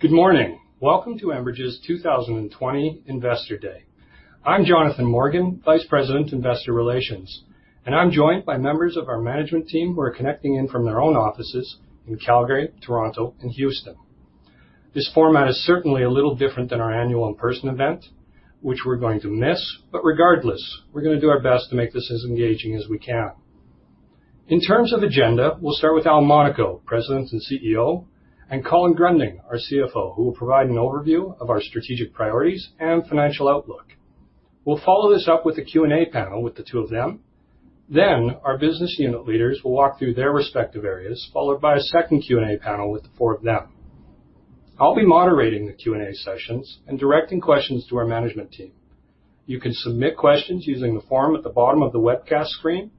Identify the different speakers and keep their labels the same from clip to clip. Speaker 1: Good morning. Welcome to Enbridge's 2020 Investor Day. I'm Jonathan Morgan, Vice President, Investor Relations, I'm joined by members of our management team who are connecting in from their own offices in Calgary, Toronto, and Houston. This format is certainly a little different than our annual in-person event, which we're going to miss. Regardless, we're going to do our best to make this as engaging as we can. In terms of agenda, we'll start with Al Monaco, President and CEO, and Colin Gruending, our CFO, who will provide an overview of our strategic priorities and financial outlook. We'll follow this up with a Q&A panel with the two of them. Our business unit leaders will walk through their respective areas, followed by a second Q&A panel with the four of them. I'll be moderating the Q&A sessions and directing questions to our management team. You can submit questions using the form at the bottom of the webcast screen.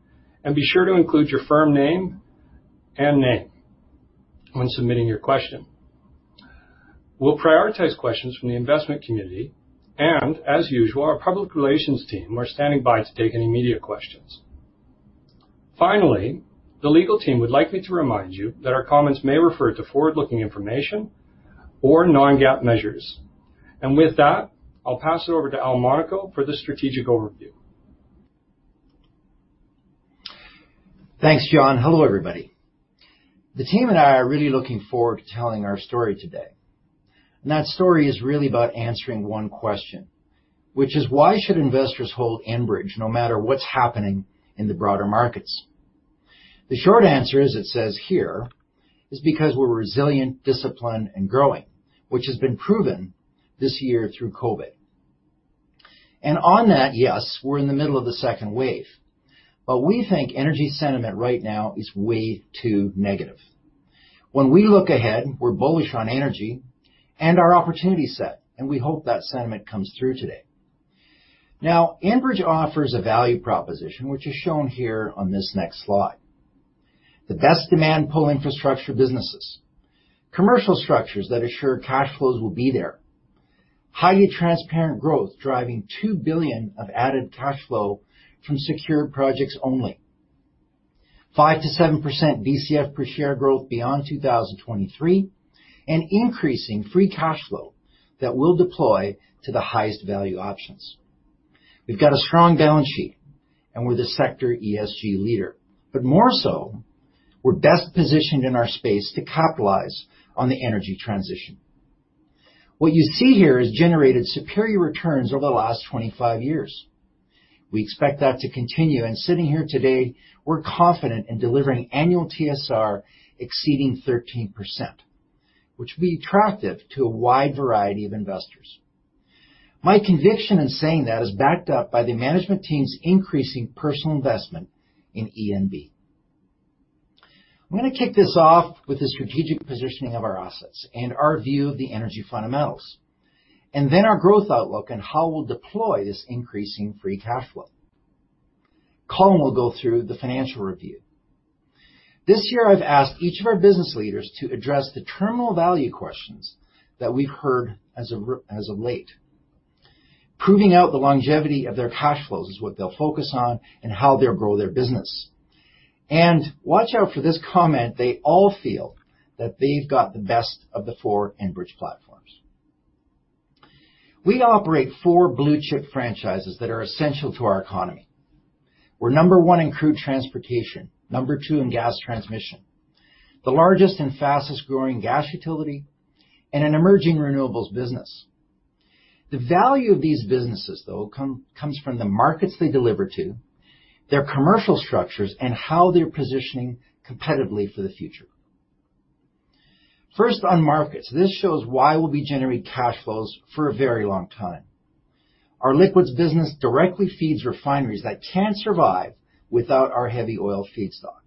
Speaker 1: Be sure to include your firm name and name when submitting your question. We'll prioritize questions from the investment community. As usual, our public relations team are standing by to take any media questions. Finally, the legal team would like me to remind you that our comments may refer to forward-looking information or non-GAAP measures. With that, I'll pass it over to Al Monaco for the strategic overview.
Speaker 2: Thanks, Jon. Hello, everybody. The team and I are really looking forward to telling our story today. That story is really about answering one question, which is, why should investors hold Enbridge no matter what's happening in the broader markets? The short answer is, it says here, is because we're resilient, disciplined, and growing, which has been proven this year through COVID. On that, yes, we're in the middle of the second wave, we think energy sentiment right now is way too negative. When we look ahead, we're bullish on energy and our opportunity set, we hope that sentiment comes through today. Now, Enbridge offers a value proposition, which is shown here on this next slide. The best demand pull infrastructure businesses, commercial structures that assure cash flows will be there, highly transparent growth driving 2 billion of added cash flow from secured projects only, 5%-7% DCF per share growth beyond 2023, and increasing free cash flow that we'll deploy to the highest value options. We've got a strong balance sheet and we're the sector ESG leader. More so, we're best positioned in our space to capitalize on the energy transition. What you see here has generated superior returns over the last 25 years. We expect that to continue, sitting here today, we're confident in delivering annual TSR exceeding 13%, which will be attractive to a wide variety of investors. My conviction in saying that is backed up by the management team's increasing personal investment in ENB. I'm going to kick this off with the strategic positioning of our assets and our view of the energy fundamentals, and then our growth outlook and how we'll deploy this increasing free cash flow. Colin will go through the financial review. This year, I've asked each of our business leaders to address the terminal value questions that we've heard as of late. Proving out the longevity of their cash flows is what they'll focus on and how they'll grow their business. Watch out for this comment, they all feel that they've got the best of the four Enbridge platforms. We operate four blue-chip franchises that are essential to our economy. We're number one in crude transportation, number two in gas transmission, the largest and fastest-growing gas utility, and an emerging renewables business. The value of these businesses, though, comes from the markets they deliver to, their commercial structures, and how they're positioning competitively for the future. First on markets. This shows why we'll be generating cash flows for a very long time. Our liquids business directly feeds refineries that can't survive without our heavy oil feedstock.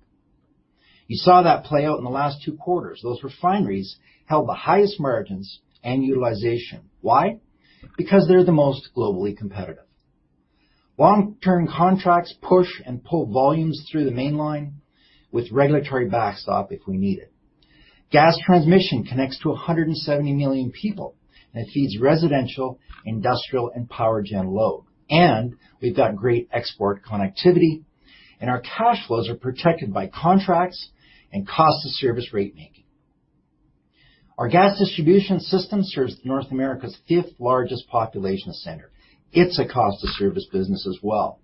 Speaker 2: You saw that play out in the last two quarters. Those refineries held the highest margins and utilization. Why? Because they're the most globally competitive. Long-term contracts push and pull volumes through the Mainline with regulatory backstop if we need it. Gas transmission connects to 170 million people, it feeds residential, industrial, and power gen load. We've got great export connectivity, and our cash flows are protected by contracts and cost of service rate making. Our gas distribution system serves North America's fifth largest population center. It's a cost of service business as well.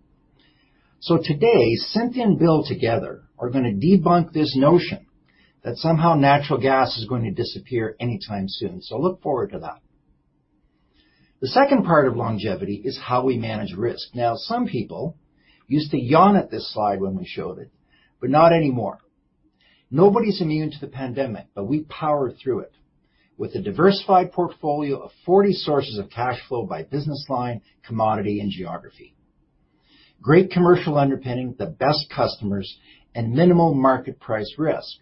Speaker 2: Today, Cynthia and Bill together are going to debunk this notion that somehow natural gas is going to disappear anytime soon. Look forward to that. The second part of longevity is how we manage risk. Some people used to yawn at this slide when we showed it, but not anymore. Nobody's immune to the pandemic, but we powered through it with a diversified portfolio of 40 sources of cash flow by business line, commodity, and geography. Great commercial underpinning with the best customers and minimal market price risk,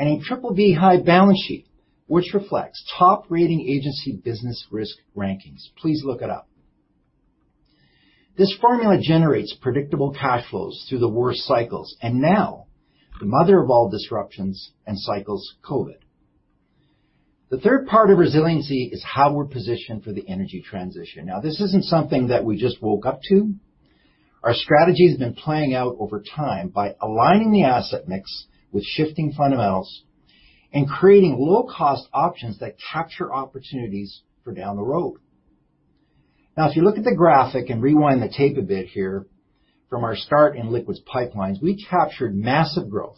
Speaker 2: and a BBB+ balance sheet, which reflects top rating agency business risk rankings. Please look it up. This formula generates predictable cash flows through the worst cycles and now the mother of all disruptions and cycles, COVID. The third part of resiliency is how we're positioned for the energy transition. This isn't something that we just woke up to. Our strategy has been playing out over time by aligning the asset mix with shifting fundamentals and creating low-cost options that capture opportunities for down the road. If you look at the graphic and rewind the tape a bit here, from our start in Liquids Pipelines, we captured massive growth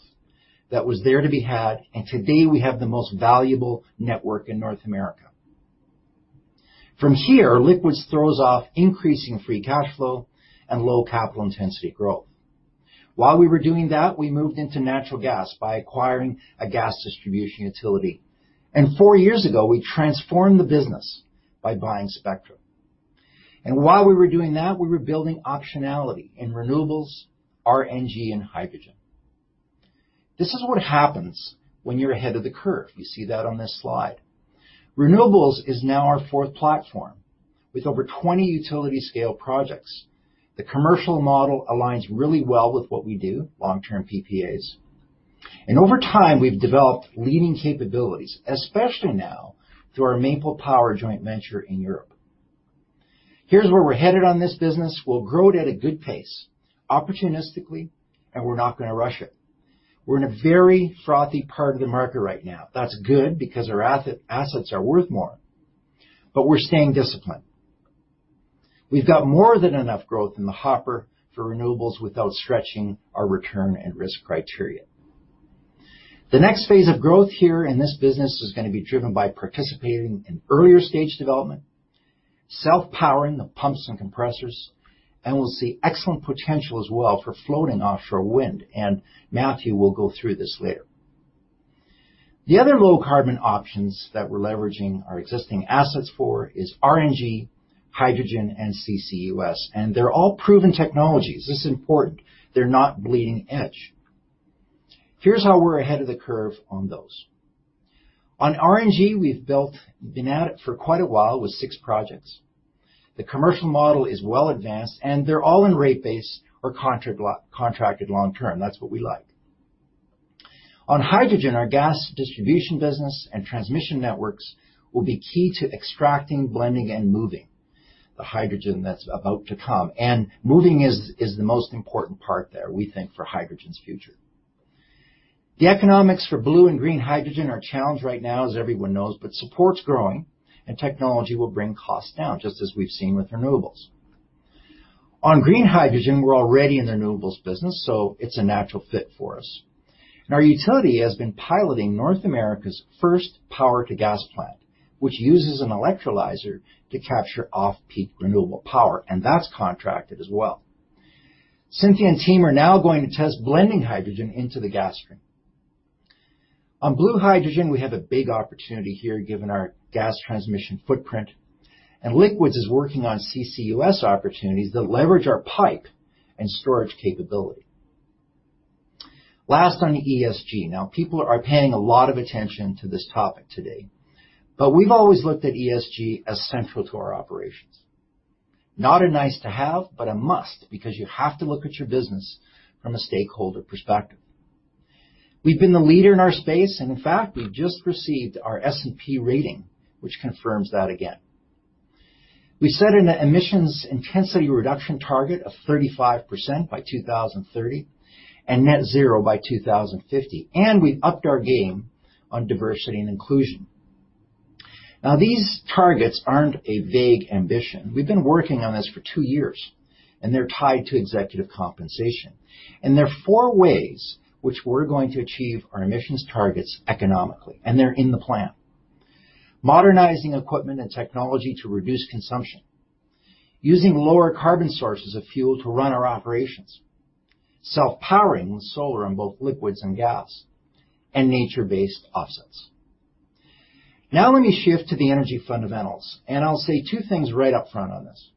Speaker 2: that was there to be had, and today we have the most valuable network in North America. From here, Liquids throws off increasing free cash flow and low capital intensity growth. While we were doing that, we moved into natural gas by acquiring a gas distribution utility. Four years ago, we transformed the business by buying Spectra. While we were doing that, we were building optionality in renewables, RNG, and hydrogen. This is what happens when you're ahead of the curve. You see that on this slide. Renewables is now our fourth platform with over 20 utility scale projects. The commercial model aligns really well with what we do, long-term PPAs. Over time, we've developed leading capabilities, especially now through our Maple Power joint venture in Europe. Here's where we're headed on this business. We'll grow it at a good pace, opportunistically, and we're not going to rush it. We're in a very frothy carbon market right now. That's good because our assets are worth more. We're staying disciplined. We've got more than enough growth in the hopper for renewables without stretching our return and risk criteria. The next phase of growth here in this business is going to be driven by participating in earlier stage development, self-powering the pumps and compressors, and we'll see excellent potential as well for floating offshore wind, and Matthew will go through this later. The other low-carbon options that we're leveraging our existing assets for is RNG, hydrogen, and CCUS. They're all proven technologies. This is important. They're not bleeding edge. Here's how we're ahead of the curve on those. On RNG, we've been at it for quite a while with six projects. The commercial model is well advanced. They're all in rate base or contracted long term. That's what we like. On hydrogen, our gas distribution business and transmission networks will be key to extracting, blending, and moving the hydrogen that's about to come. Moving is the most important part there, we think, for hydrogen's future. The economics for blue and green hydrogen are a challenge right now, as everyone knows. Support's growing and technology will bring costs down, just as we've seen with renewables. On green hydrogen, we're already in the renewables business, it's a natural fit for us. Our utility has been piloting North America's first power-to-gas plant, which uses an electrolyzer to capture off-peak renewable power, and that's contracted as well. Cynthia and team are now going to test blending hydrogen into the gas stream. On blue hydrogen, we have a big opportunity here given our gas transmission footprint, Liquids is working on CCUS opportunities that leverage our pipe and storage capability. Last on ESG. People are paying a lot of attention to this topic today, we've always looked at ESG as central to our operations. Not a nice-to-have, but a must, because you have to look at your business from a stakeholder perspective. We've been the leader in our space, in fact, we've just received our S&P rating, which confirms that again. We set an emissions intensity reduction target of 35% by 2030 and net zero by 2050. We've upped our game on diversity and inclusion. These targets aren't a vague ambition. We've been working on this for two years. They're tied to executive compensation. There are four ways which we're going to achieve our emissions targets economically, and they're in the plan. Modernizing equipment and technology to reduce consumption. Using lower carbon sources of fuel to run our operations. Self-powering with solar on both liquids and gas. Nature-based offsets. Let me shift to the energy fundamentals. I'll say two things right up front on this.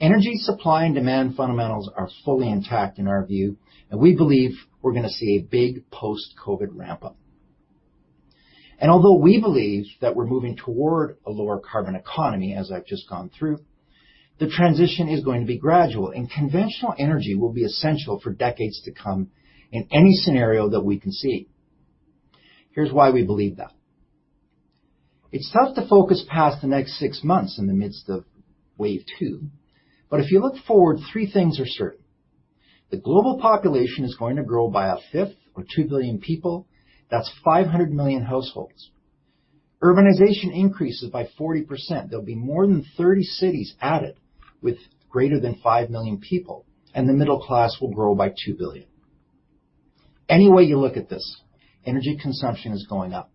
Speaker 2: Energy supply and demand fundamentals are fully intact in our view. We believe we're going to see a big post-COVID ramp-up. Although we believe that we're moving toward a lower carbon economy, as I've just gone through, the transition is going to be gradual and conventional energy will be essential for decades to come in any scenario that we can see. Here's why we believe that. It's tough to focus past the next six months in the midst of wave two. If you look forward, three things are certain. The global population is going to grow by a fifth or two billion people. That's 500 million households. Urbanization increases by 40%. There'll be more than 30 cities added with greater than five million people, and the middle class will grow by two billion. Any way you look at this, energy consumption is going up.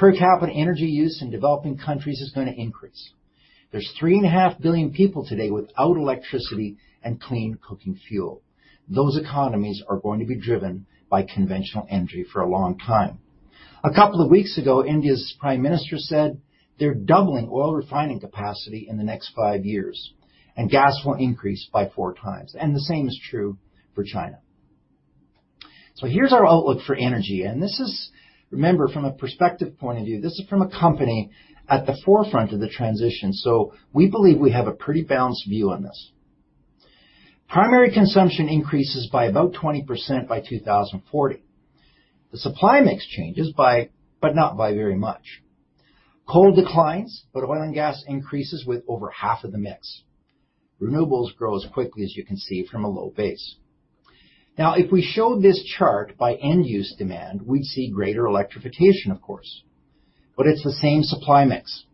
Speaker 2: Per capita energy use in developing countries is going to increase. There's three and a half billion people today without electricity and clean cooking fuel. Those economies are going to be driven by conventional energy for a long time. A couple of weeks ago, India's prime minister said they're doubling oil refining capacity in the next five years, and gas will increase by four times. The same is true for China. Here's our outlook for energy, and this is, remember, from a perspective point of view. This is from a company at the forefront of the transition. We believe we have a pretty balanced view on this. Primary consumption increases by about 20% by 2040. The supply mix changes, but not by very much. Coal declines, but oil and gas increases with over half of the mix. Renewables grow as quickly as you can see from a low base. If we show this chart by end-use demand, we'd see greater electrification, of course. It's the same supply mix,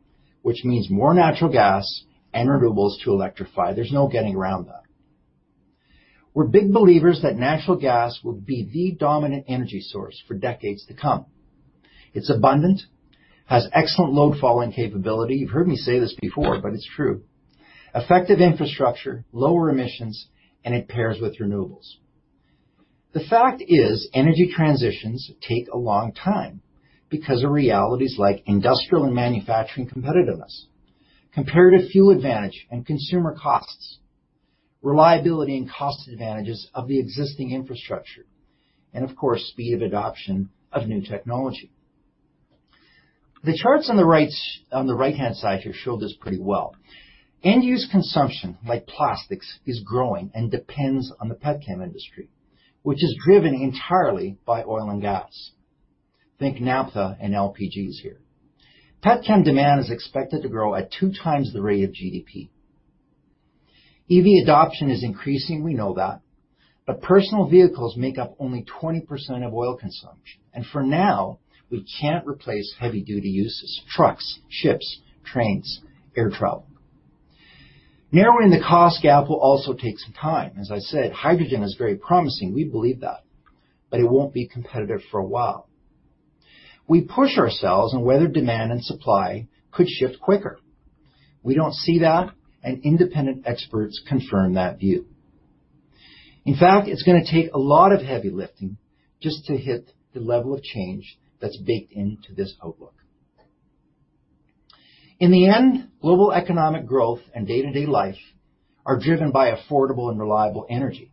Speaker 2: which means more natural gas and renewables to electrify. There's no getting around that. We're big believers that natural gas will be the dominant energy source for decades to come. It's abundant, has excellent load following capability, you've heard me say this before, but it's true, effective infrastructure, lower emissions, and it pairs with renewables. The fact is, energy transitions take a long time because of realities like industrial and manufacturing competitiveness, comparative fuel advantage and consumer costs, reliability and cost advantages of the existing infrastructure, and of course, speed of adoption of new technology. The charts on the right-hand side here show this pretty well. End-use consumption, like plastics, is growing and depends on the petchem industry, which is driven entirely by oil and gas. Think naphtha and LPGs here. Petchem demand is expected to grow at two times the rate of GDP. EV adoption is increasing, we know that, but personal vehicles make up only 20% of oil consumption. For now, we can't replace heavy-duty uses, trucks, ships, trains, air travel. Narrowing the cost gap will also take some time. As I said, hydrogen is very promising. We believe that. It won't be competitive for a while. We push ourselves on whether demand and supply could shift quicker. We don't see that, and independent experts confirm that view. In fact, it's going to take a lot of heavy lifting just to hit the level of change that's baked into this outlook. In the end, global economic growth and day-to-day life are driven by affordable and reliable energy.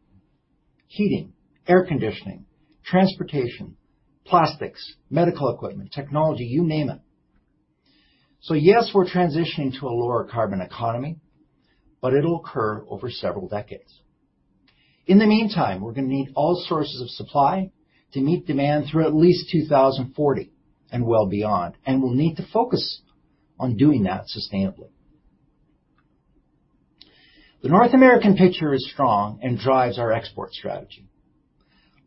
Speaker 2: Heating, air conditioning, transportation, plastics, medical equipment, technology, you name it. Yes, we're transitioning to a lower carbon economy, but it'll occur over several decades. In the meantime, we're going to need all sources of supply to meet demand through at least 2040, and well beyond, and we'll need to focus on doing that sustainably. The North American picture is strong and drives our export strategy.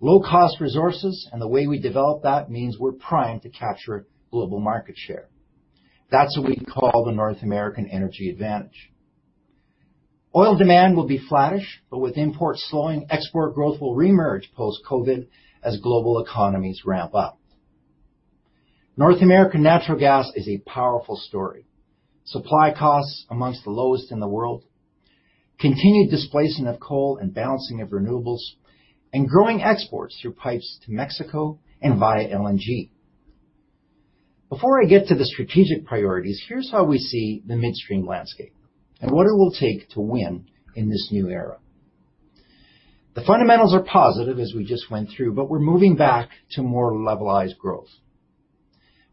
Speaker 2: Low-cost resources and the way we develop that means we're primed to capture global market share. That's what we call the North American energy advantage. Oil demand will be flattish, but with imports slowing, export growth will re-emerge post-COVID as global economies ramp up. North American natural gas is a powerful story. Supply costs amongst the lowest in the world, continued displacement of coal and balancing of renewables, and growing exports through pipes to Mexico and via LNG. Before I get to the strategic priorities, here's how we see the midstream landscape and what it will take to win in this new era. The fundamentals are positive, as we just went through, but we're moving back to more levelized growth.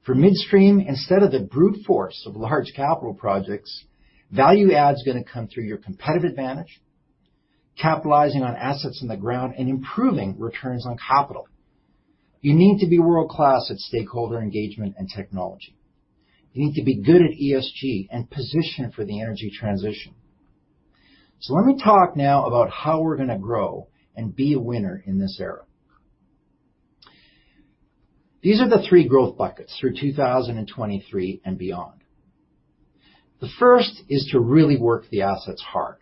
Speaker 2: For midstream, instead of the brute force of large capital projects, value add is going to come through your competitive advantage, capitalizing on assets in the ground, and improving returns on capital. You need to be world-class at stakeholder engagement and technology. You need to be good at ESG and positioned for the energy transition. Let me talk now about how we're going to grow and be a winner in this era. These are the three growth buckets through 2023 and beyond. The first is to really work the assets hard.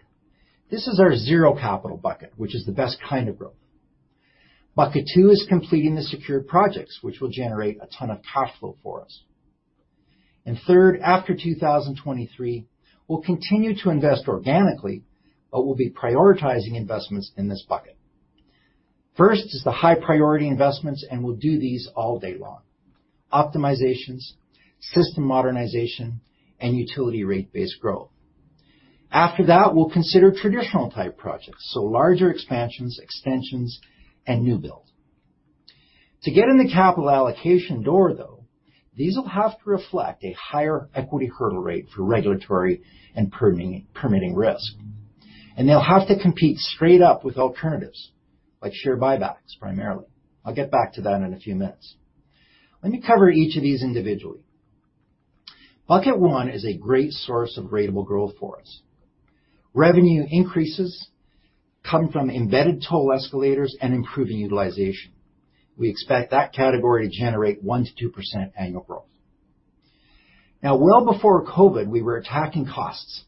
Speaker 2: This is our zero capital bucket, which is the best kind of growth. Bucket 2 is completing the secured projects, which will generate a ton of cash flow for us. Third, after 2023, we'll continue to invest organically, but we'll be prioritizing investments in this bucket. First is the high-priority investments, and we'll do these all day long. Optimizations, system modernization, and utility rate-based growth. After that, we'll consider traditional type projects, so larger expansions, extensions, and new builds. To get in the capital allocation door, though, these will have to reflect a higher equity hurdle rate for regulatory and permitting risk. They'll have to compete straight up with alternatives, like share buybacks, primarily. I'll get back to that in a few minutes. Let me cover each of these individually. Bucket one is a great source of ratable growth for us. Revenue increases come from embedded toll escalators and improving utilization. We expect that category to generate 1%-2% annual growth. Well before COVID, we were attacking costs.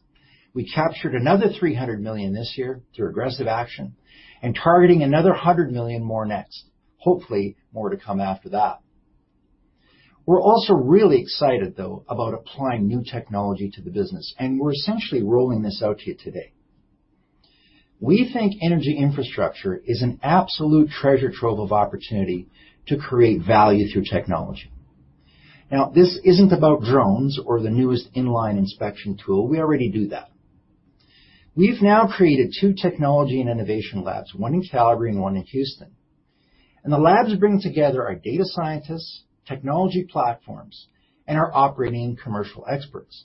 Speaker 2: We captured another 300 million this year through aggressive action and targeting another 100 million more next. Hopefully, more to come after that. We're also really excited, though, about applying new technology to the business, and we're essentially rolling this out to you today. We think energy infrastructure is an absolute treasure trove of opportunity to create value through technology. This isn't about drones or the newest in-line inspection tool. We already do that. We've now created two technology and innovation labs, one in Calgary and one in Houston. The labs bring together our data scientists, technology platforms, and our operating commercial experts.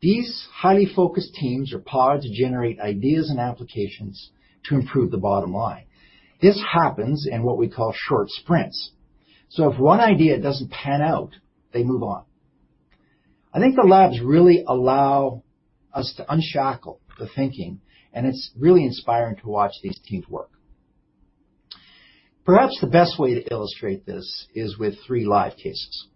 Speaker 2: These highly focused teams or pods generate ideas and applications to improve the bottom line. This happens in what we call short sprints. If one idea doesn't pan out, they move on. I think the labs really allow us to unshackle the thinking, and it's really inspiring to watch these teams work. Perhaps the best way to illustrate this is with three live cases.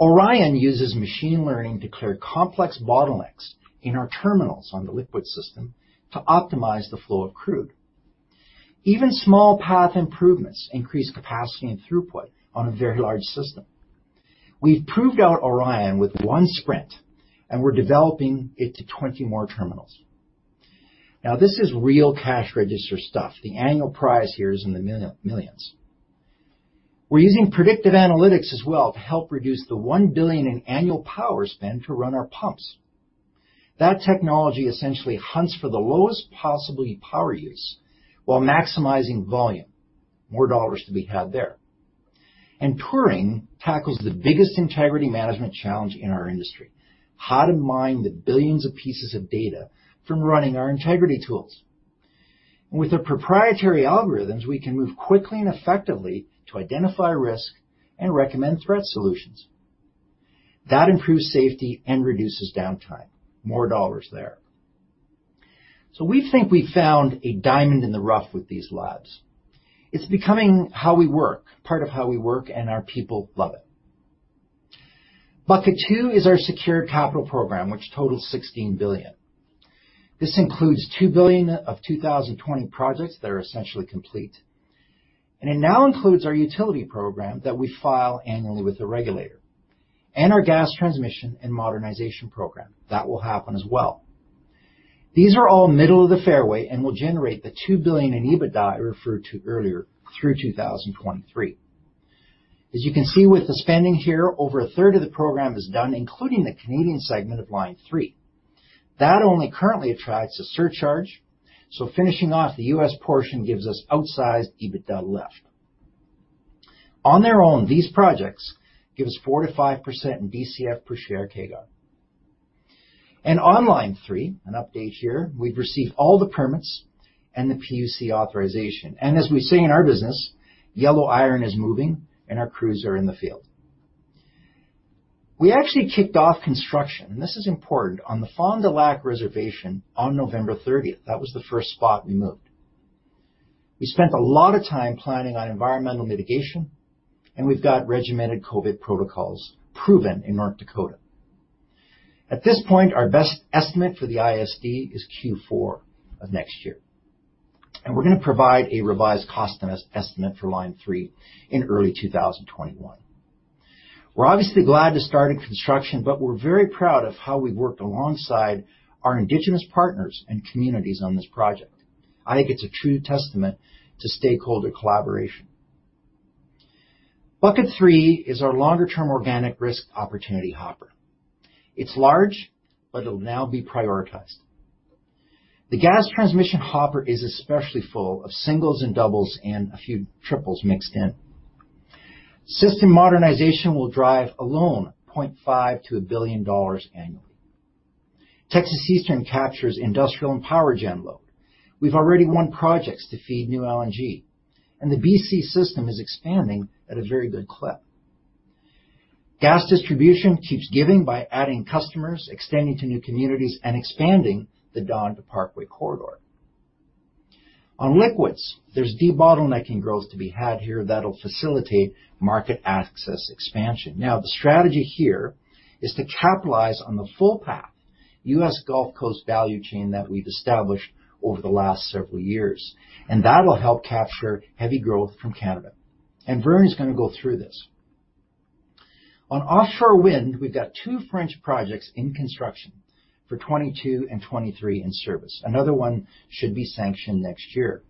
Speaker 2: Orion uses machine learning to clear complex bottlenecks in our terminals on the liquid system to optimize the flow of crude. Even small path improvements increase capacity and throughput on a very large system. We've proved out Orion with one sprint, and we're developing it to 20 more terminals. Now, this is real cash register stuff. The annual prize here is in the millions. We're using predictive analytics as well to help reduce the 1 billion in annual power spend to run our pumps. That technology essentially hunts for the lowest possible power use while maximizing volume. More dollars to be had there. Turing tackles the biggest integrity management challenge in our industry: how to mine the billions of pieces of data from running our integrity tools. With the proprietary algorithms, we can move quickly and effectively to identify risk and recommend threat solutions. That improves safety and reduces downtime. More dollars there. We think we've found a diamond in the rough with these labs. It's becoming how we work, part of how we work, and our people love it. Bucket 2 is our secured capital program, which totals 16 billion. This includes 2 billion of 2020 projects that are essentially complete. It now includes our utility program that we file annually with the regulator, and our gas transmission and modernization program. That will happen as well. These are all middle of the fairway and will generate the 2 billion in EBITDA I referred to earlier through 2023. As you can see with the spending here, over a third of the program is done, including the Canadian segment of Line 3. That only currently attracts a surcharge, finishing off the U.S. portion gives us outsized EBITDA left. On their own, these projects give us 4%-5% in DCF per share CAGR. On Line 3, an update here, we've received all the permits and the PUC authorization. As we say in our business, yellow iron is moving and our crews are in the field. We actually kicked off construction, and this is important, on the Fond du Lac Reservation on November 30th. That was the first spot we moved. We spent a lot of time planning on environmental mitigation, and we've got regimented COVID protocols proven in North Dakota. At this point, our best estimate for the ISD is Q4 of next year. We're going to provide a revised cost estimate for Line 3 in early 2021. We're obviously glad to have started construction, we're very proud of how we worked alongside our indigenous partners and communities on this project. I think it's a true testament to stakeholder collaboration. Bucket three is our longer-term organic risk opportunity hopper. It's large, but it'll now be prioritized. The gas transmission hopper is especially full of singles and doubles and a few triples mixed in. System modernization will drive alone 0.5 billion-1 billion dollars annually. Texas Eastern captures industrial and power gen load. We've already won projects to feed new LNG, and the B.C. system is expanding at a very good clip. Gas Distribution keeps giving by adding customers, extending to new communities, and expanding the Dawn to Parkway corridor. On Liquids, there's debottlenecking growth to be had here that'll facilitate market access expansion. The strategy here is to capitalize on the full path U.S. Gulf Coast value chain that we've established over the last several years, that'll help capture heavy growth from Canada. Vern is going to go through this. On offshore wind, we've got two French projects in construction for 2022 and 2023 in service. Another one should be sanctioned next year.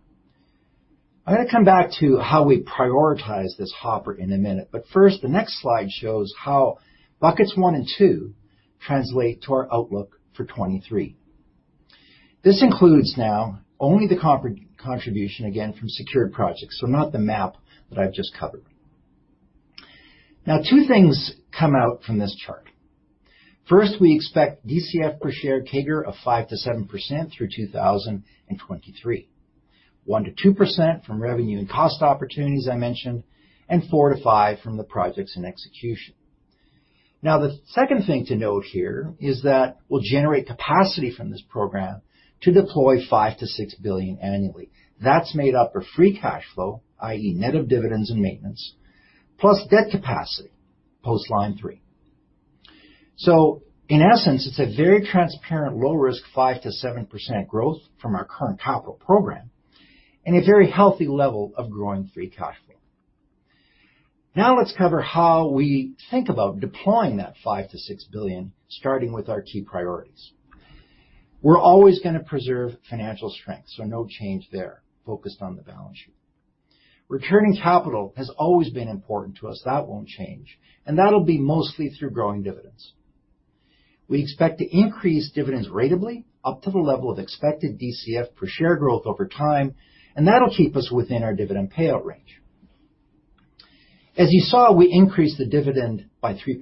Speaker 2: I'm going to come back to how we prioritize this hopper in a minute, first, the next slide shows how buckets one and two translate to our outlook for 2023. This includes now only the contribution, again, from secured projects, not the map that I've just covered. Two things come out from this chart. First, we expect DCF per share CAGR of 5%-7% through 2023. 1%-2% from revenue and cost opportunities I mentioned, 4%-5% from the projects in execution. The second thing to note here is that we'll generate capacity from this program to deploy 5 billion-6 billion annually. That's made up of free cash flow, i.e., net of dividends and maintenance, plus debt capacity post Line 3. In essence, it's a very transparent, low-risk, 5%-7% growth from our current capital program and a very healthy level of growing free cash flow. Let's cover how we think about deploying that 5 billion-6 billion, starting with our key priorities. We're always going to preserve financial strength, no change there. Focused on the balance sheet. Returning capital has always been important to us. That won't change, that'll be mostly through growing dividends. We expect to increase dividends ratably up to the level of expected DCF per share growth over time, and that'll keep us within our dividend payout range. As you saw, we increased the dividend by 3%,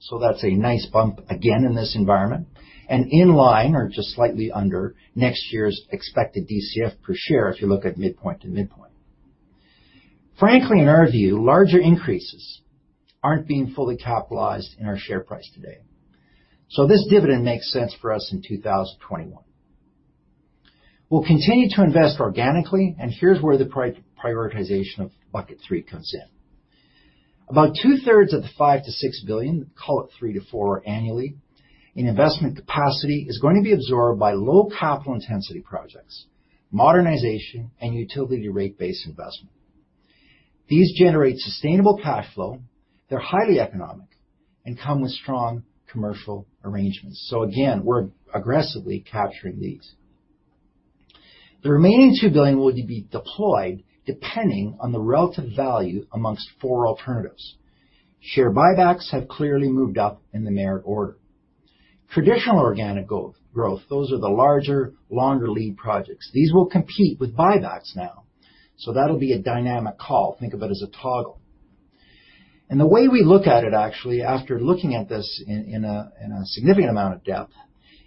Speaker 2: so that's a nice bump again in this environment, and in line or just slightly under next year's expected DCF per share if you look at midpoint to midpoint. Frankly, in our view, larger increases aren't being fully capitalized in our share price today. This dividend makes sense for us in 2021. We'll continue to invest organically, and here's where the prioritization of Bucket 3 comes in. About two-thirds of the 5 billion-6 billion, call it three to four annually, in investment capacity is going to be absorbed by low capital intensity projects, modernization, and utility rate base investment. These generate sustainable cash flow, they're highly economic, and come with strong commercial arrangements. Again, we are aggressively capturing these. The remaining 2 billion will be deployed depending on the relative value amongst four alternatives. Share buybacks have clearly moved up in the merit order. Traditional organic growth, those are the larger, longer lead projects. These will compete with buybacks now, that will be a dynamic call. Think of it as a toggle. The way we look at it, actually, after looking at this in a significant amount of depth,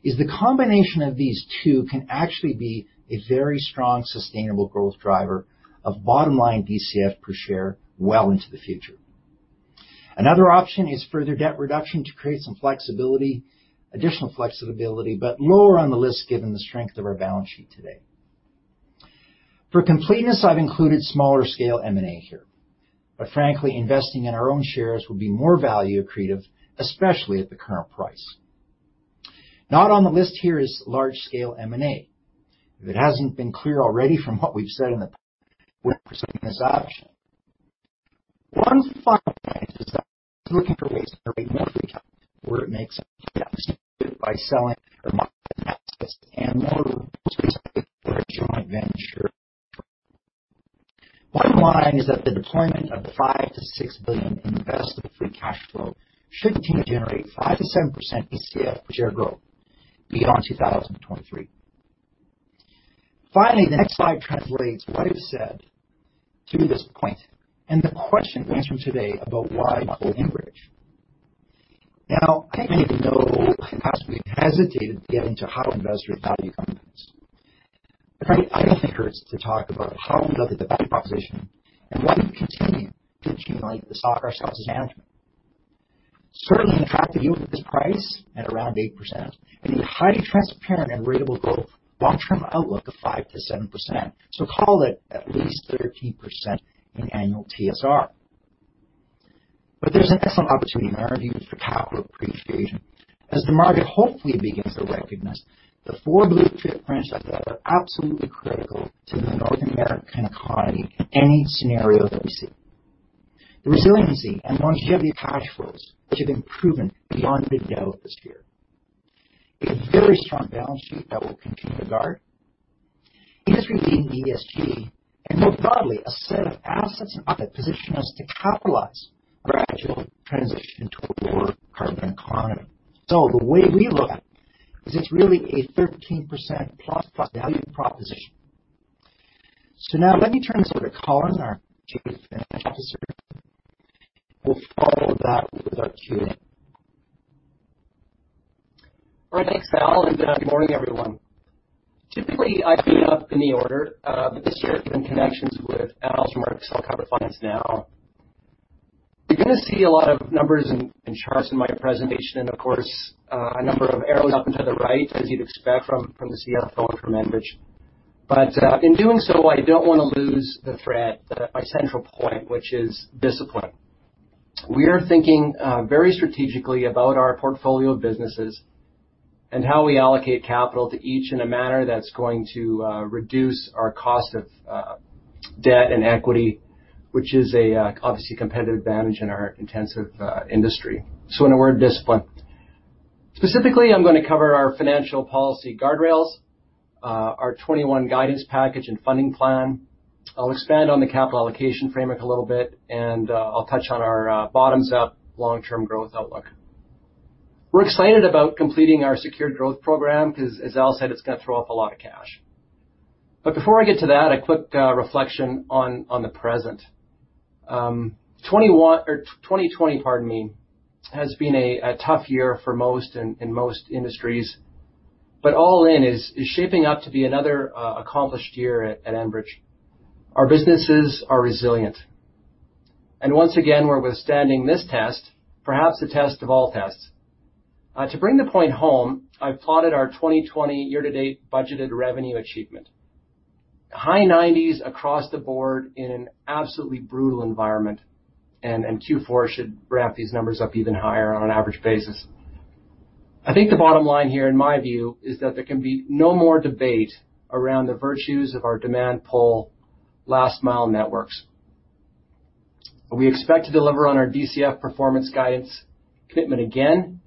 Speaker 2: is the combination of these two can actually be a very strong, sustainable growth driver of bottom-line DCF per share well into the future. Another option is further debt reduction to create some additional flexibility, lower on the list given the strength of our balance sheet today. For completeness, I have included smaller scale M&A here. Frankly, investing in our own shares would be more value accretive, especially at the current price. Not on the list here is large scale M&A. If it hasn't been clear already from what we've said in the past, we're pursuing this option. One final point is that we're looking for ways to create more free capital where it makes sense to do it by selling or monetizing assets and more robust for a joint venture approach. Bottom line is that the deployment of the 5 billion-6 billion in investable free cash flow should continue to generate 5%-7% DCF per share growth beyond 2023. Finally, the next slide translates what I've said to this point and the question we answered today about why Enbridge. I think many of you know perhaps we've hesitated to get into how to investors value companies. Frankly, I don't think it hurts to talk about how we look at the value proposition and why we continue to accumulate the stock ourselves as management. Certainly, an attractive yield at this price at around 8% and a highly transparent and ratable growth long-term outlook of 5%-7%. Call it at least 13% in annual TSR. There's an excellent opportunity, in our view, for capital appreciation as the market hopefully begins to recognize the four blue-chip franchises that are absolutely critical to the North American economy in any scenario that we see. The resiliency and longevity of cash flows, which have been proven beyond the doubt this year. A very strong balance sheet that we'll continue to guard. Industry-leading ESG, and more broadly, a set of assets and operate position us to capitalize gradual transition to a lower carbon economy. The way we look at it is it's really a 13% plus plus value proposition. Now let me turn this over to Colin, our Chief Financial Officer. We'll follow that with our Q&A.
Speaker 3: All right. Thanks, Al. Good morning, everyone. Typically, I clean up in the order. This year, given connections with Al's remarks, I'll cover finance now. You're going to see a lot of numbers and charts in my presentation. Of course, a number of arrows up and to the right, as you'd expect from the CFO and from Enbridge. In doing so, I don't want to lose the thread, my central point, which is discipline. We are thinking very strategically about our portfolio of businesses and how we allocate capital to each in a manner that's going to reduce our cost of debt and equity, which is obviously a competitive advantage in our intensive industry. In a word, discipline. Specifically, I'm going to cover our financial policy guardrails, our 2021 guidance package and funding plan. I'll expand on the capital allocation framework a little bit. I'll touch on our bottoms-up long-term growth outlook. We're excited about completing our secured growth program because, as Al said, it's going to throw off a lot of cash. Before I get to that, a quick reflection on the present. 2020 has been a tough year for most and in most industries. All in, is shaping up to be another accomplished year at Enbridge. Our businesses are resilient. Once again, we're withstanding this test, perhaps the test of all tests. To bring the point home, I've plotted our 2020 year-to-date budgeted revenue achievement. High 90s across the board in an absolutely brutal environment. Q4 should wrap these numbers up even higher on an average basis. I think the bottom line here, in my view, is that there can be no more debate around the virtues of our demand pull last mile networks. We expect to deliver on our DCF performance guidance commitment again,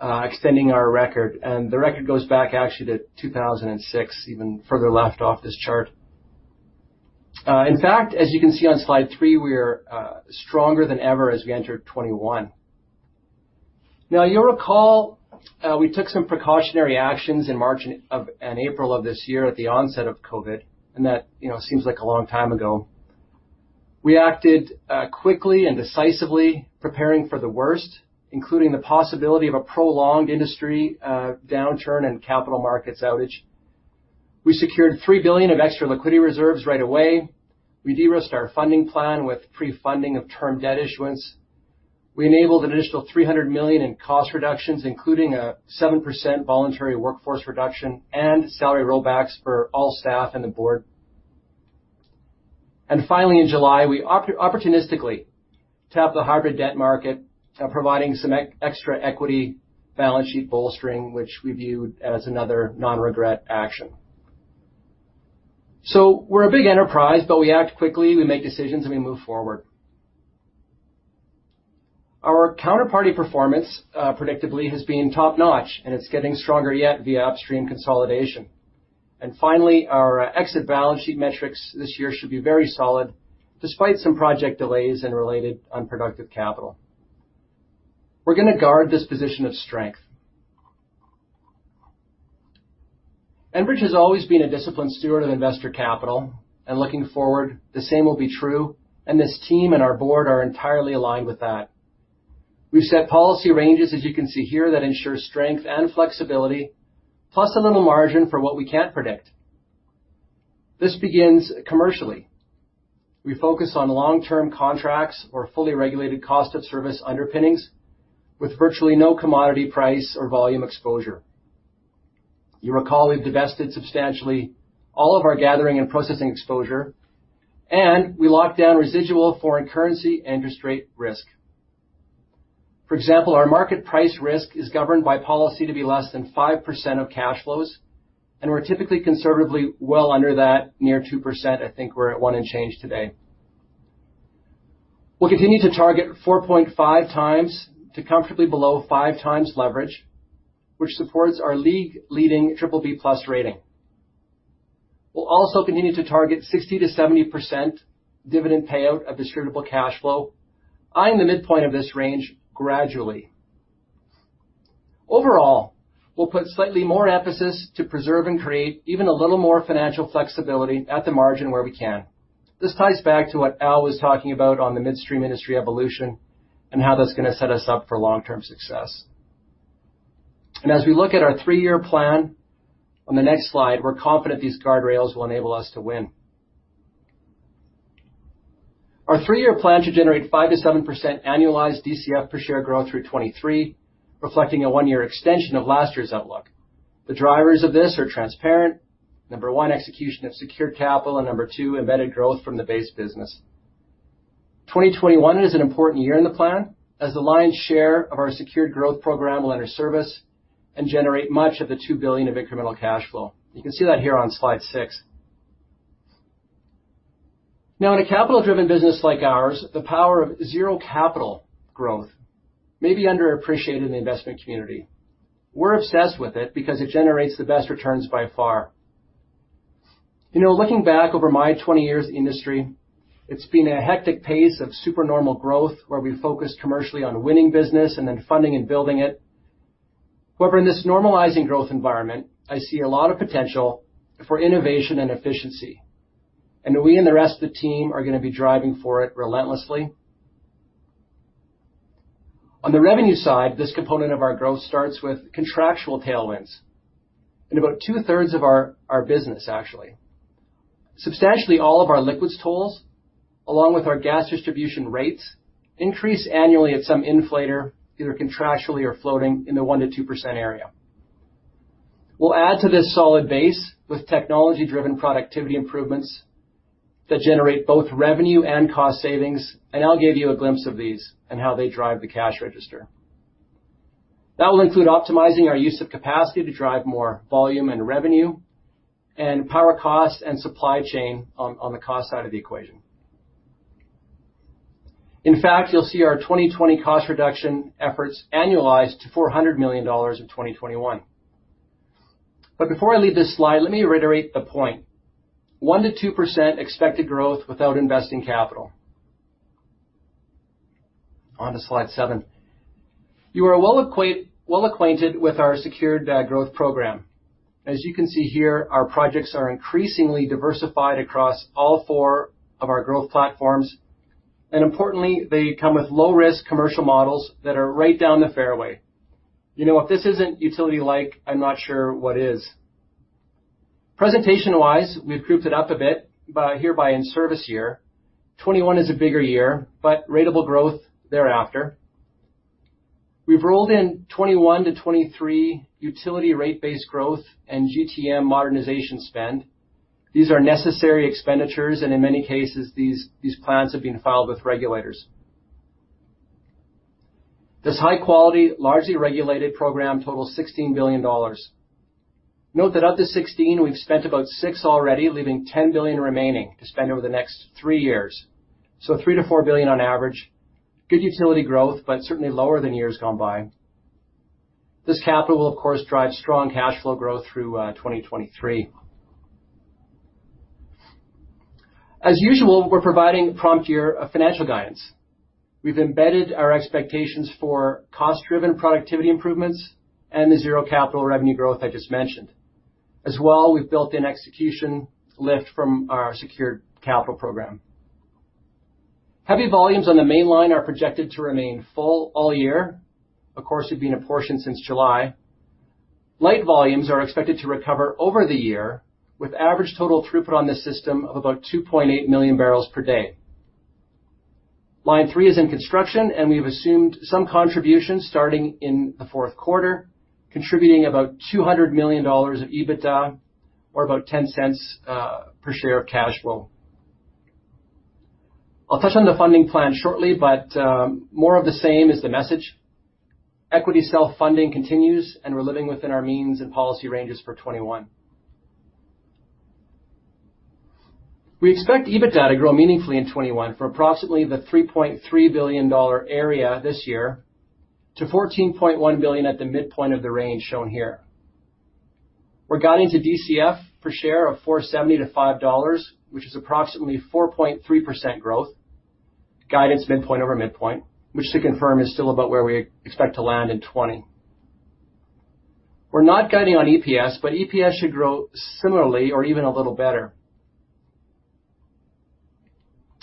Speaker 3: extending our record. The record goes back actually to 2006, even further left off this chart. In fact, as you can see on slide three, we are stronger than ever as we enter 2021. You'll recall, we took some precautionary actions in March and April of this year at the onset of COVID, that seems like a long time ago. We acted quickly and decisively, preparing for the worst, including the possibility of a prolonged industry downturn and capital markets outage. We secured 3 billion of extra liquidity reserves right away. We de-risked our funding plan with pre-funding of term debt issuance. We enabled an additional 300 million in cost reductions, including a 7% voluntary workforce reduction and salary rollbacks for all staff and the board. Finally, in July, we opportunistically tapped the hybrid debt market, providing some extra equity balance sheet bolstering, which we viewed as another non-regret action. We're a big enterprise, but we act quickly, we make decisions, and we move forward. Our counterparty performance, predictably, has been top-notch, and it's getting stronger yet via upstream consolidation. Finally, our exit balance sheet metrics this year should be very solid, despite some project delays and related unproductive capital. We're going to guard this position of strength. Enbridge has always been a disciplined steward of investor capital, and looking forward, the same will be true, and this team and our board are entirely aligned with that. We've set policy ranges, as you can see here, that ensure strength and flexibility, plus a little margin for what we can't predict. This begins commercially. We focus on long-term contracts or fully regulated cost of service underpinnings with virtually no commodity price or volume exposure. You recall we've divested substantially all of our gathering and processing exposure, and we locked down residual foreign currency interest rate risk. For example, our market price risk is governed by policy to be less than 5% of cash flows, and we're typically conservatively well under that, near 2%. I think we're at one and change today. We'll continue to target 4.5x to comfortably below 5x leverage, which supports our league-leading BBB+ rating. We'll also continue to target 60%-70% dividend payout of distributable cash flow, eyeing the midpoint of this range gradually. Overall, we'll put slightly more emphasis to preserve and create even a little more financial flexibility at the margin where we can. This ties back to what Al was talking about on the midstream industry evolution and how that's going to set us up for long-term success. As we look at our three-year plan on the next slide, we're confident these guardrails will enable us to win. Our three-year plan to generate 5%-7% annualized DCF per share growth through 2023, reflecting a one-year extension of last year's outlook. The drivers of this are transparent. Number one, execution of secured capital, and number two, embedded growth from the base business. 2021 is an important year in the plan, as the lion's share of our secured growth program will enter service and generate much of the 2 billion of incremental cash flow. You can see that here on slide six. Now, in a capital-driven business like ours, the power of zero capital growth may be underappreciated in the investment community. We're obsessed with it because it generates the best returns by far. Looking back over my 20 years in the industry, it's been a hectic pace of supernormal growth where we focus commercially on winning business and then funding and building it. However, in this normalizing growth environment, I see a lot of potential for innovation and efficiency, and we and the rest of the team are going to be driving for it relentlessly. On the revenue side, this component of our growth starts with contractual tailwinds in about two-thirds of our business, actually. Substantially all of our liquids tolls, along with our gas distribution rates, increase annually at some inflator, either contractually or floating in the 1%-2% area. We'll add to this solid base with technology-driven productivity improvements that generate both revenue and cost savings. I'll give you a glimpse of these and how they drive the cash register. That will include optimizing our use of capacity to drive more volume and revenue and power cost and supply chain on the cost side of the equation. In fact, you'll see our 2020 cost reduction efforts annualized to 400 million dollars in 2021. Before I leave this slide, let me reiterate the point. 1%-2% expected growth without investing capital. On to slide seven. You are well-acquainted with our secured growth program. As you can see here, our projects are increasingly diversified across all four of our growth platforms. Importantly, they come with low-risk commercial models that are right down the fairway. If this isn't utility-like, I'm not sure what is. Presentation-wise, we've grouped it up a bit by here by in-service year. 2021 is a bigger year, ratable growth thereafter. We've rolled in 2021-2023 utility rate-based growth and GTM modernization spend. These are necessary expenditures, in many cases, these plans have been filed with regulators. This high-quality, largely regulated program totals 16 billion dollars. Note that of the 16, we've spent about six already, leaving 10 billion remaining to spend over the next three years. 3 billion-4 billion on average. Good utility growth, certainly lower than years gone by. This capital will, of course, drive strong cash flow growth through 2023. As usual, we're providing prompt year financial guidance. We've embedded our expectations for cost-driven productivity improvements and the zero capital revenue growth I just mentioned. As well, we've built-in execution lift from our secured capital program. Heavy volumes on the Mainline are projected to remain full all year. Of course, we've been a portion since July. Light volumes are expected to recover over the year, with average total throughput on the system of about 2.8 million bbl per day. Line 3 is in construction, and we have assumed some contribution starting in the fourth quarter, contributing about 200 million dollars of EBITDA, or about 0.10 per share of cash flow. I'll touch on the funding plan shortly, but more of the same is the message. Equity self-funding continues, and we're living within our means and policy ranges for 2021. We expect EBITDA to grow meaningfully in 2021 from approximately the 3.3 billion dollar area this year to 14.1 billion at the midpoint of the range shown here. We're guiding to DCF per share of 4.70 to 5 dollars, which is approximately 4.3% growth, guidance midpoint over midpoint, which to confirm is still about where we expect to land in 2020. We're not guiding on EPS, but EPS should grow similarly or even a little better.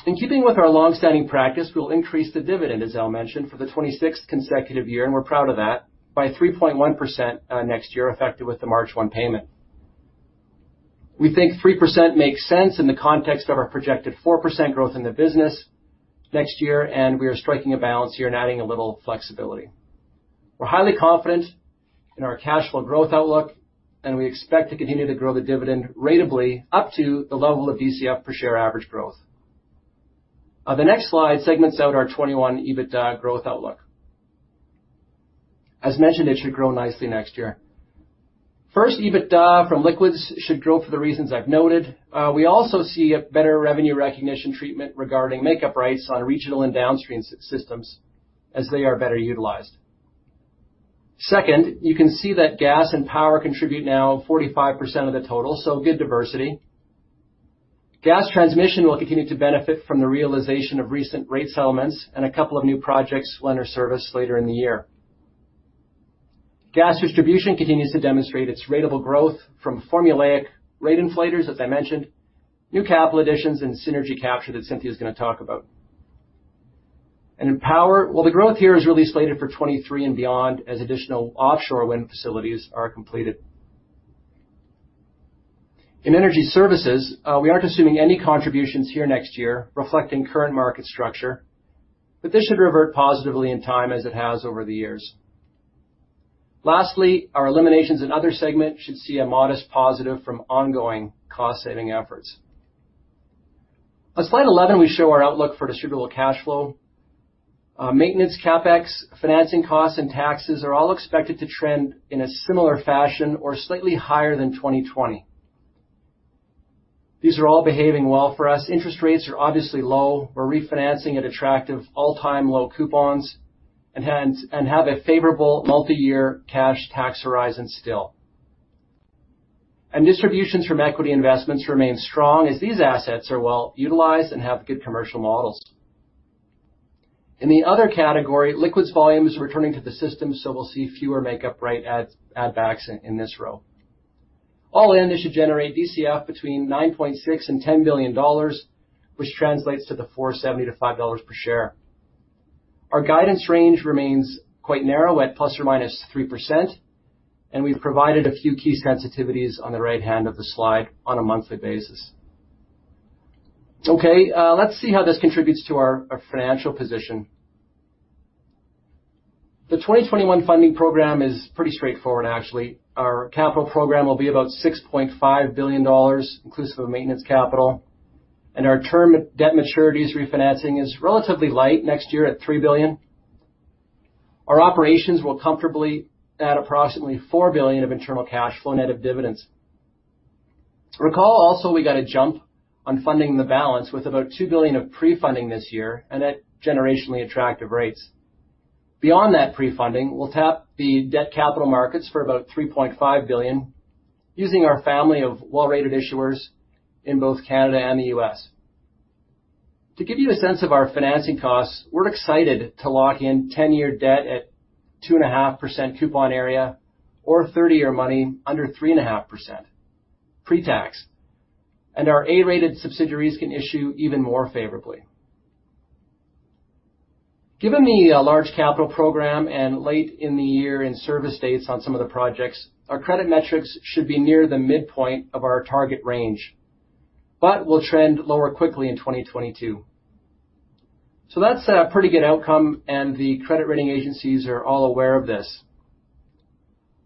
Speaker 3: In keeping with our longstanding practice, we'll increase the dividend, as Al mentioned, for the 26th consecutive year, and we're proud of that, by 3.1% next year, effective with the March 1 payment. We think 3% makes sense in the context of our projected 4% growth in the business next year, and we are striking a balance here and adding a little flexibility. We're highly confident in our cash flow growth outlook, and we expect to continue to grow the dividend ratably up to the level of DCF per share average growth. The next slide segments out our 2021 EBITDA growth outlook. As mentioned, it should grow nicely next year. First, EBITDA from liquids should grow for the reasons I've noted. We also see a better revenue recognition treatment regarding make-up rates on regional and downstream systems as they are better utilized. Second, you can see that gas and power contribute now 45% of the total, so good diversity. Gas transmission will continue to benefit from the realization of recent rate settlements and a couple of new projects will enter service later in the year. Gas distribution continues to demonstrate its ratable growth from formulaic rate inflators, as I mentioned, new capital additions, and synergy capture that Cynthia is going to talk about. In power, well, the growth here is really slated for 2023 and beyond as additional offshore wind facilities are completed. In energy services, we aren't assuming any contributions here next year, reflecting current market structure. This should revert positively in time as it has over the years. Lastly, our Eliminations and Other segment should see a modest positive from ongoing cost-saving efforts. On slide 11, we show our outlook for Distributable Cash Flow. Maintenance CapEx, financing costs, and taxes are all expected to trend in a similar fashion or slightly higher than 2020. These are all behaving well for us. Interest rates are obviously low. We're refinancing at attractive all-time low coupons and have a favorable multi-year cash tax horizon still. Distributions from equity investments remain strong as these assets are well-utilized and have good commercial models. In the Other category, liquids volume is returning to the system. We'll see fewer make-up rate add-backs in this row. All in, this should generate DCF between 9.6 billion and 10 billion dollars, which translates to 4.70 to 5 dollars per share. Our guidance range remains quite narrow at ±3%. We've provided a few key sensitivities on the right-hand of the slide on a monthly basis. Okay. Let's see how this contributes to our financial position. The 2021 funding program is pretty straightforward, actually. Our capital program will be about 6.5 billion dollars, inclusive of maintenance capital. Our term debt maturities refinancing is relatively light next year at 3 billion. Our operations will comfortably add approximately 4 billion of internal cash flow net of dividends. Recall also we got a jump on funding the balance with about 2 billion of prefunding this year and at generationally attractive rates. Beyond that prefunding, we'll tap the debt capital markets for about 3.5 billion using our family of well-rated issuers in both Canada and the U.S. To give you a sense of our financing costs, we're excited to lock in 10-year debt at 2.5% coupon area or 30-year money under 3.5% pre-tax. Our A-rated subsidiaries can issue even more favorably. Given the large capital program and late in the year in-service dates on some of the projects, our credit metrics should be near the midpoint of our target range, but will trend lower quickly in 2022. That's a pretty good outcome, and the credit rating agencies are all aware of this.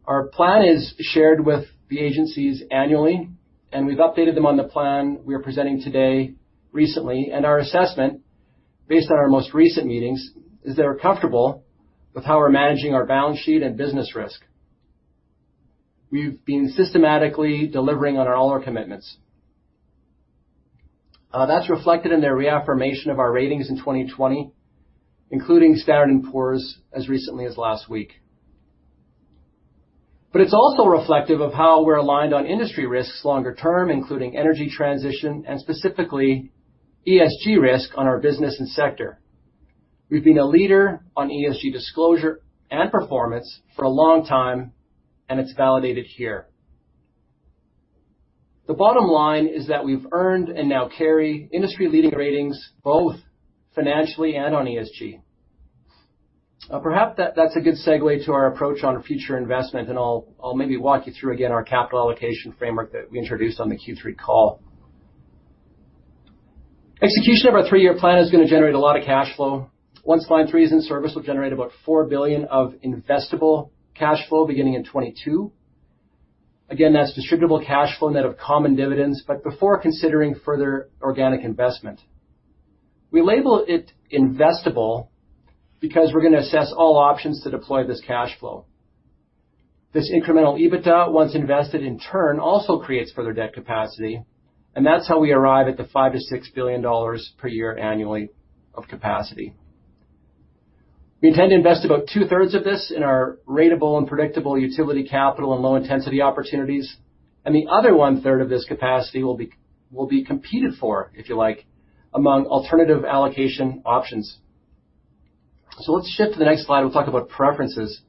Speaker 3: Our plan is shared with the agencies annually, and we've updated them on the plan we are presenting today recently, and our assessment, based on our most recent meetings, is they are comfortable with how we're managing our balance sheet and business risk. We've been systematically delivering on all our commitments. That's reflected in their reaffirmation of our ratings in 2020, including Standard & Poor's as recently as last week. It's also reflective of how we're aligned on industry risks longer term, including energy transition and specifically ESG risk on our business and sector. We've been a leader on ESG disclosure and performance for a long time, and it's validated here. The bottom line is that we've earned and now carry industry-leading ratings, both financially and on ESG. Perhaps that's a good segue to our approach on future investment. I'll maybe walk you through, again, our capital allocation framework that we introduced on the Q3 call. Execution of our three-year plan is going to generate a lot of cash flow. Once Line 3 is in service, we'll generate about 4 billion of investable cash flow beginning in 2022. Again, that's DCF net of common dividends, before considering further organic investment. We label it investable because we're going to assess all options to deploy this cash flow. This incremental EBITDA, once invested in turn, also creates further debt capacity. That's how we arrive at the 5 billion-6 billion dollars per year annually of capacity. We intend to invest about two-thirds of this in our ratable and predictable utility capital and low-intensity opportunities, and the other one-third of this capacity will be competed for, if you like, among alternative allocation options. Let's shift to the next slide. We'll talk about preferences.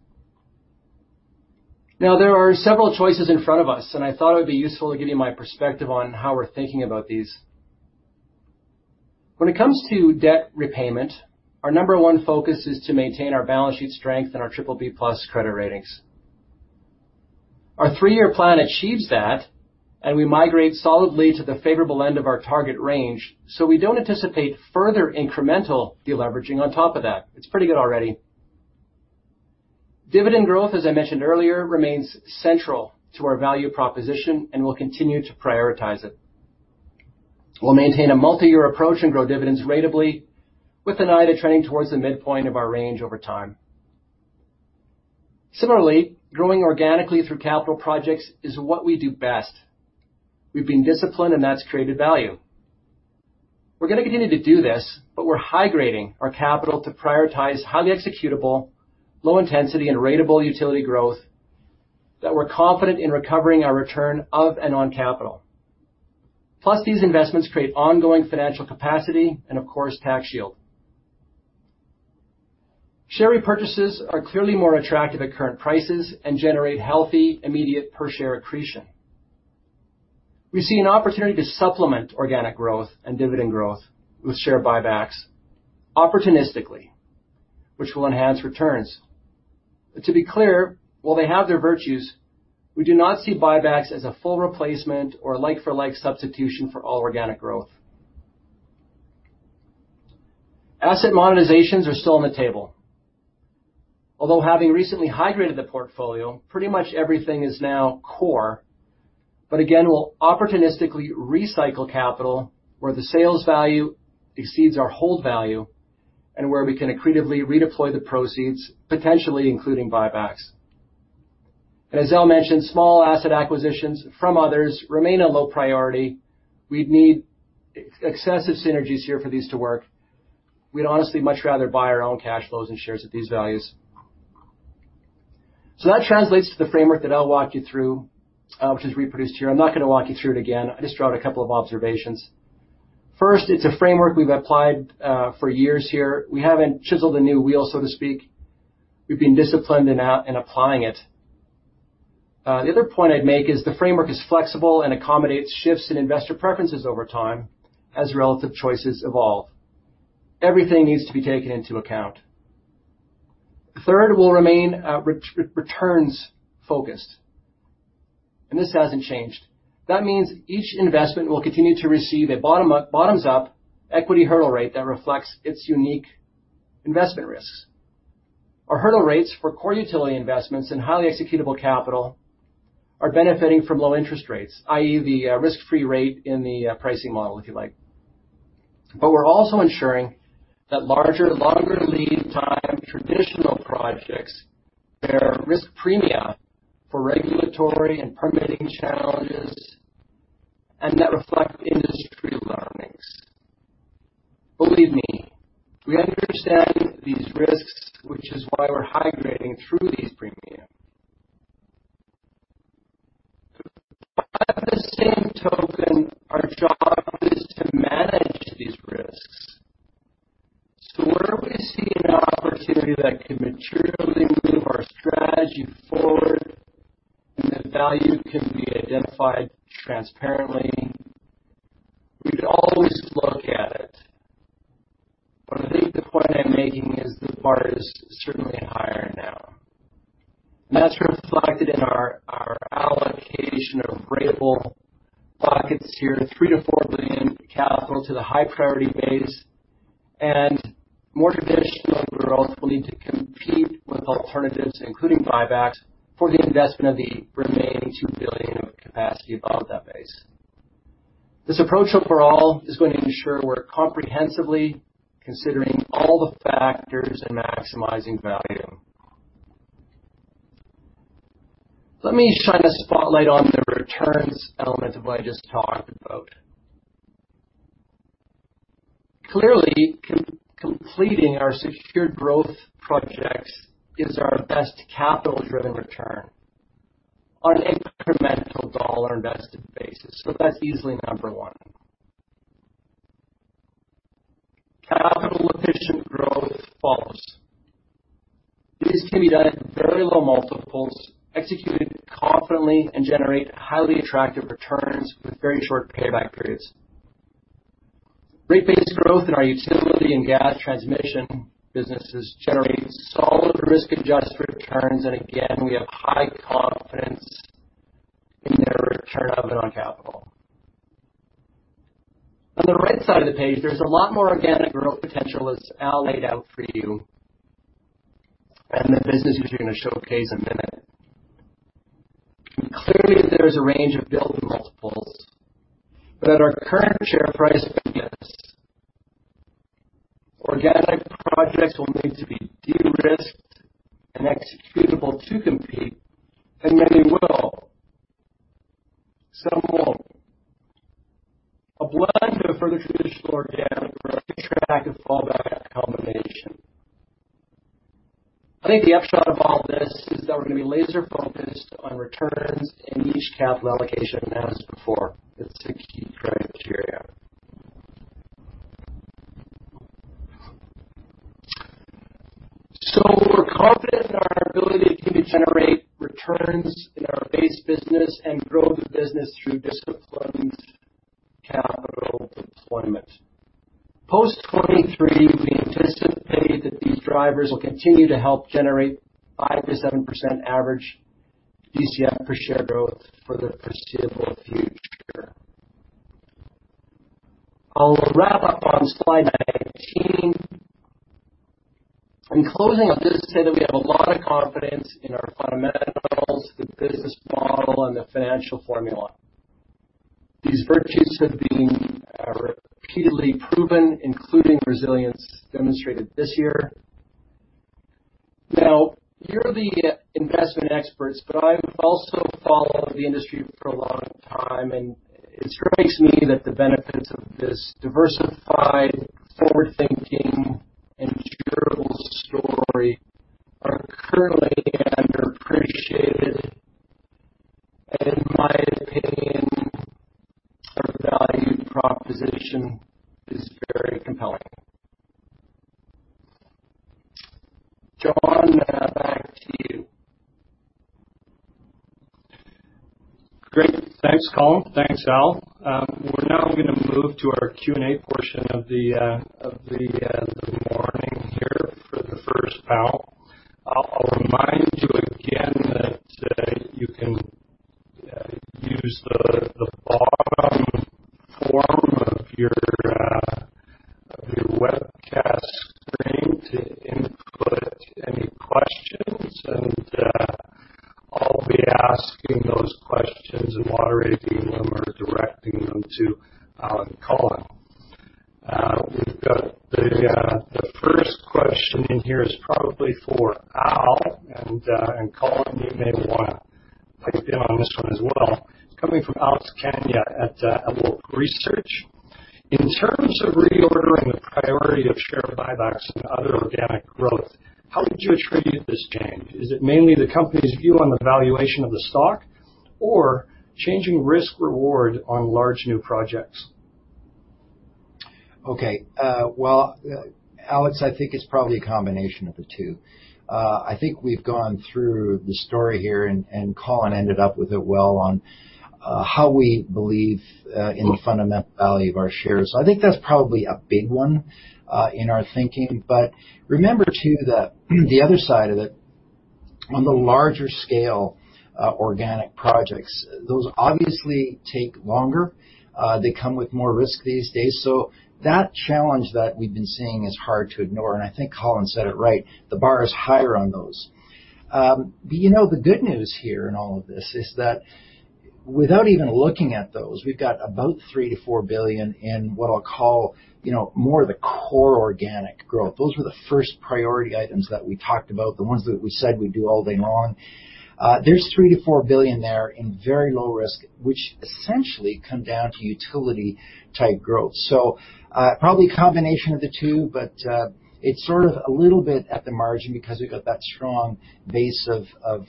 Speaker 3: Now, there are several choices in front of us, and I thought it would be useful to give you my perspective on how we're thinking about these. When it comes to debt repayment, our number one focus is to maintain our balance sheet strength and our BBB+ credit ratings. Our three-year plan achieves that, and we migrate solidly to the favorable end of our target range, so we don't anticipate further incremental de-leveraging on top of that. It's pretty good already. Dividend growth, as I mentioned earlier, remains central to our value proposition and we'll continue to prioritize it. We'll maintain a multi-year approach and grow dividends ratably with an eye to trending towards the midpoint of our range over time. Similarly, growing organically through capital projects is what we do best. We've been disciplined and that's created value. We're going to continue to do this, but we're high-grading our capital to prioritize highly executable, low-intensity and ratable utility growth that we're confident in recovering our return of and on capital. Plus, these investments create ongoing financial capacity and, of course, tax shield. Share repurchases are clearly more attractive at current prices and generate healthy, immediate per-share accretion. We see an opportunity to supplement organic growth and dividend growth with share buybacks opportunistically, which will enhance returns. To be clear, while they have their virtues, we do not see buybacks as a full replacement or a like-for-like substitution for all organic growth. Asset monetizations are still on the table. Although having recently high-graded the portfolio, pretty much everything is now core. Again, we'll opportunistically recycle capital where the sales value exceeds our hold value and where we can accretively redeploy the proceeds, potentially including buybacks. As Al mentioned, small asset acquisitions from others remain a low priority. We'd need excessive synergies here for these to work. We'd honestly much rather buy our own cash flows and shares at these values. That translates to the framework that I'll walk you through, which is reproduced here. I'm not going to walk you through it again. I just draw out a couple of observations. First, it's a framework we've applied for years here. We haven't chiseled a new wheel, so to speak. We've been disciplined in applying it. The other point I'd make is the framework is flexible and accommodates shifts in investor preferences over time as relative choices evolve. Everything needs to be taken into account. Third, we will remain returns-focused, and this has not changed. That means each investment will continue to receive a bottoms-up equity hurdle rate that reflects its unique investment risks. Our hurdle rates for core utility investments and highly executable capital are benefiting from low interest rates, i.e., the risk-free rate in the pricing model, if you like. We are also ensuring that larger, longer lead time traditional projects bear risk premia for regulatory and permitting challenges and that reflect industry learnings. Believe me, we understand these risks, which is why we are high-grading through these premia. By the same token, our job is to manage these risks. Where we see an opportunity that can materially move our strategy forward and that value can be identified transparently, we'd always look at it. I think the point I'm making is the bar is certainly higher now. That's reflected in our allocation of ratable buckets here, 3 billion-4 billion capital to the high-priority base, and more traditionally, we would also need to compete with alternatives, including buybacks, for the investment of the remaining 2 billion of capacity above that base. This approach overall is going to ensure we're comprehensively considering all the factors and maximizing value. Let me shine a spotlight on the returns element of what I just talked about. Clearly, completing our secured growth projects gives our best capital driven return on incremental dollar invested basis, but that's easily number one. Capital efficient growth follows. These can be done at very low multiples, executed confidently, and generate highly attractive returns with very short payback periods. Rate-based growth in our utility and gas transmission businesses generate solid risk-adjusted returns. Again, we have high confidence in their return on capital. On the right side of the page, there's a lot more organic growth potential as Al laid out for you and the business is going to showcase a minute. Clearly, there is a range of build multiples. At our current share price, I guess, organic projects will need to be de-risked and executable to compete. Many will. Some won't. A blend of further traditional organic growth [track and fallback] combination. I think the upshot of all this is that we're going to be laser-focused on returns in each capital allocation as before. That's the key criteria. We're confident in our ability to generate returns in our base business and grow the business through disciplined capital deployment. Post 2023, we anticipate that these drivers will continue to help generate 5%-7% average DCF per share growth for the foreseeable future. I'll wrap up on slide 19. In closing, I'll just say that we have a lot of confidence in our fundamentals, the business model, and the financial formula. These virtues have been repeatedly proven, including resilience demonstrated this year. Now, you're the investment experts, but I've also followed the industry for a long time, and it strikes me that the benefits of this diversified, forward-thinking, and durable story are currently underappreciated. In my opinion, our value proposition is very compelling. Jon, back to you.
Speaker 1: Great. Thanks, Colin. Thanks, Al. We're now going to move to our Q&A portion of the morning here for the first panel. I'll remind you again that you can use the bottom form of your webcast screen to input any questions, and I'll be asking those questions and moderating them or directing them to Al and Colin. The first question in here is probably for Al, and Colin, you may want to pipe in on this one as well. Coming from Alex Kania at [Apple Research]. In terms of reordering the priority of share buybacks and other organic growth, how would you attribute this change? Is it mainly the company's view on the valuation of the stock or changing risk-reward on large new projects?
Speaker 2: Okay, Alex, I think it's probably a combination of the two. I think we've gone through the story here and Colin ended up with it well on how we believe in the fundamental value of our shares. I think that's probably a big one in our thinking. Remember, too, that the other side of it, on the larger scale, organic projects, those obviously take longer. They come with more risk these days. That challenge that we've been seeing is hard to ignore, and I think Colin said it right. The bar is higher on those. The good news here in all of this is that without even looking at those, we've got about 3 billion-4 billion in what I'll call more the core organic growth. Those were the first priority items that we talked about, the ones that we said we'd do all day long. There's 3 billion-4 billion there in very low risk, which essentially come down to utility-type growth. Probably a combination of the two, but it's sort of a little bit at the margin because we've got that strong base of,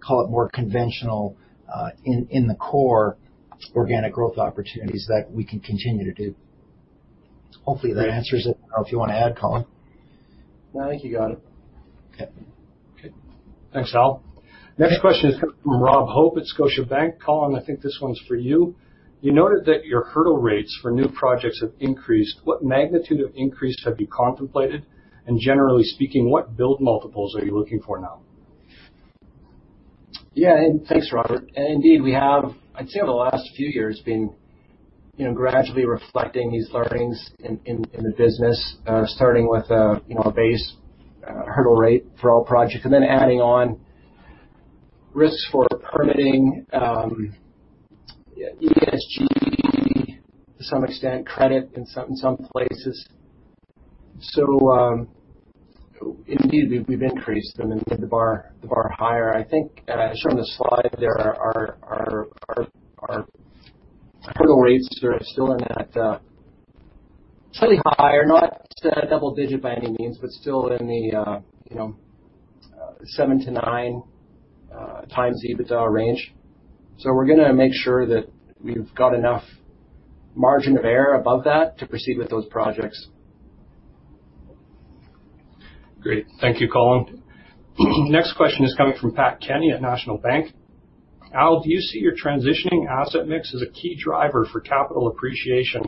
Speaker 2: call it more conventional in the core organic growth opportunities that we can continue to do. Hopefully, that answers it. I don't know if you want to add, Colin.
Speaker 3: No, I think you got it.
Speaker 2: Okay.
Speaker 1: Okay. Thanks, Al. Next question is coming from Robert Hope at Scotiabank. Colin, I think this one's for you. You noted that your hurdle rates for new projects have increased. What magnitude of increase have you contemplated? Generally speaking, what build multiples are you looking for now?
Speaker 3: Yeah. Thanks, Robert. Indeed, we have, I'd say, over the last few years, been gradually reflecting these learnings in the business, starting with a base hurdle rate for all projects, adding on risks for permitting, ESG to some extent, credit in some places. Indeed, we've increased them and moved the bar higher. I think shown on the slide there, our hurdle rates are still in that slightly higher, not double-digit by any means, but still in the seven to nine times EBITDA range. We're going to make sure that we've got enough margin of error above that to proceed with those projects.
Speaker 1: Great. Thank you, Colin. Next question is coming from Pat Kenny at National Bank. Al, do you see your transitioning asset mix as a key driver for capital appreciation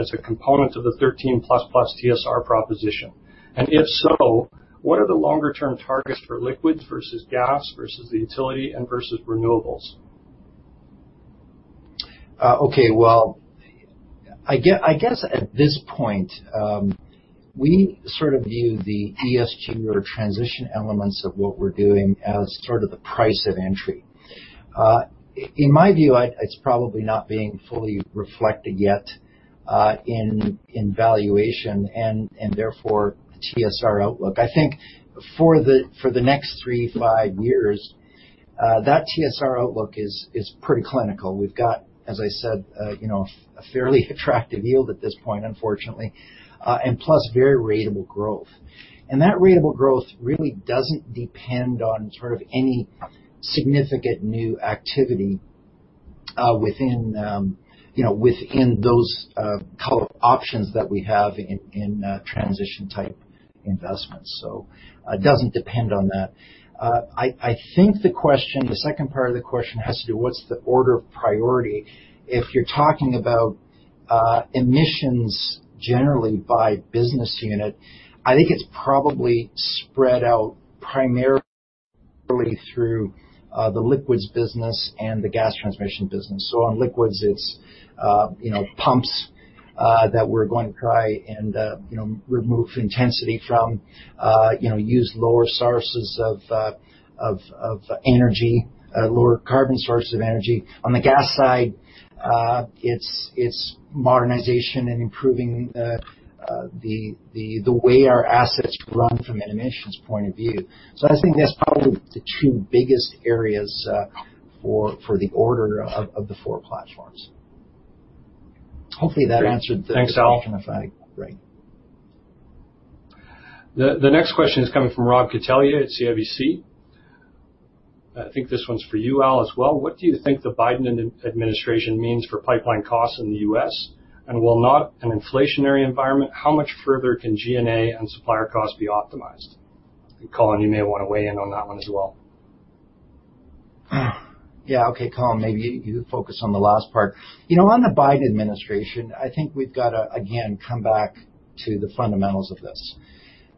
Speaker 1: as a component of the 13++ TSR proposition? If so, what are the longer-term targets for liquids versus gas versus the utility and versus renewables?
Speaker 2: Okay. Well, I guess at this point, we sort of view the ESG or transition elements of what we're doing as sort of the price of entry. In my view, it's probably not being fully reflected yet in valuation and therefore the TSR outlook. I think for the next three to five years, that TSR outlook is pretty clinical. We've got, as I said, a fairly attractive yield at this point, unfortunately, and plus very ratable growth. That ratable growth really doesn't depend on sort of any significant new activity within those color options that we have in transition type investments. It doesn't depend on that. I think the second part of the question has to do what's the order of priority. If you're talking about emissions generally by business unit, I think it's probably spread out primarily through the liquids business and the gas transmission business. On liquids, it's pumps that we're going to try and remove intensity from, use lower sources of energy, lower carbon source of energy. On the gas side, it's modernization and improving the way our assets run from an emissions point of view. I think that's probably the two biggest areas for the order of the four platforms. Hopefully that answered the question.
Speaker 1: Thanks, Al.
Speaker 2: Right.
Speaker 1: The next question is coming from Rob Catellier at CIBC. I think this one's for you, Al, as well. What do you think the Biden administration means for pipeline costs in the U.S.? Will not an inflationary environment, how much further can G&A and supplier costs be optimized? Colin, you may want to weigh in on that one as well.
Speaker 2: Yeah, okay. Colin, maybe you focus on the last part. The Biden administration, I think we've got to, again, come back to the fundamentals of this.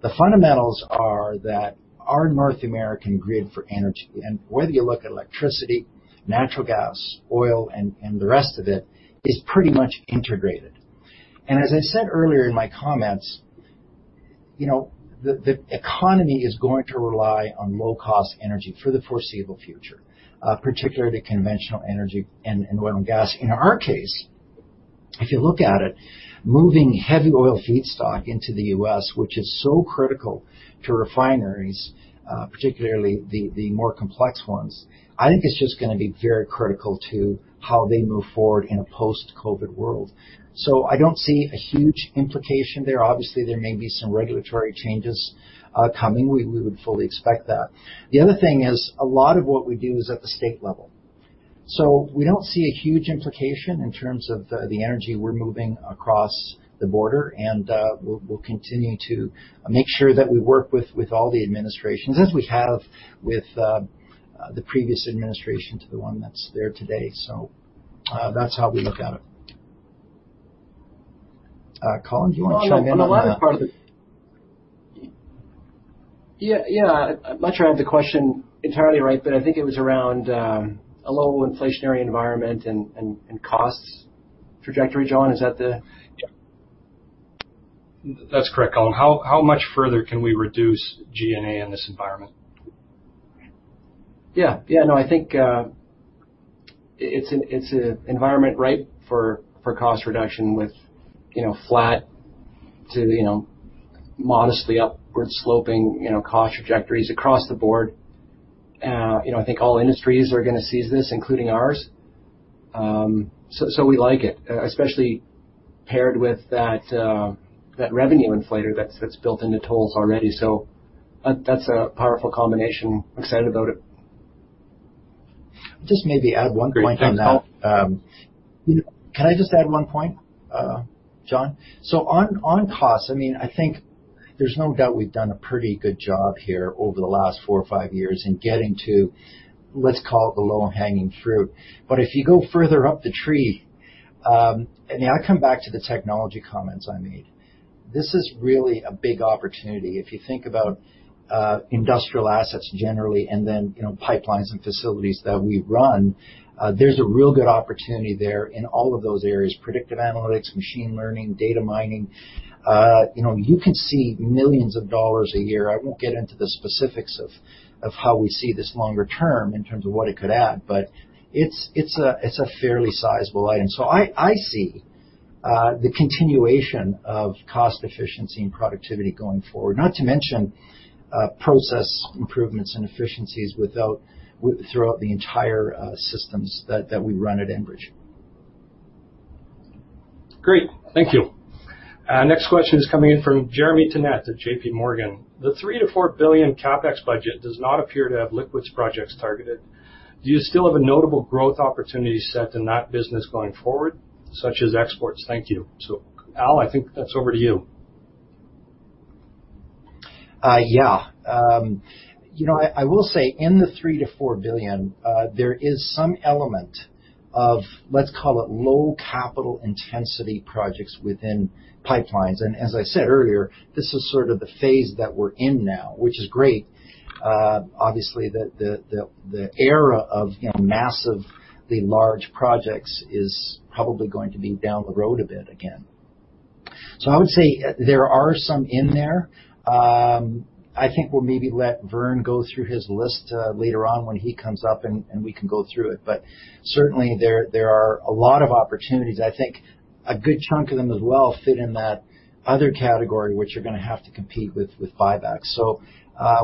Speaker 2: The fundamentals are that our North American grid for energy, and whether you look at electricity, natural gas, oil, and the rest of it, is pretty much integrated. As I said earlier in my comments, the economy is going to rely on low-cost energy for the foreseeable future, particularly conventional energy and oil and gas. In our case, if you look at it, moving heavy oil feedstock into the U.S., which is so critical to refineries, particularly the more complex ones, I think it's just going to be very critical to how they move forward in a post-COVID world. I don't see a huge implication there. Obviously, there may be some regulatory changes coming. We would fully expect that. The other thing is a lot of what we do is at the state level. We don't see a huge implication in terms of the energy we're moving across the border, and we'll continue to make sure that we work with all the administrations, as we have with the previous administration to the one that's there today. That's how we look at it. Colin, do you want to chime in on that?
Speaker 3: Yeah. I'm not sure I have the question entirely right, but I think it was around a low inflationary environment and costs trajectory, Jon, is that the?
Speaker 1: That's correct, Colin. How much further can we reduce G&A in this environment?
Speaker 3: No, I think it's an environment ripe for cost reduction with flat to modestly upward-sloping cost trajectories across the board. I think all industries are going to seize this, including ours. We like it, especially paired with that revenue inflator that's built into tolls already. That's a powerful combination. I'm excited about it.
Speaker 2: Just maybe add one point on that.
Speaker 1: Great. Thanks, Al.
Speaker 2: Can I just add one point, Jon? On costs, I think there's no doubt we've done a pretty good job here over the last four or five years in getting to, let's call it, the low-hanging fruit. If you go further up the tree, I come back to the technology comments I made. This is really a big opportunity. If you think about industrial assets generally, then pipelines and facilities that we run, there's a real good opportunity there in all of those areas, predictive analytics, machine learning, data mining. You can see millions of dollars a year. I won't get into the specifics of how we see this longer term in terms of what it could add, it's a fairly sizable item. I see the continuation of cost efficiency and productivity going forward, not to mention process improvements and efficiencies throughout the entire systems that we run at Enbridge.
Speaker 1: Great. Thank you. Next question is coming in from Jeremy Tonet at JPMorgan. The 3 billion-4 billion CapEx budget does not appear to have liquids projects targeted. Do you still have a notable growth opportunity set in that business going forward, such as exports? Thank you. Al, I think that's over to you.
Speaker 2: I will say in the 3 billion-4 billion, there is some element of, let's call it low capital intensity projects within pipelines. As I said earlier, this is sort of the phase that we're in now, which is great. Obviously, the era of massively large projects is probably going to be down the road a bit again. I would say there are some in there. I think we'll maybe let Vern go through his list later on when he comes up, we can go through it. Certainly, there are a lot of opportunities. I think a good chunk of them as well fit in that other category, which you're going to have to compete with buybacks.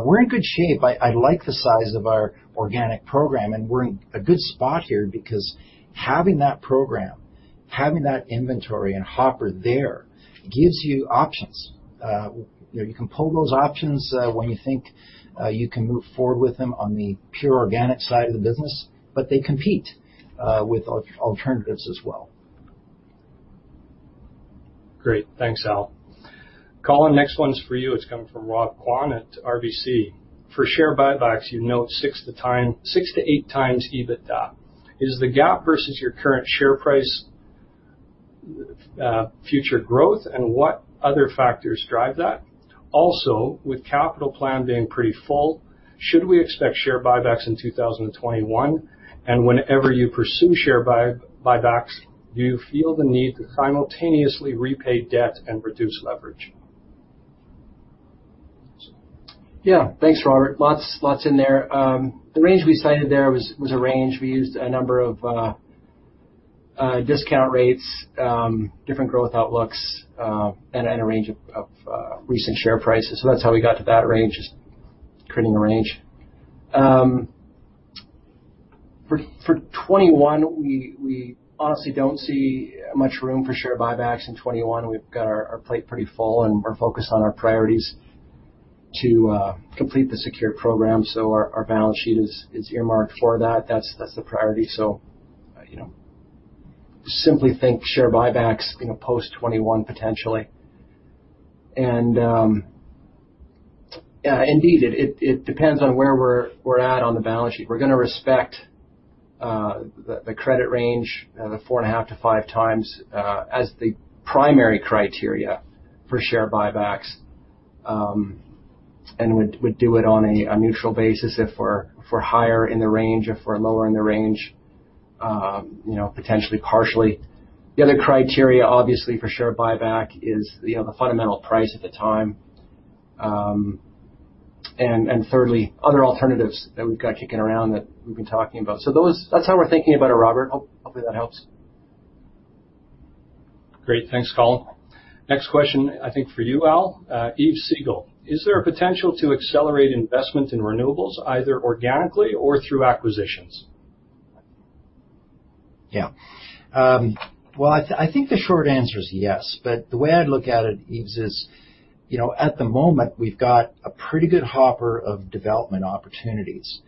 Speaker 2: We're in good shape. I like the size of our organic program, and we're in a good spot here because having that program, having that inventory and hopper there gives you options. You can pull those options when you think you can move forward with them on the pure organic side of the business, but they compete with alternatives as well.
Speaker 1: Great. Thanks, Al. Colin, next one's for you. It's coming from Robert Kwan at RBC. For share buybacks, you note six to eight times EBITDA. Is the gap versus your current share price future growth, and what other factors drive that? With capital plan being pretty full, should we expect share buybacks in 2021? Whenever you pursue share buybacks, do you feel the need to simultaneously repay debt and reduce leverage?
Speaker 3: Yeah. Thanks, Robert. Lots in there. The range we cited there was a range. We used a number of discount rates, different growth outlooks, and a range of recent share prices. That's how we got to that range, just creating a range. For 2021, we honestly don't see much room for share buybacks in 2021. We've got our plate pretty full, and we're focused on our priorities to complete the secure program. Our balance sheet is earmarked for that. That's the priority. Simply think share buybacks post 2021 potentially. It depends on where we're at on the balance sheet. We're going to respect the credit range, the four and a half to five times, as the primary criteria for share buybacks, and would do it on a neutral basis if we're higher in the range, if we're lower in the range, potentially partially. The other criteria, obviously, for share buyback is the fundamental price at the time. Thirdly, other alternatives that we've got kicking around that we've been talking about. That's how we're thinking about it, Robert. Hope that helps.
Speaker 1: Great. Thanks, Colin. Next question, I think for you, Al. Yves Siegel: Is there a potential to accelerate investment in renewables, either organically or through acquisitions?
Speaker 2: Yeah. Well, I think the short answer is yes. The way I'd look at it, Eve, is at the moment, we've got a pretty good hopper of development opportunities.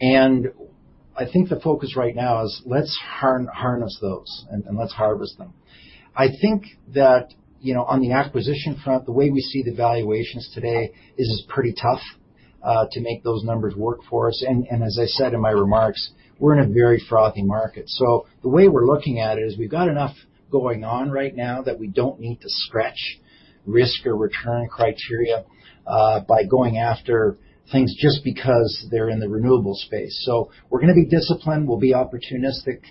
Speaker 2: I think the focus right now is let's harness those and let's harvest them. I think that on the acquisition front, the way we see the valuations today is it's pretty tough to make those numbers work for us. As I said in my remarks, we're in a very frothy market. The way we're looking at it is we've got enough going on right now that we don't need to stretch risk or return criteria by going after things just because they're in the renewable space. We're going to be disciplined. We'll be opportunistic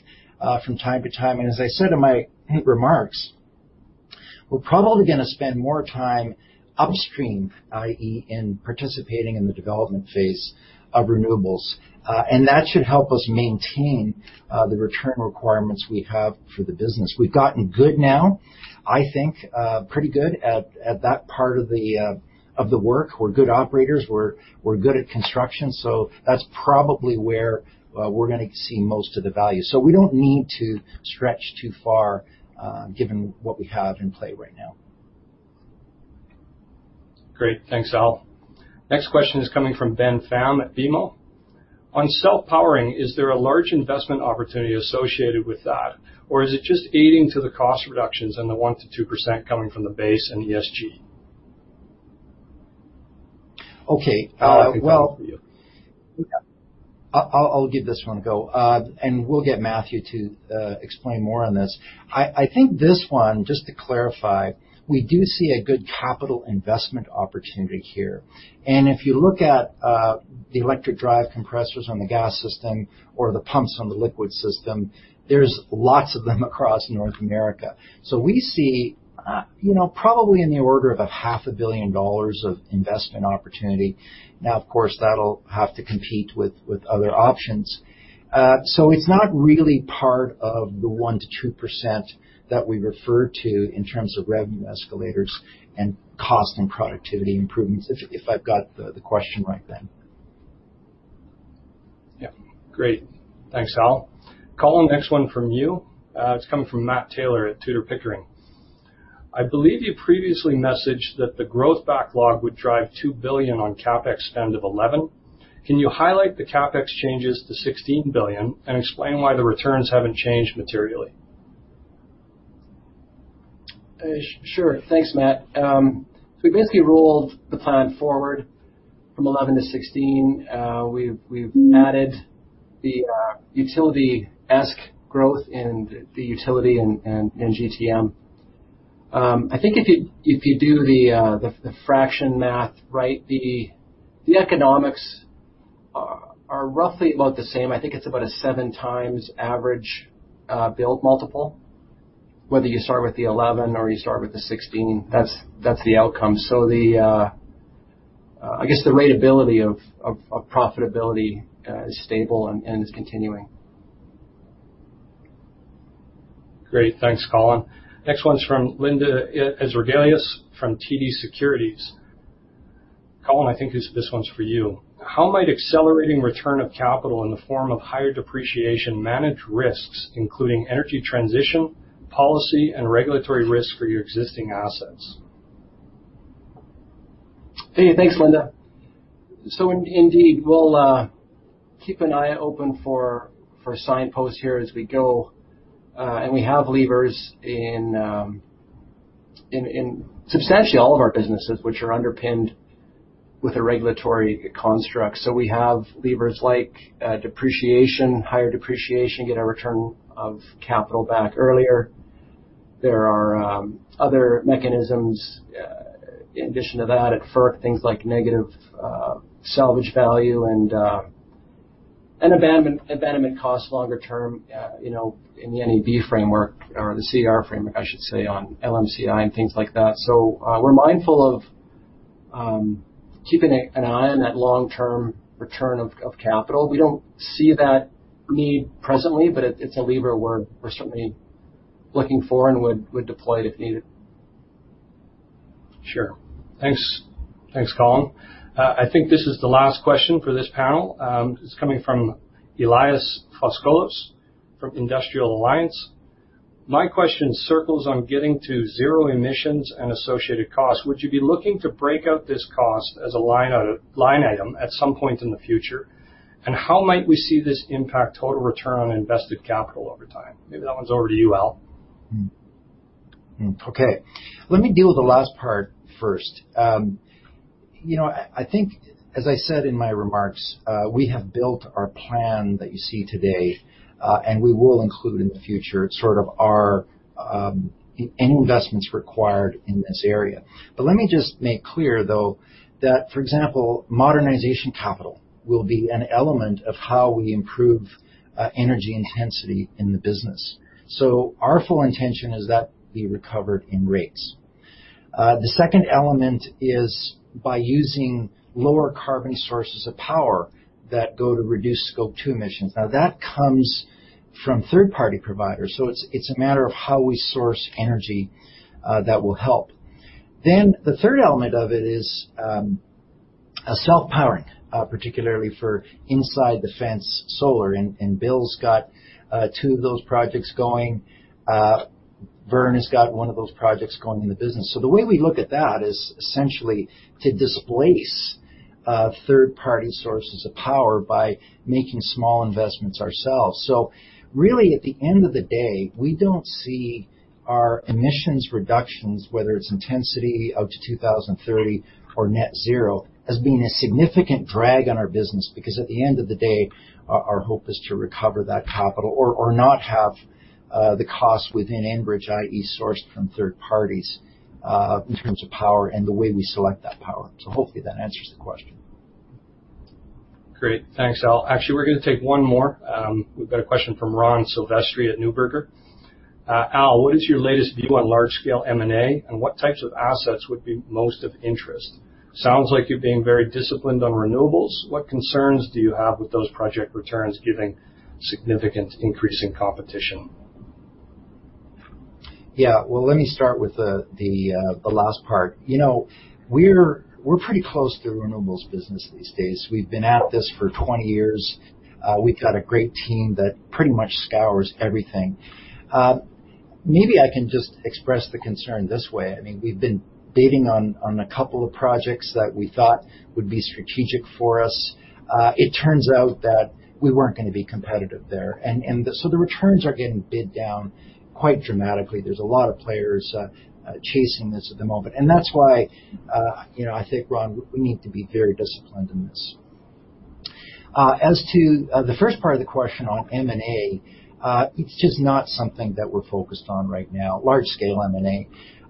Speaker 2: from time to time. As I said in my remarks, we're probably going to spend more time upstream, i.e., in participating in the development phase of renewables. That should help us maintain the return requirements we have for the business. We've gotten good now, I think, pretty good at that part of the work. We're good operators. We're good at construction. That's probably where we're going to see most of the value. We don't need to stretch too far given what we have in play right now.
Speaker 1: Great. Thanks, Al. Next question is coming from Ben Pham at BMO. On self-powering, is there a large investment opportunity associated with that, or is it just aiding to the cost reductions and the 1%-2% coming from the base and ESG?
Speaker 2: Okay.
Speaker 3: I can take that one for you.
Speaker 2: I'll give this one a go. We'll get Matthew to explain more on this. I think this one, just to clarify, we do see a good capital investment opportunity here. If you look at the electric drive compressors on the gas system or the pumps on the liquid system, there's lots of them across North America. We see probably in the order of a half a billion dollars of investment opportunity. Now, of course, that'll have to compete with other options. It's not really part of the 1%-2% that we refer to in terms of revenue escalators and cost and productivity improvements, if I've got the question right, Ben.
Speaker 1: Yeah. Great. Thanks, Al. Colin, next one from you. It's coming from Matt Taylor at Tudor, Pickering. I believe you previously messaged that the growth backlog would drive 2 billion on CapEx spend of 11. Can you highlight the CapEx changes to 16 billion and explain why the returns haven't changed materially?
Speaker 3: Sure. Thanks, Matt. We basically rolled the plan forward from 2011-2016. We've added the utility-esque growth in the utility and in GTM. I think if you do the fraction math, right, the economics are roughly about the same. I think it's about a 7x average build multiple. Whether you start with the 2011 or you start with the 2016, that's the outcome. I guess the ratability of profitability is stable and is continuing.
Speaker 1: Great. Thanks, Colin. Next one's from Linda Ezergailis from TD Securities. Colin, I think this one's for you. "How might accelerating return of capital in the form of higher depreciation manage risks, including energy transition, policy, and regulatory risk for your existing assets?
Speaker 3: Hey, thanks, Linda. Indeed, we'll keep an eye open for signposts here as we go. We have levers in substantially all of our businesses, which are underpinned with a regulatory construct. We have levers like depreciation, higher depreciation, get our return of capital back earlier. There are other mechanisms in addition to that, at FERC, things like negative salvage value and abandonment cost longer-term in the NEB framework or the CER framework, I should say, on LMCI and things like that. We're mindful of keeping an eye on that long-term return of capital. We don't see that need presently, but it's a lever we're certainly looking for and would deploy if needed.
Speaker 1: Sure. Thanks. Thanks, Colin. I think this is the last question for this panel. It's coming from Elias Foscolos from Industrial Alliance. "My question circles on getting to zero emissions and associated costs. Would you be looking to break out this cost as a line item at some point in the future? How might we see this impact total return on invested capital over time?" Maybe that one's over to you, Al.
Speaker 2: Okay. Let me deal with the last part first. I think as I said in my remarks, we have built our plan that you see today, and we will include in the future sort of our, any investments required in this area. Let me just make clear, though, that, for example, modernization capital will be an element of how we improve energy intensity in the business. Our full intention is that be recovered in rates. The second element is by using lower carbon sources of power that go to reduce Scope 2 emissions. Now, that comes from third-party providers. So it's a matter of how we source energy that will help. The third element of it is self-powering, particularly for inside-the-fence solar, and Bill's got two of those projects going. Vern has got one of those projects going in the business. The way we look at that is essentially to displace third-party sources of power by making small investments ourselves. Really, at the end of the day, we don't see our emissions reductions, whether it's intensity out to 2030 or net zero, as being a significant drag on our business, because at the end of the day, our hope is to recover that capital or not have the cost within Enbridge, i.e. sourced from third parties, in terms of power and the way we select that power. Hopefully that answers the question.
Speaker 1: Great. Thanks, Al. Actually, we're going to take one more. We've got a question from Ron Silvestri at Neuberger. Al, what is your latest view on large-scale M&A, and what types of assets would be most of interest? Sounds like you're being very disciplined on renewables. What concerns do you have with those project returns giving significant increase in competition?
Speaker 2: Yeah. Well, let me start with the last part. We're pretty close to the renewables business these days. We've been at this for 20 years. We've got a great team that pretty much scours everything. Maybe I can just express the concern this way. We've been bidding on a couple of projects that we thought would be strategic for us. It turns out that we weren't going to be competitive there. The returns are getting bid down quite dramatically. There's a lot of players chasing this at the moment. That's why I think, Ron, we need to be very disciplined in this. As to the first part of the question on M&A, it's just not something that we're focused on right now, large-scale M&A.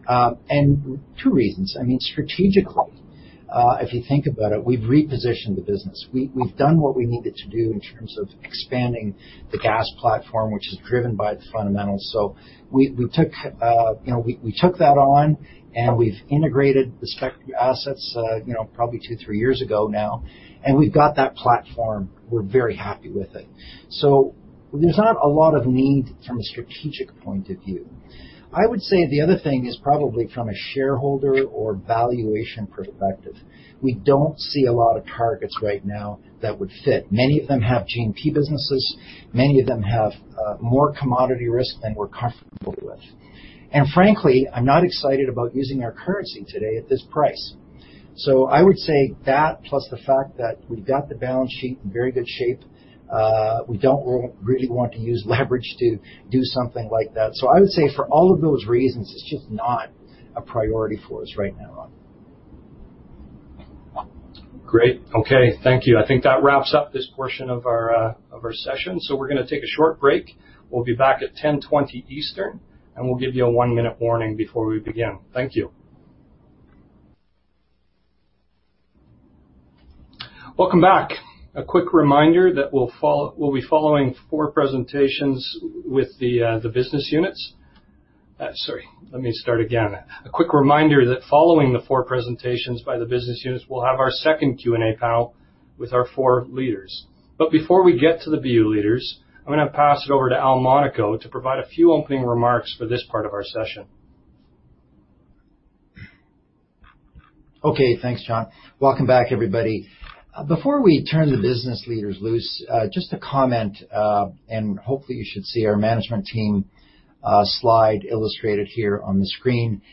Speaker 2: Two reasons. Strategically, if you think about it, we've repositioned the business. We've done what we needed to do in terms of expanding the gas platform, which is driven by its fundamentals. We took that on, and we've integrated the Spectra assets probably two, three years ago now, and we've got that platform. We're very happy with it. There's not a lot of need from a strategic point of view. I would say the other thing is probably from a shareholder or valuation perspective. We don't see a lot of targets right now that would fit. Many of them have G&P businesses. Many of them have more commodity risk than we're comfortable with. Frankly, I'm not excited about using our currency today at this price. I would say that, plus the fact that we've got the balance sheet in very good shape, we don't really want to use leverage to do something like that. I would say for all of those reasons, it's just not a priority for us right now.
Speaker 1: Great. Okay. Thank you. I think that wraps up this portion of our session. We're going to take a short break. We'll be back at 10:20 Eastern, and we'll give you a one-minute warning before we begin. Thank you. Welcome back. A quick reminder that we'll be following four presentations with the business units. Sorry, let me start again. A quick reminder that following the four presentations by the business units, we'll have our second Q&A panel with our four leaders. Before we get to the BU leaders, I'm going to pass it over to Al Monaco to provide a few opening remarks for this part of our session.
Speaker 2: Okay. Thanks, Jon. Welcome back, everybody. Before we turn the business leaders loose, just a comment, hopefully you should see our management team slide illustrated here on the screen.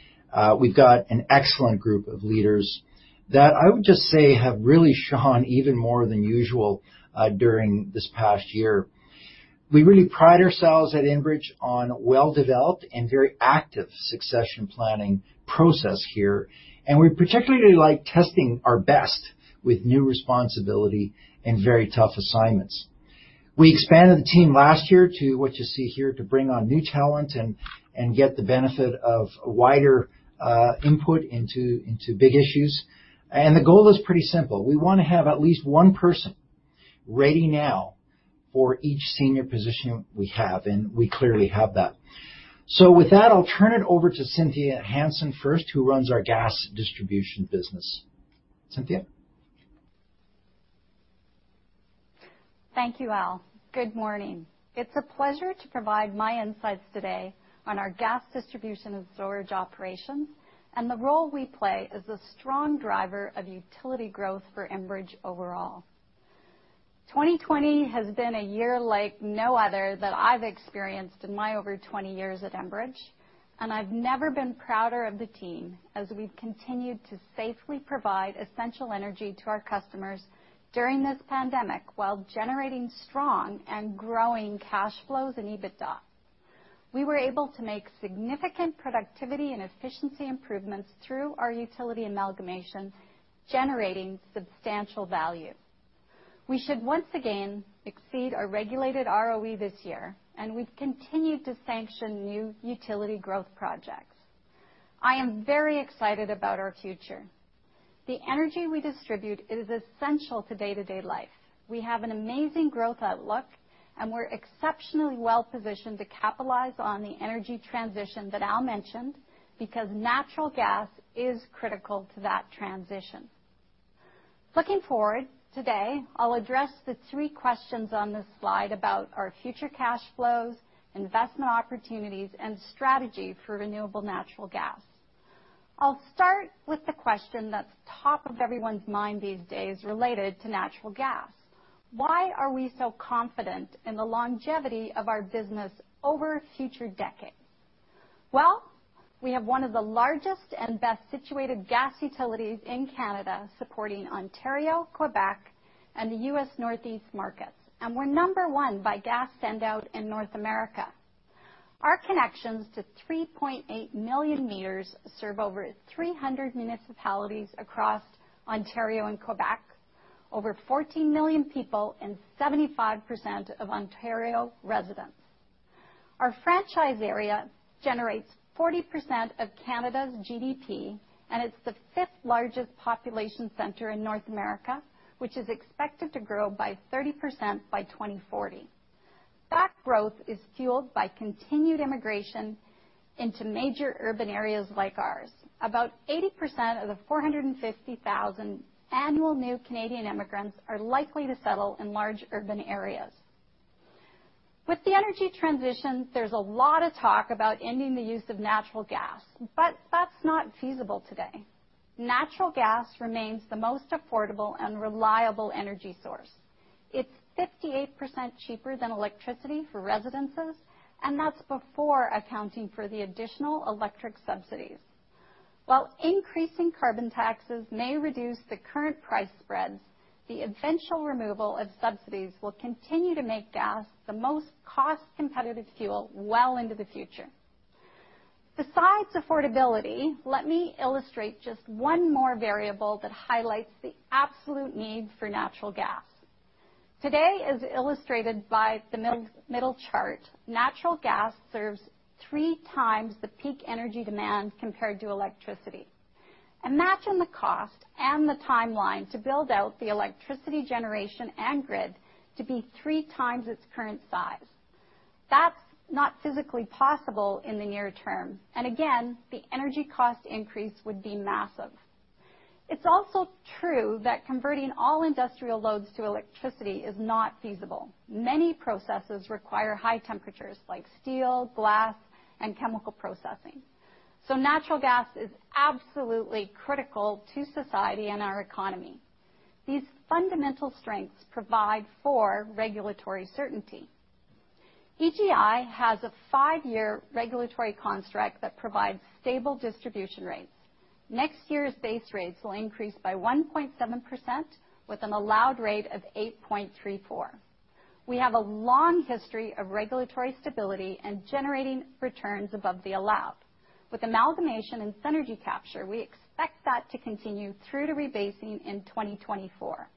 Speaker 2: We've got an excellent group of leaders that I would just say have really shone even more than usual during this past year. We really pride ourselves at Enbridge on well-developed and very active succession planning process here, we particularly like testing our best with new responsibility and very tough assignments. We expanded the team last year to what you see here, to bring on new talent and get the benefit of wider input into big issues. The goal is pretty simple. We want to have at least one person ready now for each senior position we have, we clearly have that. With that, I'll turn it over to Cynthia Hansen first, who runs our gas distribution business. Cynthia?
Speaker 4: Thank you, Al. Good morning. It's a pleasure to provide my insights today on our gas distribution and storage operations and the role we play as a strong driver of utility growth for Enbridge overall. 2020 has been a year like no other that I've experienced in my over 20 years at Enbridge. I've never been prouder of the team as we've continued to safely provide essential energy to our customers during this pandemic, while generating strong and growing cash flows and EBITDA. We were able to make significant productivity and efficiency improvements through our utility amalgamation, generating substantial value. We should once again exceed our regulated ROE this year. We've continued to sanction new utility growth projects. I am very excited about our future. The energy we distribute is essential to day-to-day life. We have an amazing growth outlook, and we're exceptionally well-positioned to capitalize on the energy transition that Al mentioned, because natural gas is critical to that transition. Looking forward, today, I'll address the three questions on this slide about our future cash flows, investment opportunities, and strategy for renewable natural gas. I'll start with the question that's top of everyone's mind these days related to natural gas. Why are we so confident in the longevity of our business over future decades? Well, we have one of the largest and best-situated gas utilities in Canada, supporting Ontario, Quebec, and the U.S. Northeast markets. We're number one by gas send-out in North America. Our connections to 3.8 million meters serve over 300 municipalities across Ontario and Quebec, over 40 million people and 75% of Ontario residents. Our franchise area generates 40% of Canada's GDP, and it's the fifth largest population center in North America, which is expected to grow by 30% by 2040. That growth is fueled by continued immigration into major urban areas like ours. About 80% of the 450,000 annual new Canadian immigrants are likely to settle in large urban areas. With the energy transition, there's a lot of talk about ending the use of natural gas, but that's not feasible today. Natural gas remains the most affordable and reliable energy source. It's 58% cheaper than electricity for residences, and that's before accounting for the additional electric subsidies. While increasing carbon taxes may reduce the current price spreads, the eventual removal of subsidies will continue to make gas the most cost-competitive fuel well into the future. Besides affordability, let me illustrate just one more variable that highlights the absolute need for natural gas. Today, as illustrated by the middle chart, natural gas serves three times the peak energy demand compared to electricity. Imagine the cost and the timeline to build out the electricity generation and grid to be three times its current size. That's not physically possible in the near term. Again, the energy cost increase would be massive. It's also true that converting all industrial loads to electricity is not feasible. Many processes require high temperatures, like steel, glass, and chemical processing. Natural gas is absolutely critical to society and our economy. These fundamental strengths provide for regulatory certainty. EGI has a five-year regulatory construct that provides stable distribution rates. Next year's base rates will increase by 1.7% with an allowed rate of 8.34%. We have a long history of regulatory stability and generating returns above the allowed. With amalgamation and synergy capture, we expect that to continue through to rebasing in 2024.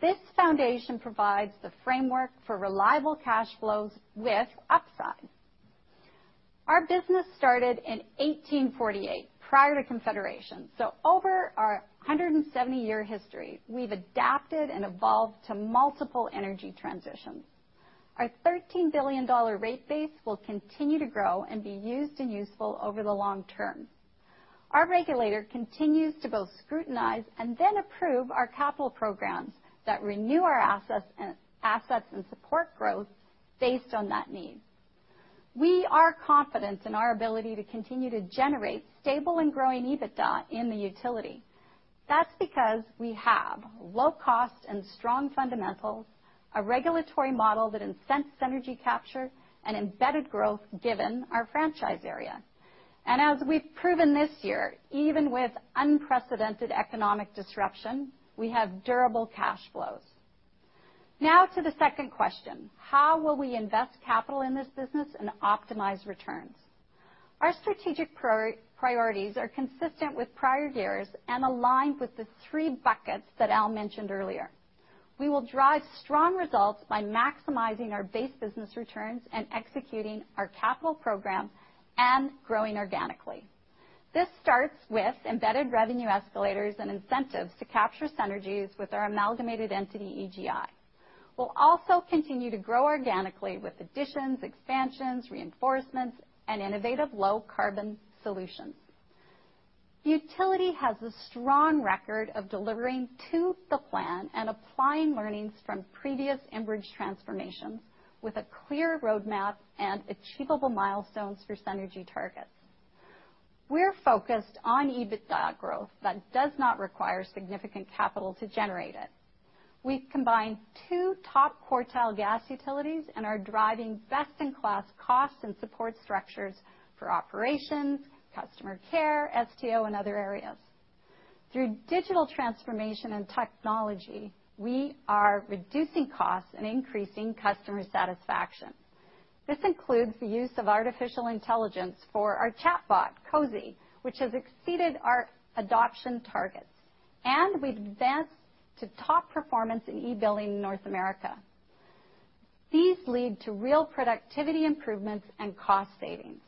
Speaker 4: This foundation provides the framework for reliable cash flows with upside. Our business started in 1848, prior to Confederation. Over our 170-year history, we've adapted and evolved to multiple energy transitions. Our 13 billion dollar rate base will continue to grow and be used and useful over the long term. Our regulator continues to both scrutinize and then approve our capital programs that renew our assets and support growth based on that need. We are confident in our ability to continue to generate stable and growing EBITDA in the utility. That's because we have low cost and strong fundamentals, a regulatory model that incents synergy capture, and embedded growth given our franchise area. As we've proven this year, even with unprecedented economic disruption, we have durable cash flows. Now to the second question: How will we invest capital in this business and optimize returns? Our strategic priorities are consistent with prior years and aligned with the three buckets that Al mentioned earlier. We will drive strong results by maximizing our base business returns and executing our capital program and growing organically. This starts with embedded revenue escalators and incentives to capture synergies with our amalgamated entity, EGI. We'll also continue to grow organically with additions, expansions, reinforcements, and innovative low-carbon solutions. Utility has a strong record of delivering to the plan and applying learnings from previous Enbridge transformations with a clear roadmap and achievable milestones for synergy targets. We're focused on EBITDA growth that does not require significant capital to generate it. We've combined two top-quartile gas utilities and are driving best-in-class costs and support structures for operations, customer care, STO, and other areas. Through digital transformation and technology, we are reducing costs and increasing customer satisfaction. This includes the use of artificial intelligence for our chatbot, Cozy, which has exceeded our adoption targets, and we've advanced to top performance in e-billing in North America. These lead to real productivity improvements and cost savings.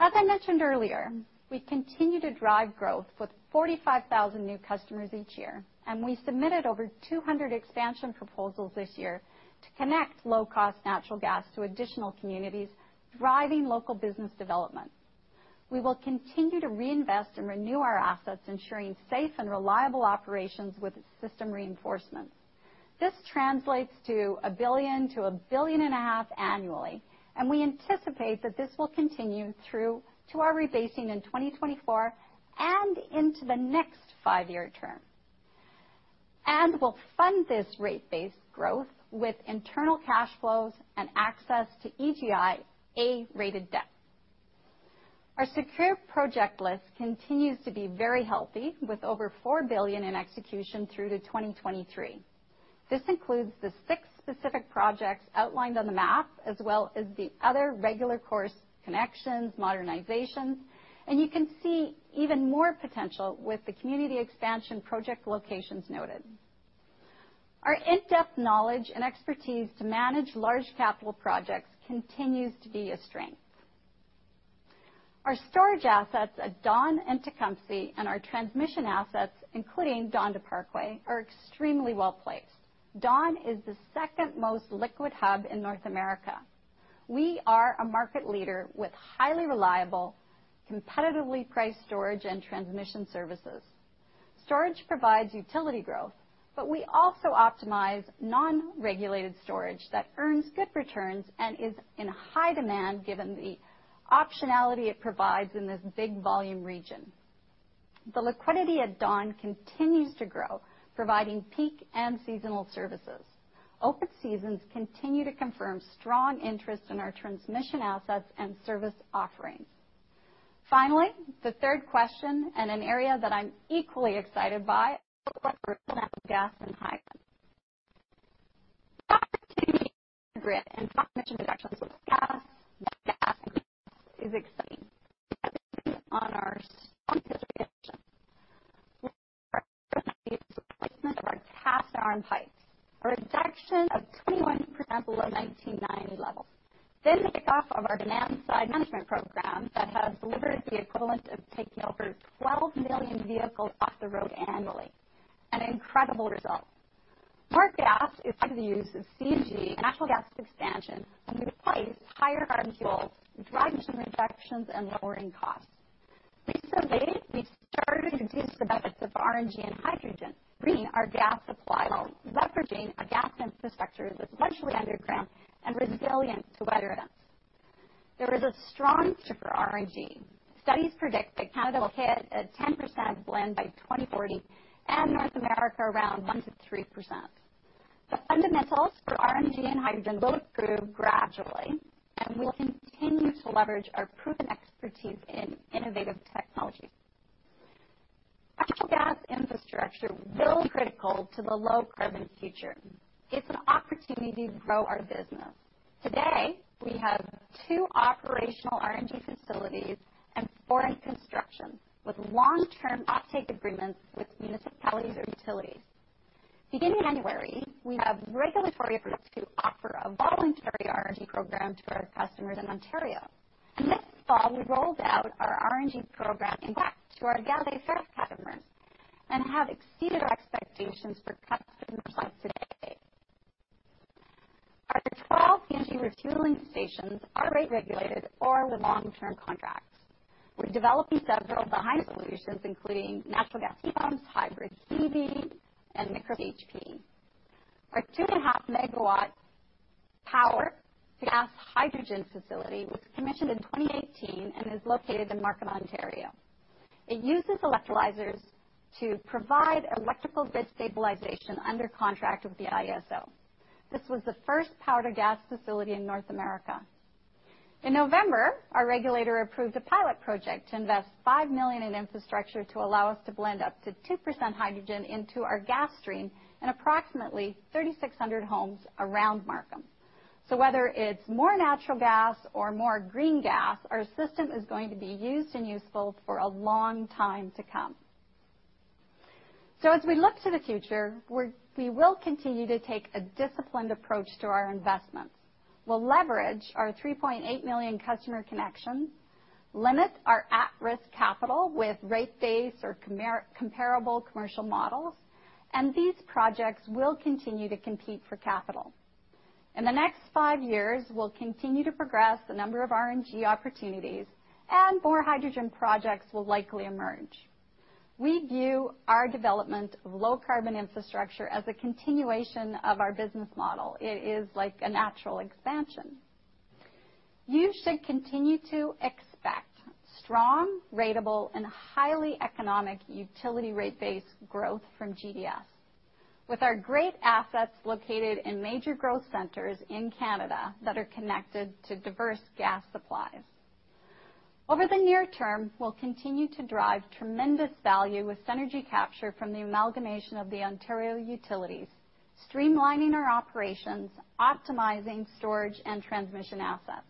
Speaker 4: As I mentioned earlier, we continue to drive growth with 45,000 new customers each year, and we submitted over 200 expansion proposals this year to connect low-cost natural gas to additional communities, driving local business development. We will continue to reinvest and renew our assets, ensuring safe and reliable operations with system reinforcements. This translates to 1 billion-1.5 billion annually, and we anticipate that this will continue through to our rebasing in 2024 and into the next five-year term. We'll fund this rate-based growth with internal cash flows and access to EGI A-rated debt. Our secure project list continues to be very healthy, with over 4 billion in execution through to 2023. This includes the six specific projects outlined on the map, as well as the other regular course connections, modernizations, you can see even more potential with the community expansion project locations noted. Our in-depth knowledge and expertise to manage large capital projects continues to be a strength. Our storage assets at Dawn and Tecumseh and our transmission assets, including Dawn to Parkway, are extremely well-placed. Dawn is the second-most liquid hub in North America. We are a market leader with highly reliable, competitively priced storage and transmission services. Storage provides utility growth, we also optimize non-regulated storage that earns good returns and is in high demand given the optionality it provides in this big volume region. The liquidity at Dawn continues to grow, providing peak and seasonal services. Open seasons continue to confirm strong interest in our transmission assets and service offerings. Finally, the third question, and an area that I'm equally excited by, natural gas and pipes. Grid and transmission reductions with gas is exciting. On our strong history of action. Replacement of our cast iron pipes. A reduction of 21% below 1990 levels. The kickoff of our demand-side management program that has delivered the equivalent of taking over 12 million vehicles off the road annually. An incredible result. More gas is likely to be used as CNG, natural gas expansion, can replace higher carbon fuels, driving some reductions and lowering costs. We've surveyed, we've started to reduce the methods of RNG and hydrogen, green our gas supply while leveraging a gas infrastructure that's largely underground and resilient to weather events. There is a strong shift for RNG. Studies predict that Canada will hit a 10% blend by 2040, and North America around 1%-3%. The fundamentals for RNG and hydrogen both grew gradually, and we'll continue to leverage our proven expertise in innovative technologies. Natural gas infrastructure will be critical to the low-carbon future. It's an opportunity to grow our business. Today, we have two operational RNG facilities and four in construction, with long-term offtake agreements with municipalities or utilities. Beginning in January, we have regulatory approval to offer a voluntary RNG program to our customers in Ontario. This fall, we rolled out our RNG program in back to our Gazifère customers and have exceeded our expectations for customer supply today. Our 12 CNG refueling stations are rate-regulated or with long-term contracts. We're developing several behind solutions, including natural gas heat pumps, hybrid HVAC, and micro-CHP. Our two and a half MW power to gas hydrogen facility was commissioned in 2018 and is located in Markham, Ontario. It uses electrolyzers to provide electrical grid stabilization under contract with the IESO. This was the first power-to-gas facility in North America. In November, our regulator approved a pilot project to invest 5 million in infrastructure to allow us to blend up to 2% hydrogen into our gas stream in approximately 3,600 homes around Markham. Whether it's more natural gas or more green gas, our system is going to be used and useful for a long time to come. As we look to the future, we will continue to take a disciplined approach to our investments. We'll leverage our 3.8 million customer connections, limit our at-risk capital with rate-based or comparable commercial models, and these projects will continue to compete for capital. In the next five years, we'll continue to progress a number of RNG opportunities and more hydrogen projects will likely emerge. We view our development of low-carbon infrastructure as a continuation of our business model. It is like a natural expansion. You should continue to expect strong ratable and highly economic utility rate-based growth from GDS. With our great assets located in major growth centers in Canada that are connected to diverse gas supplies. Over the near term, we'll continue to drive tremendous value with synergy capture from the amalgamation of the Ontario utilities, streamlining our operations, optimizing storage and transmission assets.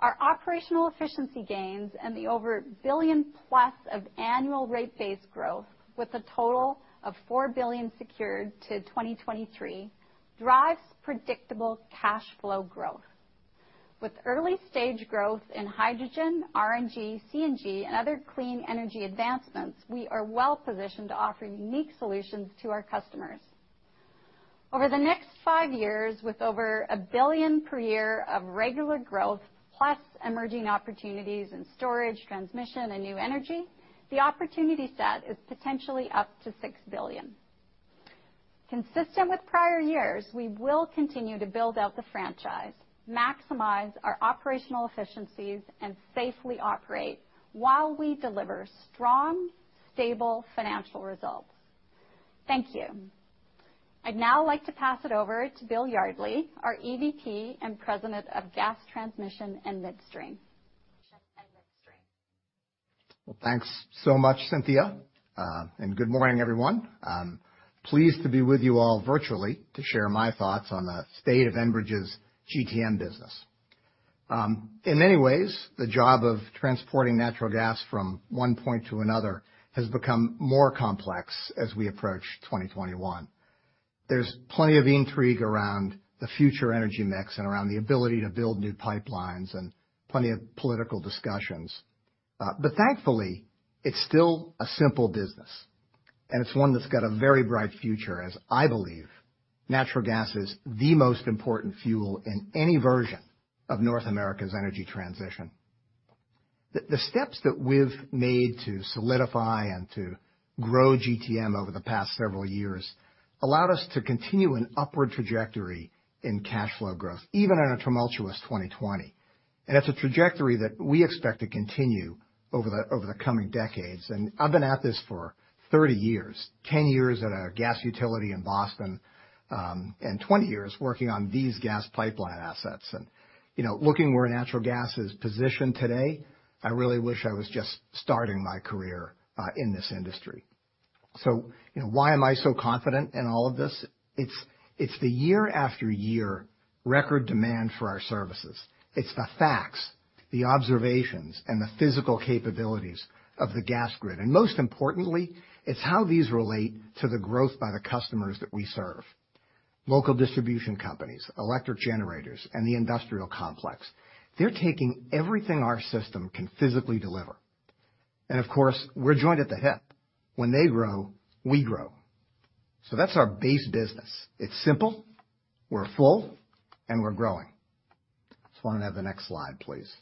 Speaker 4: Our operational efficiency gains and the over a billion-plus of annual rate-based growth, with a total of 4 billion secured to 2023, drives predictable cash flow growth. With early-stage growth in hydrogen, RNG, CNG, and other clean energy advancements, we are well-positioned to offer unique solutions to our customers. Over the next five years, with over a billion per year of regular growth plus emerging opportunities in storage, transmission, and new energy, the opportunity set is potentially up to 6 billion. Consistent with prior years, we will continue to build out the franchise, maximize our operational efficiencies, and safely operate while we deliver strong, stable financial results. Thank you. I'd now like to pass it over to Bill Yardley, our EVP and President of Gas Transmission and Midstream.
Speaker 5: Well, thanks so much, Cynthia. Good morning, everyone. I'm pleased to be with you all virtually to share my thoughts on the state of Enbridge's GTM business. In many ways, the job of transporting natural gas from one point to another has become more complex as we approach 2021. There's plenty of intrigue around the future energy mix and around the ability to build new pipelines and plenty of political discussions. Thankfully, it's still a simple business. It's one that's got a very bright future, as I believe natural gas is the most important fuel in any version of North America's energy transition. The steps that we've made to solidify and to grow GTM over the past several years allowed us to continue an upward trajectory in cash flow growth, even in a tumultuous 2020. It's a trajectory that we expect to continue over the coming decades. I've been at this for 30 years, 10 years at a gas utility in Boston, and 20 years working on these gas pipeline assets. You know, looking where natural gas is positioned today, I really wish I was just starting my career in this industry. You know, why am I so confident in all of this? It's the year-after-year record demand for our services. It's the facts, the observations, and the physical capabilities of the gas grid. Most importantly, it's how these relate to the growth by the customers that we serve. Local distribution companies, electric generators, and the industrial complex, they're taking everything our system can physically deliver. Of course, we're joined at the hip. When they grow, we grow. That's our base business. It's simple, we're full, and we're growing. Just want to have the next slide, please.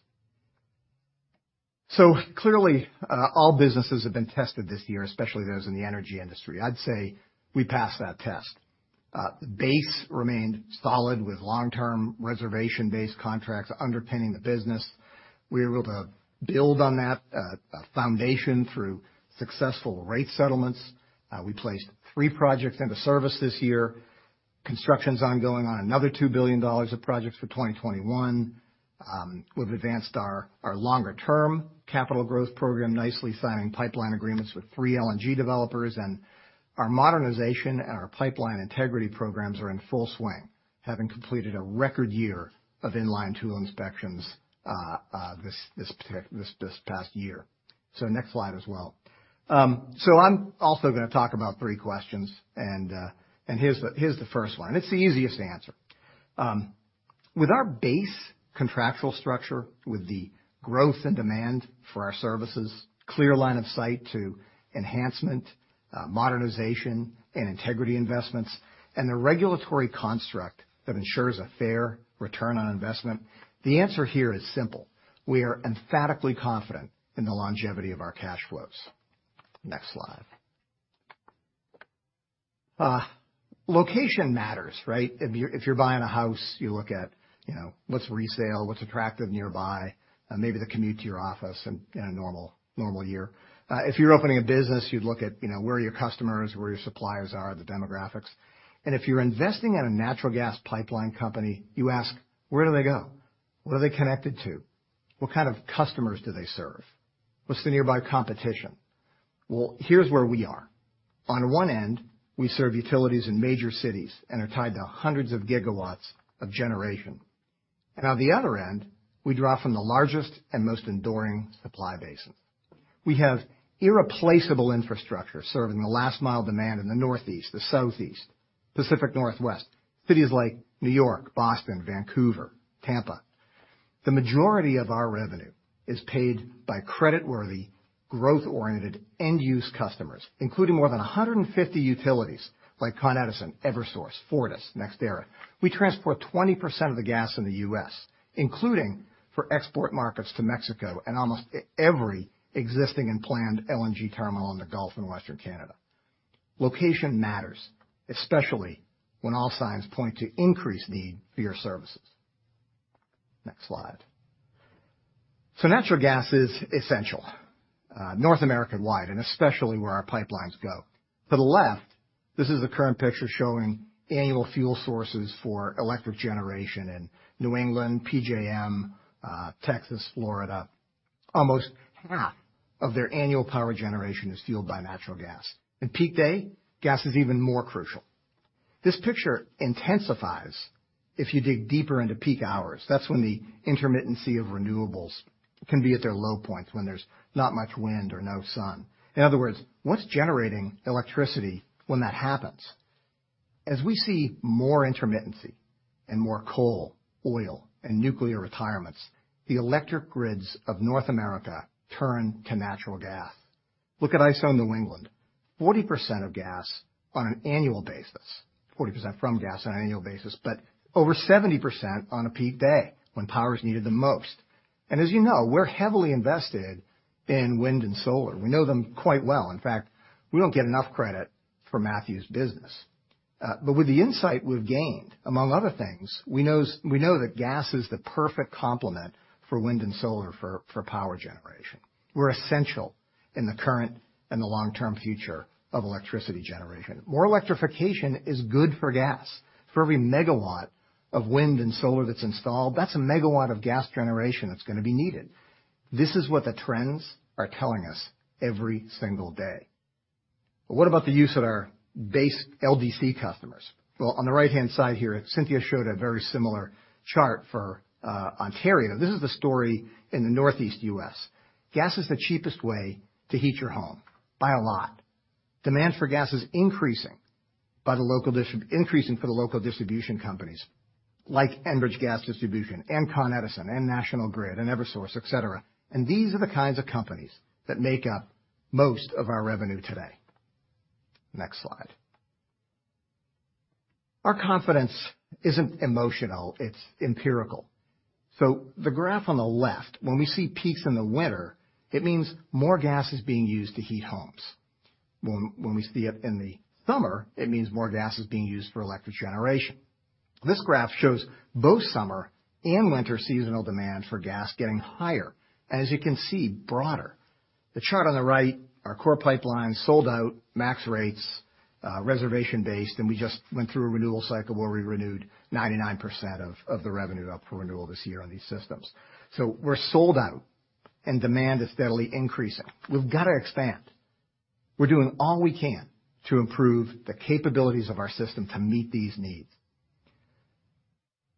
Speaker 5: Clearly, all businesses have been tested this year, especially those in the energy industry. I'd say we passed that test. The base remained solid with long-term reservation-based contracts underpinning the business. We were able to build on that foundation through successful rate settlements. We placed three projects into service this year. Construction's ongoing on another 2 billion dollars of projects for 2021. We've advanced our longer-term capital growth program, nicely signing pipeline agreements with three LNG developers, and our modernization and our pipeline integrity programs are in full swing, having completed a record year of in-line tool inspections this past year. Next slide as well. I'm also going to talk about three questions, and here's the first one, and it's the easiest to answer. With our base contractual structure, with the growth and demand for our services, clear line of sight to enhancement, modernization, and integrity investments, and the regulatory construct that ensures a fair return on investment, the answer here is simple. We are emphatically confident in the longevity of our cash flows. Next slide. Location matters, right? If you're buying a house, you look at what's resale, what's attractive nearby, maybe the commute to your office in a normal year. If you're opening a business, you'd look at where are your customers, where your suppliers are, the demographics. If you're investing in a natural gas pipeline company, you ask, "Where do they go? What are they connected to? What kind of customers do they serve? What's the nearby competition?" Well, here's where we are. One end, we serve utilities in major cities and are tied to hundreds of GW of generation. On the other end, we draw from the largest and most enduring supply basin. We have irreplaceable infrastructure serving the last-mile demand in the Northeast, the Southeast, Pacific Northwest, cities like New York, Boston, Vancouver, Tampa. The majority of our revenue is paid by creditworthy, growth-oriented, end-use customers, including more than 150 utilities like Con Edison, Eversource, Fortis, NextEra. We transport 20% of the gas in the U.S., including for export markets to Mexico and almost every existing and planned LNG terminal on the Gulf and Western Canada. Location matters, especially when all signs point to increased need for your services. Next slide. Natural gas is essential North American-wide, and especially where our pipelines go. To the left, this is a current picture showing annual fuel sources for electric generation in New England, PJM, Texas, Florida. Almost half of their annual power generation is fueled by natural gas. On peak day, gas is even more crucial. This picture intensifies if you dig deeper into peak hours. That's when the intermittency of renewables can be at their low points, when there's not much wind or no sun. In other words, what's generating electricity when that happens? As we see more intermittency and more coal, oil, and nuclear retirements, the electric grids of North America turn to natural gas. Look at ISO New England, 40% of gas on an annual basis, 40% from gas on an annual basis, but over 70% on a peak day, when power is needed the most. As you know, we're heavily invested in wind and solar. We know them quite well. In fact, we don't get enough credit for Matthew's business. With the insight we've gained, among other things, we know that gas is the perfect complement for wind and solar for power generation. We're essential in the current and the long-term future of electricity generation. More electrification is good for gas. For every MW of wind and solar that's installed, that's a MW of gas generation that's going to be needed. This is what the trends are telling us every single day. What about the use at our base LDC customers? Well, on the right-hand side here, Cynthia showed a very similar chart for Ontario. This is the story in the Northeast U.S. Gas is the cheapest way to heat your home, by a lot. Demand for gas is increasing for the local distribution companies like Enbridge Gas Distribution and Con Edison and National Grid and Eversource, et cetera. These are the kinds of companies that make up most of our revenue today. Next slide. Our confidence isn't emotional, it's empirical. The graph on the left, when we see peaks in the winter, it means more gas is being used to heat homes. When we see it in the summer, it means more gas is being used for electric generation. This graph shows both summer and winter seasonal demand for gas getting higher, as you can see, broader. The chart on the right, our core pipeline, sold out, max rates, reservation-based, and we just went through a renewal cycle where we renewed 99% of the revenue up for renewal this year on these systems. We're sold out and demand is steadily increasing. We've got to expand. We're doing all we can to improve the capabilities of our system to meet these needs.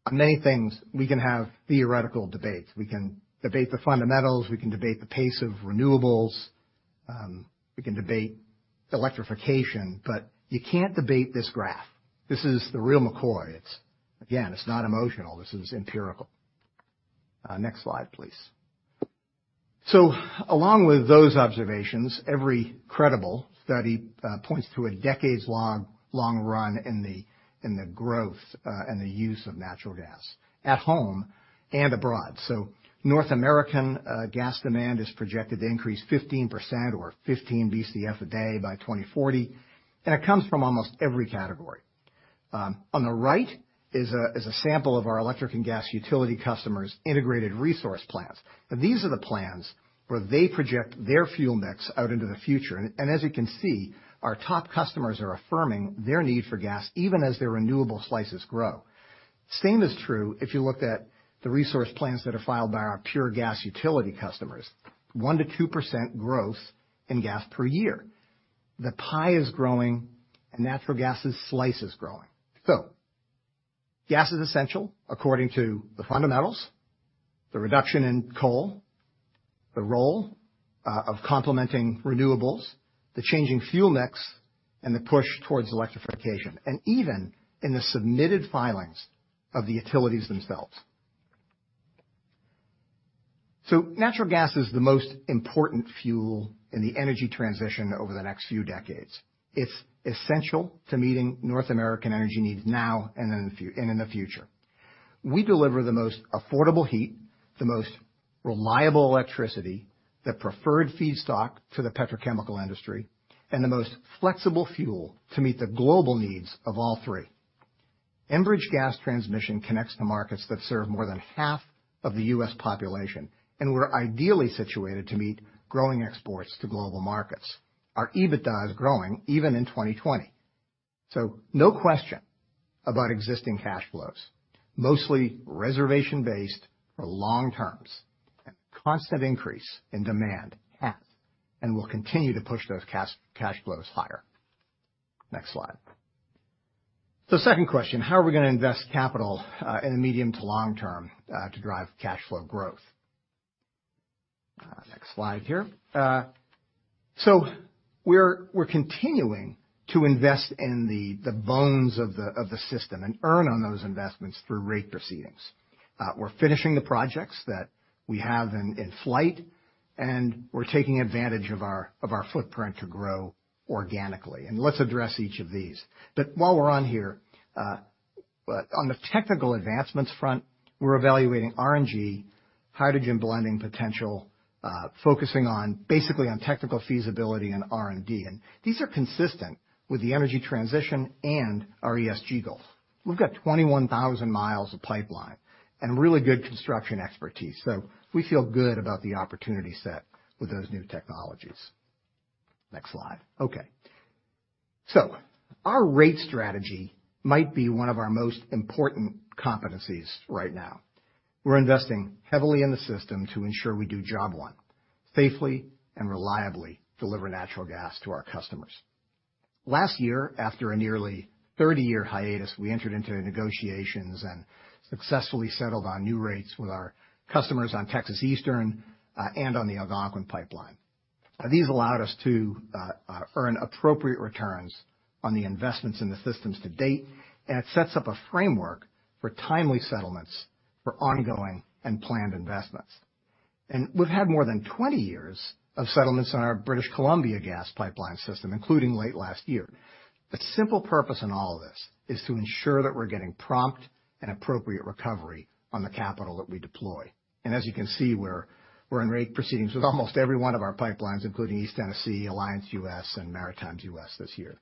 Speaker 5: On many things, we can have theoretical debates. We can debate the fundamentals. We can debate the pace of renewables. We can debate electrification. You can't debate this graph. This is the real McCoy. Again, it's not emotional, this is empirical. Next slide, please. Along with those observations, every credible study points to a decades-long run in the growth, and the use of natural gas at home and abroad. North American gas demand is projected to increase 15% or 15 Bcf a day by 2040, and it comes from almost every category. On the right is a sample of our electric and gas utility customers' integrated resource plans. These are the plans where they project their fuel mix out into the future. As you can see, our top customers are affirming their need for gas even as their renewable slices grow. Same is true if you looked at the resource plans that are filed by our pure gas utility customers, 1%-2% growth in gas per year. The pie is growing and natural gas's slice is growing. Gas is essential according to the fundamentals, the reduction in coal, the role of complementing renewables, the changing fuel mix, and the push towards electrification, and even in the submitted filings of the utilities themselves. Natural gas is the most important fuel in the energy transition over the next few decades. It's essential to meeting North American energy needs now and in the future. We deliver the most affordable heat, the most reliable electricity, the preferred feedstock to the petrochemical industry, and the most flexible fuel to meet the global needs of all three. Enbridge Gas Transmission connects to markets that serve more than half of the U.S. population, and we're ideally situated to meet growing exports to global markets. Our EBITDA is growing even in 2020. No question about existing cash flows. Mostly reservation-based for long terms and constant increase in demand have and will continue to push those cash flows higher. Next slide. Second question, how are we going to invest capital, in the medium to long term, to drive cash flow growth? Next slide here. We're continuing to invest in the bones of the system and earn on those investments through rate proceedings. We're finishing the projects that we have in flight, we're taking advantage of our footprint to grow organically. Let's address each of these. While we're on here, on the technical advancements front, we're evaluating RNG hydrogen blending potential, focusing basically on technical feasibility and R&D. These are consistent with the energy transition and our ESG goals. We've got 21,000 miles of pipeline and really good construction expertise. We feel good about the opportunity set with those new technologies. Next slide. Okay. Our rate strategy might be one of our most important competencies right now. We're investing heavily in the system to ensure we do job one, safely and reliably deliver natural gas to our customers. Last year, after a nearly 30-year hiatus, we entered into negotiations and successfully settled on new rates with our customers on Texas Eastern, and on the Algonquin pipeline. These allowed us to earn appropriate returns on the investments in the systems to date. It sets up a framework for timely settlements for ongoing and planned investments. We've had more than 20 years of settlements on our British Columbia gas pipeline system, including late last year. The simple purpose in all of this is to ensure that we're getting prompt and appropriate recovery on the capital that we deploy. As you can see, we're in rate proceedings with almost every one of our pipelines, including East Tennessee, Alliance U.S., and Maritimes U.S. this year.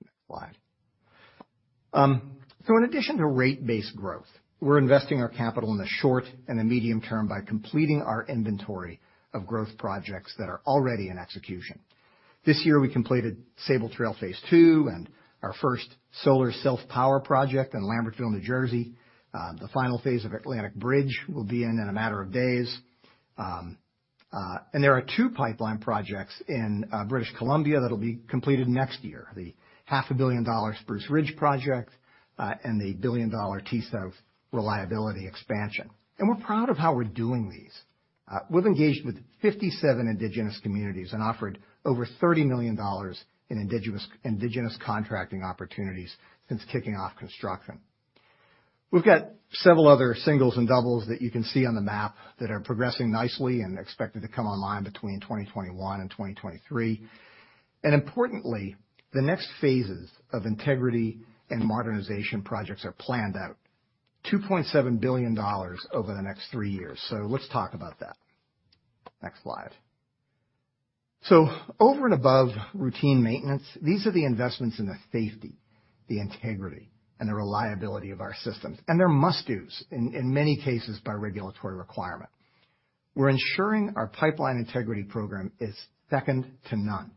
Speaker 5: Next slide. In addition to rate-based growth, we're investing our capital in the short and the medium term by completing our inventory of growth projects that are already in execution. This year, we completed Sabal Trail Phase II and our first solar self-power project in Lambertville, New Jersey. The final phase of Atlantic Bridge will be in a matter of days. There are two pipeline projects in British Columbia that'll be completed next year. The half a billion dollar Spruce Ridge project, the billion-dollar T-South reliability expansion. We're proud of how we're doing these. We've engaged with 57 indigenous communities and offered over 30 million dollars in indigenous contracting opportunities since kicking off construction. We've got several other singles and doubles that you can see on the map that are progressing nicely and expected to come online between 2021 and 2023. Importantly, the next phases of integrity and modernization projects are planned out. 2.7 billion dollars over the next three years. Let's talk about that. Next slide. Over and above routine maintenance, these are the investments in the safety, the integrity, and the reliability of our systems. They're must-dos, in many cases, by regulatory requirement. We're ensuring our pipeline integrity program is second to none.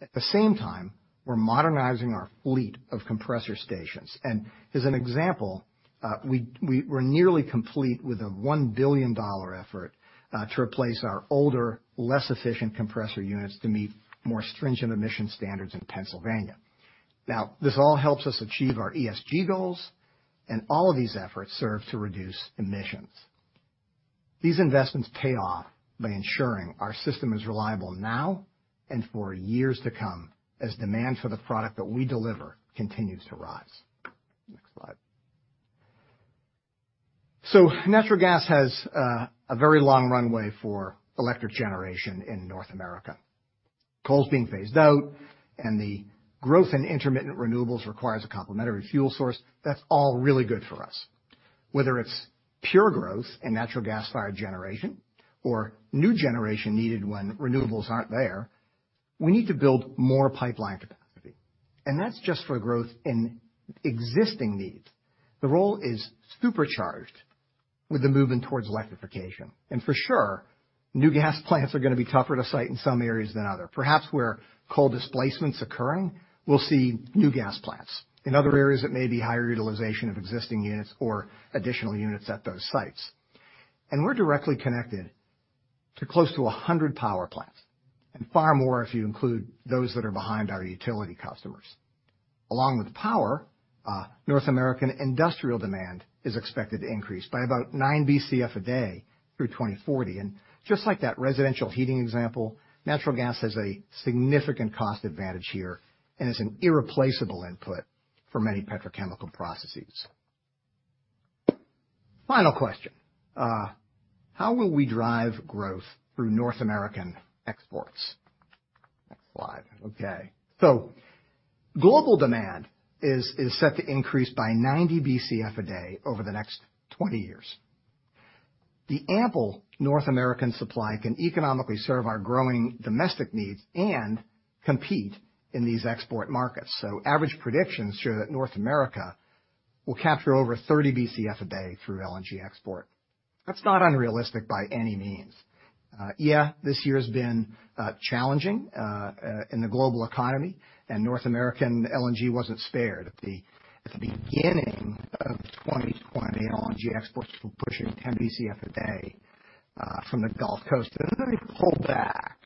Speaker 5: At the same time, we're modernizing our fleet of compressor stations. As an example, we're nearly complete with a 1 billion dollar effort to replace our older, less efficient compressor units to meet more stringent emission standards in Pennsylvania. This all helps us achieve our ESG goals, and all of these efforts serve to reduce emissions. These investments pay off by ensuring our system is reliable now and for years to come, as demand for the product that we deliver continues to rise. Next slide. Natural gas has a very long runway for electric generation in North America. Coal is being phased out, and the growth in intermittent renewables requires a complementary fuel source. That's all really good for us. Whether it's pure growth in natural gas-fired generation or new generation needed when renewables aren't there, we need to build more pipeline capacity, and that's just for growth in existing needs. The role is supercharged with the movement towards electrification. For sure, new gas plants are going to be tougher to site in some areas than others. Perhaps where coal displacement is occurring, we'll see new gas plants. In other areas, it may be higher utilization of existing units or additional units at those sites. We're directly connected to close to 100 power plants, and far more if you include those that are behind our utility customers. Along with power, North American industrial demand is expected to increase by about nine Bcf a day through 2040. Just like that residential heating example, natural gas has a significant cost advantage here and is an irreplaceable input for many petrochemical processes. Final question. How will we drive growth through North American exports? Next slide. Okay. Global demand is set to increase by 90 Bcf a day over the next 20 years. The ample North American supply can economically serve our growing domestic needs and compete in these export markets. Average predictions show that North America will capture over 30 Bcf a day through LNG export. That's not unrealistic by any means. Yeah, this year has been challenging in the global economy, and North American LNG wasn't spared. At the beginning of 2020, LNG exports were pushing 10 Bcf a day from the Gulf Coast, and then they pulled back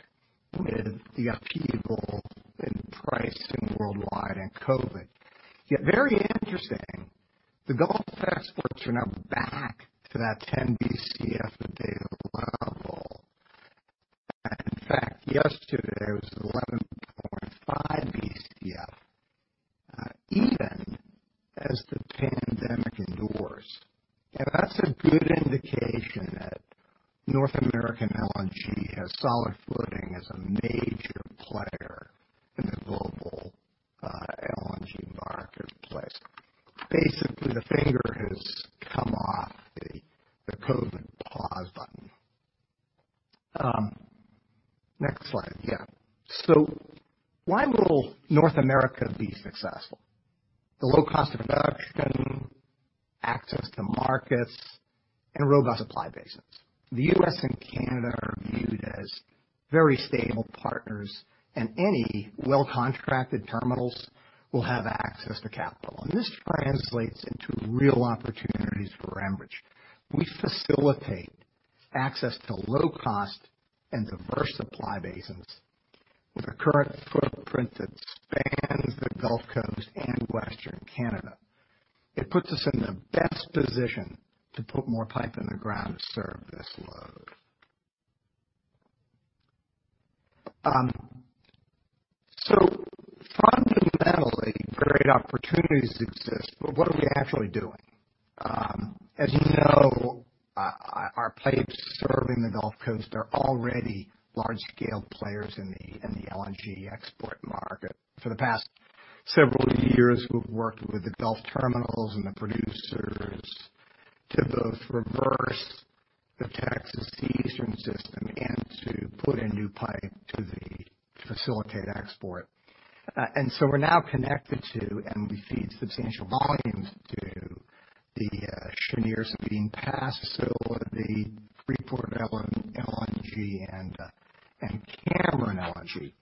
Speaker 5: amid the upheaval in price and worldwide and COVID. Very interesting, the Gulf exports are now back to that 10 Bcf a day level. In fact, yesterday it was 11.5 Bcf, even as the pandemic endures. That's a good indication that North American LNG has solid footing as a major player in the global LNG marketplace. Basically, the finger has come off the COVID pause button. Next slide. Why will North America be successful? The low cost of production, access to markets, and robust supply basins. The U.S. and Canada are viewed as very stable partners, and any well-contracted terminals will have access to capital. This translates into real opportunities for Enbridge. We facilitate access to low cost and diverse supply basins with a current footprint that spans the Gulf Coast and Western Canada. It puts us in the best position to put more pipe in the ground to serve this load. Fundamentally, great opportunities exist, but what are we actually doing? As you know, our pipes serving the Gulf Coast are already large-scale players in the LNG export market. For the past several years, we've worked with the Gulf terminals and the producers to both reverse the Texas Eastern Transmission system and to put in new pipe to facilitate export. We're now connected to, and we feed substantial volumes to the Cheniere Sabine Pass facility, Freeport LNG, and Cameron LNG.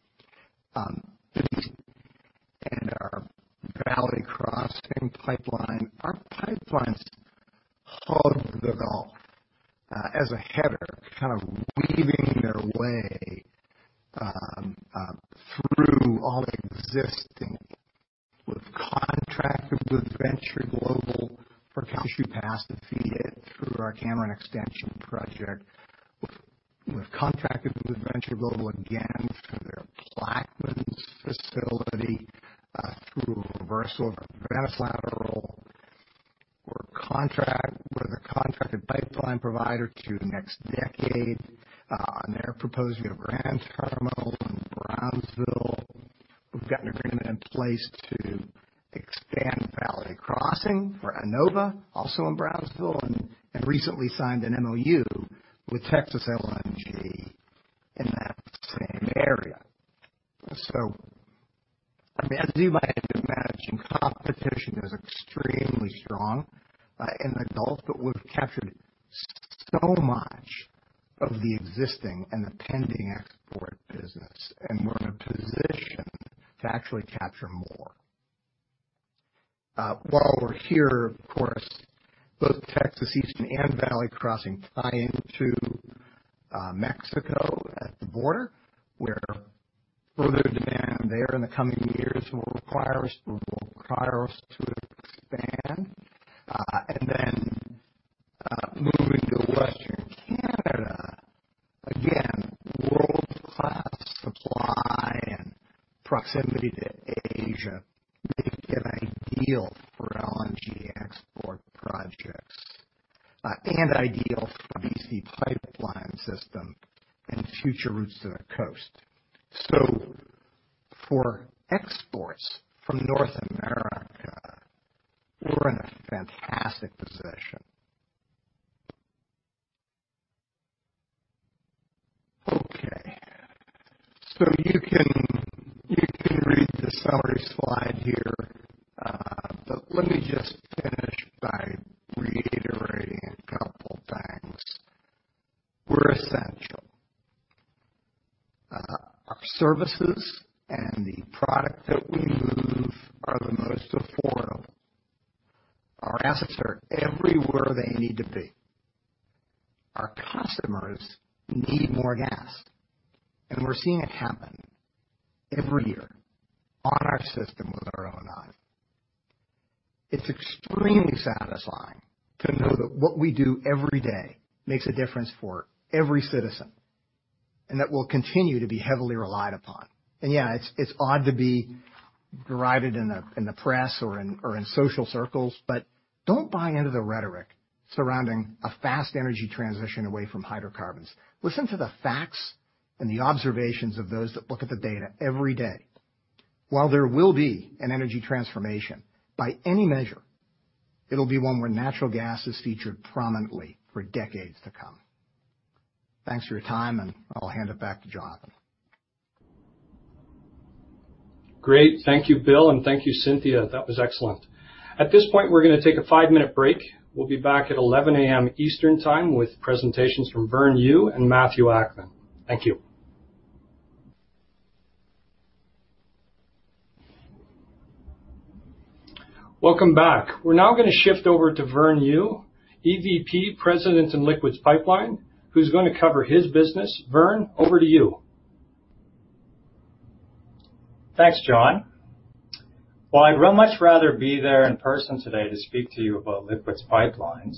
Speaker 5: Our Valley Crossing Pipeline. Our pipelines hug the Gulf as a header, kind of weaving their way through all existing. We've contracted with Venture Global for Calcasieu Pass to feed it through our Cameron Extension Project. We've contracted with Venture Global again for their Plaquemines facility through a reversal of a lateral. We're the contracted pipeline provider to NextDecade on their proposed Rio Grande LNG terminal in Brownsville. We've got an agreement in place to expand Valley Crossing for Annova LNG, also in Brownsville, and recently signed an MoU with Texas LNG in that same area. As you might imagine, competition is extremely strong in the Gulf, but we've captured so much of the existing and the pending export business, and we're in a position to actually capture more. While we're here, of course, both Texas Eastern and Valley Crossing tie into Mexico at the border. Further demand there in the coming years will require us to expand. Moving to Western Canada, again, world-class supply and proximity to Asia make it ideal for LNG export projects, and ideal for BC Pipeline system and future routes to the coast. For it'll be one where natural gas is featured prominently for decades to come. Thanks for your time, and I'll hand it back to Jon.
Speaker 1: Great. Thank you, Bill, and thank you, Cynthia. That was excellent. At this point, we're going to take a five-minute break. We'll be back at 11:00 A.M. Eastern Time with presentations from Vern Yu and Matthew Akman. Thank you. Welcome back. We're now going to shift over to Vern Yu, EVP, President in Liquids Pipeline, who's going to cover his business. Vern, over to you.
Speaker 6: Thanks, Jon. I'd much rather be there in person today to speak to you about Liquids Pipelines.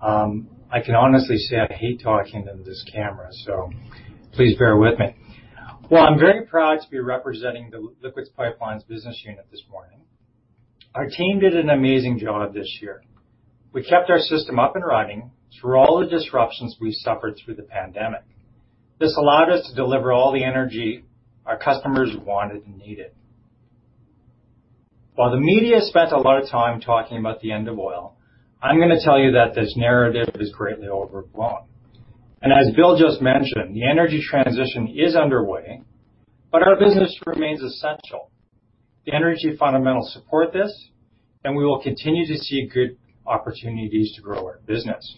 Speaker 6: I can honestly say I hate talking to this camera, please bear with me. I'm very proud to be representing the Liquids Pipelines business unit this morning. Our team did an amazing job this year. We kept our system up and running through all the disruptions we suffered through the pandemic. This allowed us to deliver all the energy our customers wanted and needed. The media spent a lot of time talking about the end of oil. I'm going to tell you that this narrative is greatly overblown. As Bill just mentioned, the energy transition is underway. Our business remains essential. The energy fundamentals support this. We will continue to see good opportunities to grow our business.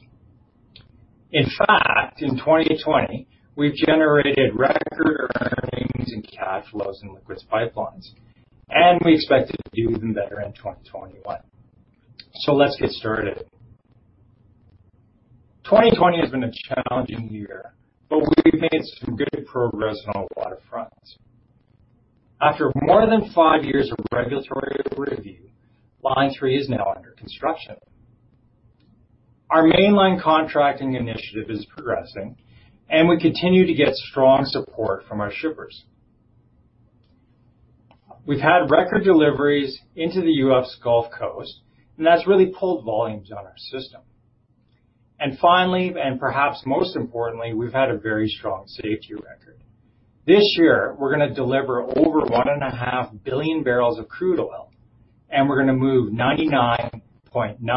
Speaker 6: In fact, in 2020, we've generated record earnings and cash flows in Liquids Pipelines, and we expect to do even better in 2021. Let's get started. 2020 has been a challenging year, but we've made some good progress on a lot of fronts. After more than five years of regulatory review, Line 3 is now under construction. Our Mainline contracting initiative is progressing, and we continue to get strong support from our shippers. We've had record deliveries into the U.S. Gulf Coast, and that's really pulled volumes on our system. Finally, and perhaps most importantly, we've had a very strong safety record. This year, we're going to deliver over 1.5 billion bbl of crude oil, and we're going to move 99.99999%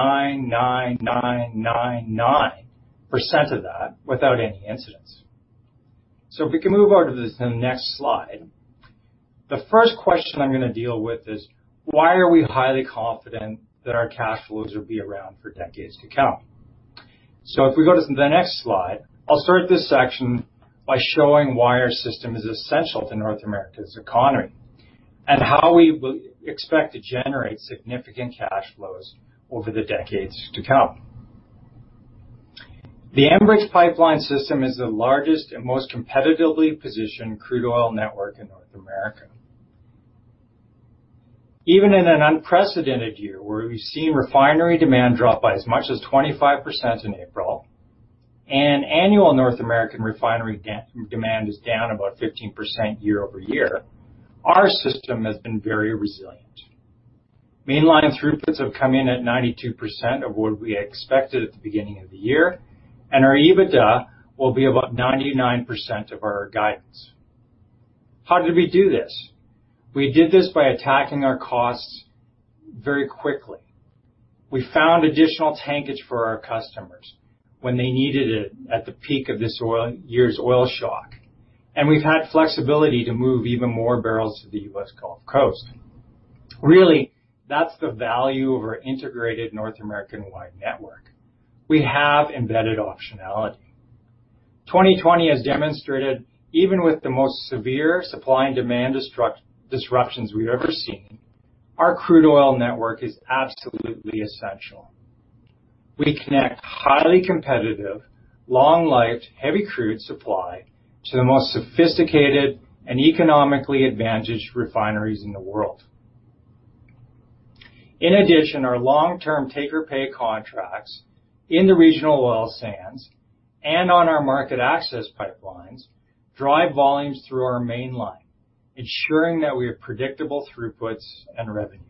Speaker 6: of that without any incidents. If we can move over to the next slide. The first question I'm going to deal with is, why are we highly confident that our cash flows will be around for decades to come? If we go to the next slide, I'll start this section by showing why our system is essential to North America's economy and how we expect to generate significant cash flows over the decades to come. The Enbridge pipeline system is the largest and most competitively positioned crude oil network in North America. Even in an unprecedented year where we've seen refinery demand drop by as much as 25% in April and annual North American refinery demand is down about 15% year-over-year, our system has been very resilient. Mainline throughputs have come in at 92% of what we expected at the beginning of the year, and our EBITDA will be about 99% of our guidance. How did we do this? We did this by attacking our costs very quickly. We found additional tankage for our customers when they needed it at the peak of this year's oil shock, and we've had flexibility to move even more bbl to the U.S. Gulf Coast. Really, that's the value of our integrated North American-wide network. We have embedded optionality. 2020 has demonstrated even with the most severe supply and demand disruptions we've ever seen, our crude oil network is absolutely essential. We connect highly competitive, long-lived heavy crude supply to the most sophisticated and economically advantaged refineries in the world. In addition, our long-term take-or-pay contracts in the regional oil sands and on our market access pipelines drive volumes through our Mainline, ensuring that we have predictable throughputs and revenues.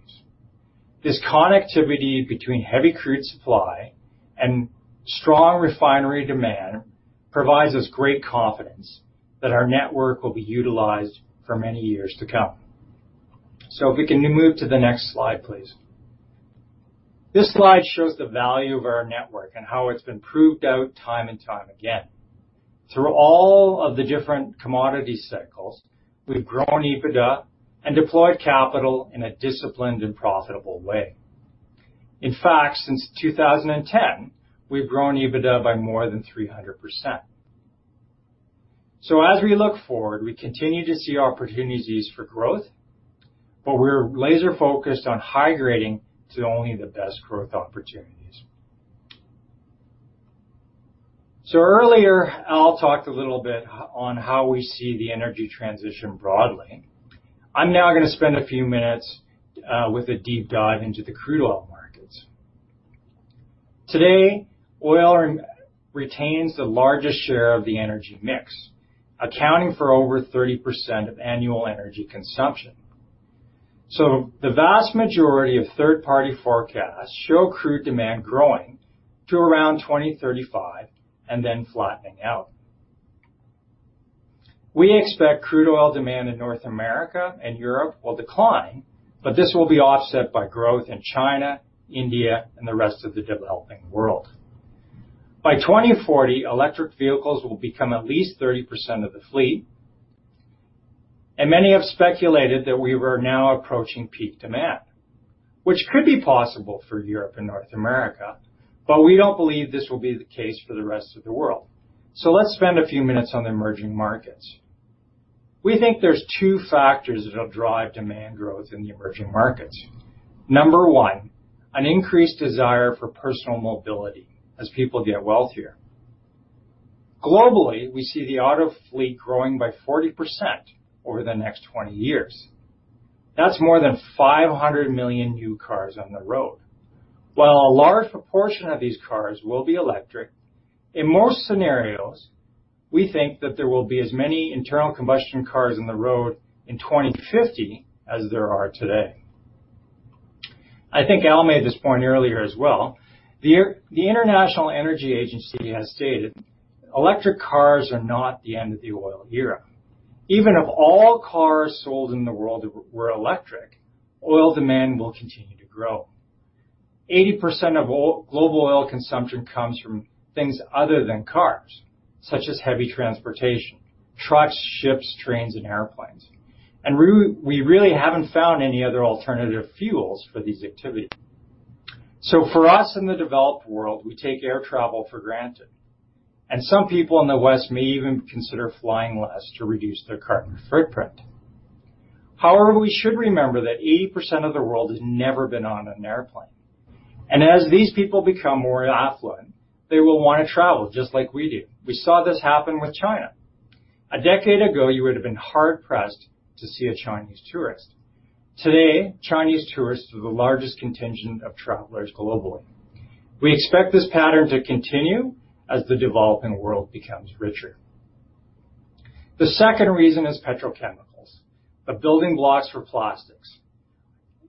Speaker 6: This connectivity between heavy crude supply and strong refinery demand provides us great confidence that our network will be utilized for many years to come. If we can move to the next slide, please. This slide shows the value of our network and how it's been proved out time and time again. Through all of the different commodity cycles, we've grown EBITDA and deployed capital in a disciplined and profitable way. In fact, since 2010, we've grown EBITDA by more than 300%. As we look forward, we continue to see opportunities for growth, but we're laser-focused on high-grading to only the best growth opportunities. Earlier, Al talked a little bit on how we see the energy transition broadly. I'm now going to spend a few minutes with a deep dive into the crude oil markets. Today, oil retains the largest share of the energy mix, accounting for over 30% of annual energy consumption. The vast majority of third-party forecasts show crude demand growing to around 2035 and then flattening out. We expect crude oil demand in North America and Europe will decline, but this will be offset by growth in China, India, and the rest of the developing world. By 2040, electric vehicles will become at least 30% of the fleet, and many have speculated that we are now approaching peak demand, which could be possible for Europe and North America, but we don't believe this will be the case for the rest of the world. Let's spend a few minutes on the emerging markets. We think there's two factors that'll drive demand growth in the emerging markets. Number one, an increased desire for personal mobility as people get wealthier. Globally, we see the auto fleet growing by 40% over the next 20 years. That's more than 500 million new cars on the road. While a large proportion of these cars will be electric, in most scenarios, we think that there will be as many internal combustion cars on the road in 2050 as there are today. I think Al made this point earlier as well. The International Energy Agency has stated electric cars are not the end of the oil era. Even if all cars sold in the world were electric, oil demand will continue to grow. 80% of global oil consumption comes from things other than cars, such as heavy transportation, trucks, ships, trains, and airplanes. We really haven't found any other alternative fuels for these activities. For us in the developed world, we take air travel for granted, and some people in the West may even consider flying less to reduce their carbon footprint. However, we should remember that 80% of the world has never been on an airplane, and as these people become more affluent, they will want to travel just like we do. We saw this happen with China. A decade ago, you would've been hard-pressed to see a Chinese tourist. Today, Chinese tourists are the largest contingent of travelers globally. We expect this pattern to continue as the developing world becomes richer. The second reason is petrochemicals, the building blocks for plastics.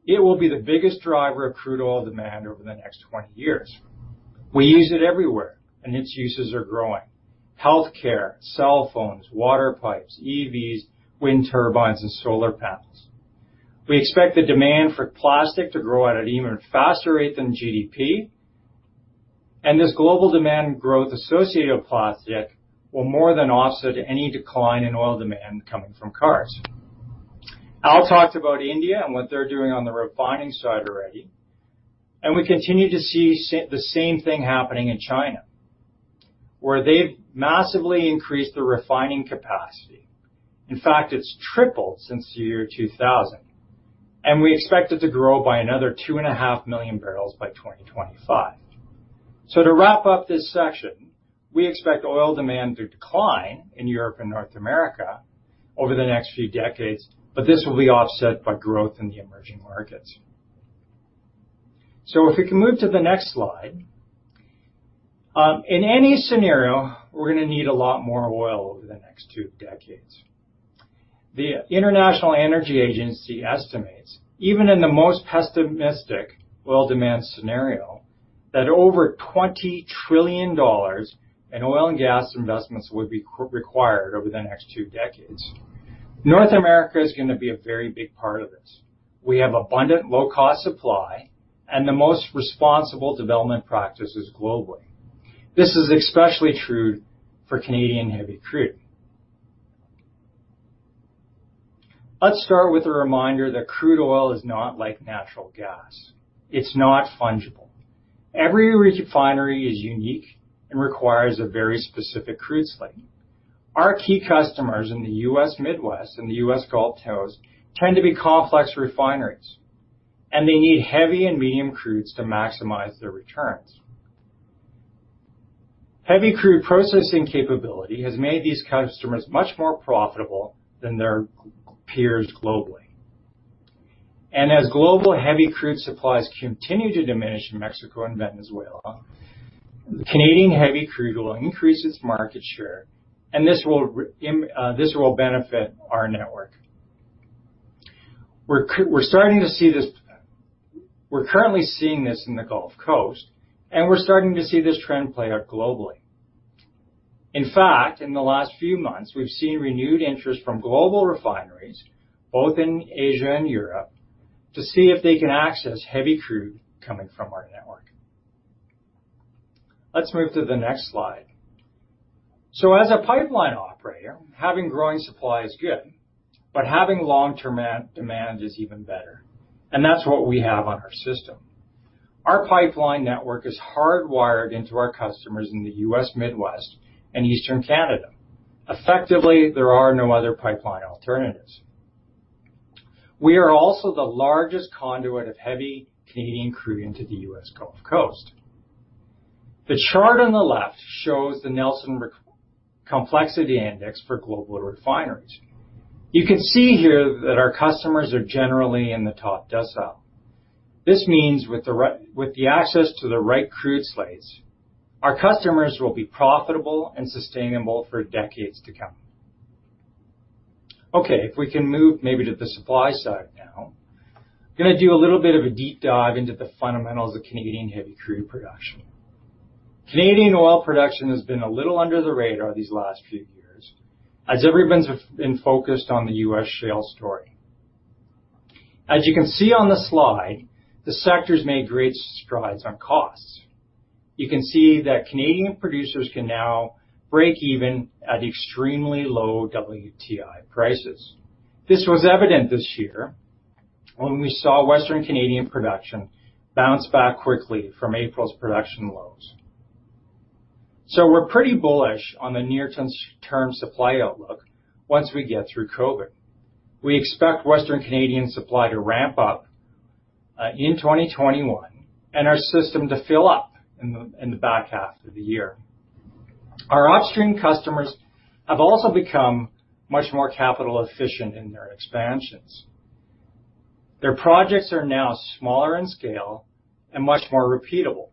Speaker 6: It will be the biggest driver of crude oil demand over the next 20 years. We use it everywhere, and its uses are growing. Healthcare, cell phones, water pipes, EVs, wind turbines, and solar panels. We expect the demand for plastic to grow at an even faster rate than GDP. This global demand growth associated with plastic will more than offset any decline in oil demand coming from cars. Al talked about India and what they're doing on the refining side already. We continue to see the same thing happening in China, where they've massively increased their refining capacity. In fact, it's tripled since the year 2000. We expect it to grow by another 2.5 million bbl by 2025. To wrap up this section, we expect oil demand to decline in Europe and North America over the next few decades. This will be offset by growth in the emerging markets. If we can move to the next slide. In any scenario, we're going to need a lot more oil over the next two decades. The International Energy Agency estimates, even in the most pessimistic oil demand scenario, that over 20 trillion dollars in oil and gas investments would be required over the next two decades. North America is going to be a very big part of this. We have abundant low-cost supply and the most responsible development practices globally. This is especially true for Canadian heavy crude. Let's start with a reminder that crude oil is not like natural gas. It's not fungible. Every refinery is unique and requires a very specific crude slate. Our key customers in the U.S. Midwest and the U.S. Gulf Coast tend to be complex refineries, and they need heavy and medium crudes to maximize their returns. Heavy crude processing capability has made these customers much more profitable than their peers globally. As global heavy crude supplies continue to diminish in Mexico and Venezuela, Canadian heavy crude will increase its market share, and this will benefit our network. We're currently seeing this in the Gulf Coast, and we're starting to see this trend play out globally. In fact, in the last few months, we've seen renewed interest from global refineries, both in Asia and Europe, to see if they can access heavy crude coming from our network. Let's move to the next slide. As a pipeline operator, having growing supply is good, but having long-term demand is even better. That's what we have on our system. Our pipeline network is hardwired into our customers in the U.S. Midwest and Eastern Canada. Effectively, there are no other pipeline alternatives. We are also the largest conduit of heavy Canadian crude into the U.S. Gulf Coast. The chart on the left shows the Nelson Complexity Index for global refineries. You can see here that our customers are generally in the top decile. This means with the access to the right crude slates, our customers will be profitable and sustainable for decades to come. Okay. If we can move maybe to the supply side now, I'm going to do a little bit of a deep dive into the fundamentals of Canadian heavy crude production. Canadian oil production has been a little under the radar these last few years as everyone's been focused on the U.S. shale story. As you can see on the slide, the sector's made great strides on costs. You can see that Canadian producers can now break even at extremely low WTI prices. This was evident this year when we saw Western Canadian production bounce back quickly from April's production lows. We're pretty bullish on the near-term supply outlook once we get through COVID. We expect Western Canadian supply to ramp up in 2021 and our system to fill up in the back half of the year. Our upstream customers have also become much more capital efficient in their expansions. Their projects are now smaller in scale and much more repeatable.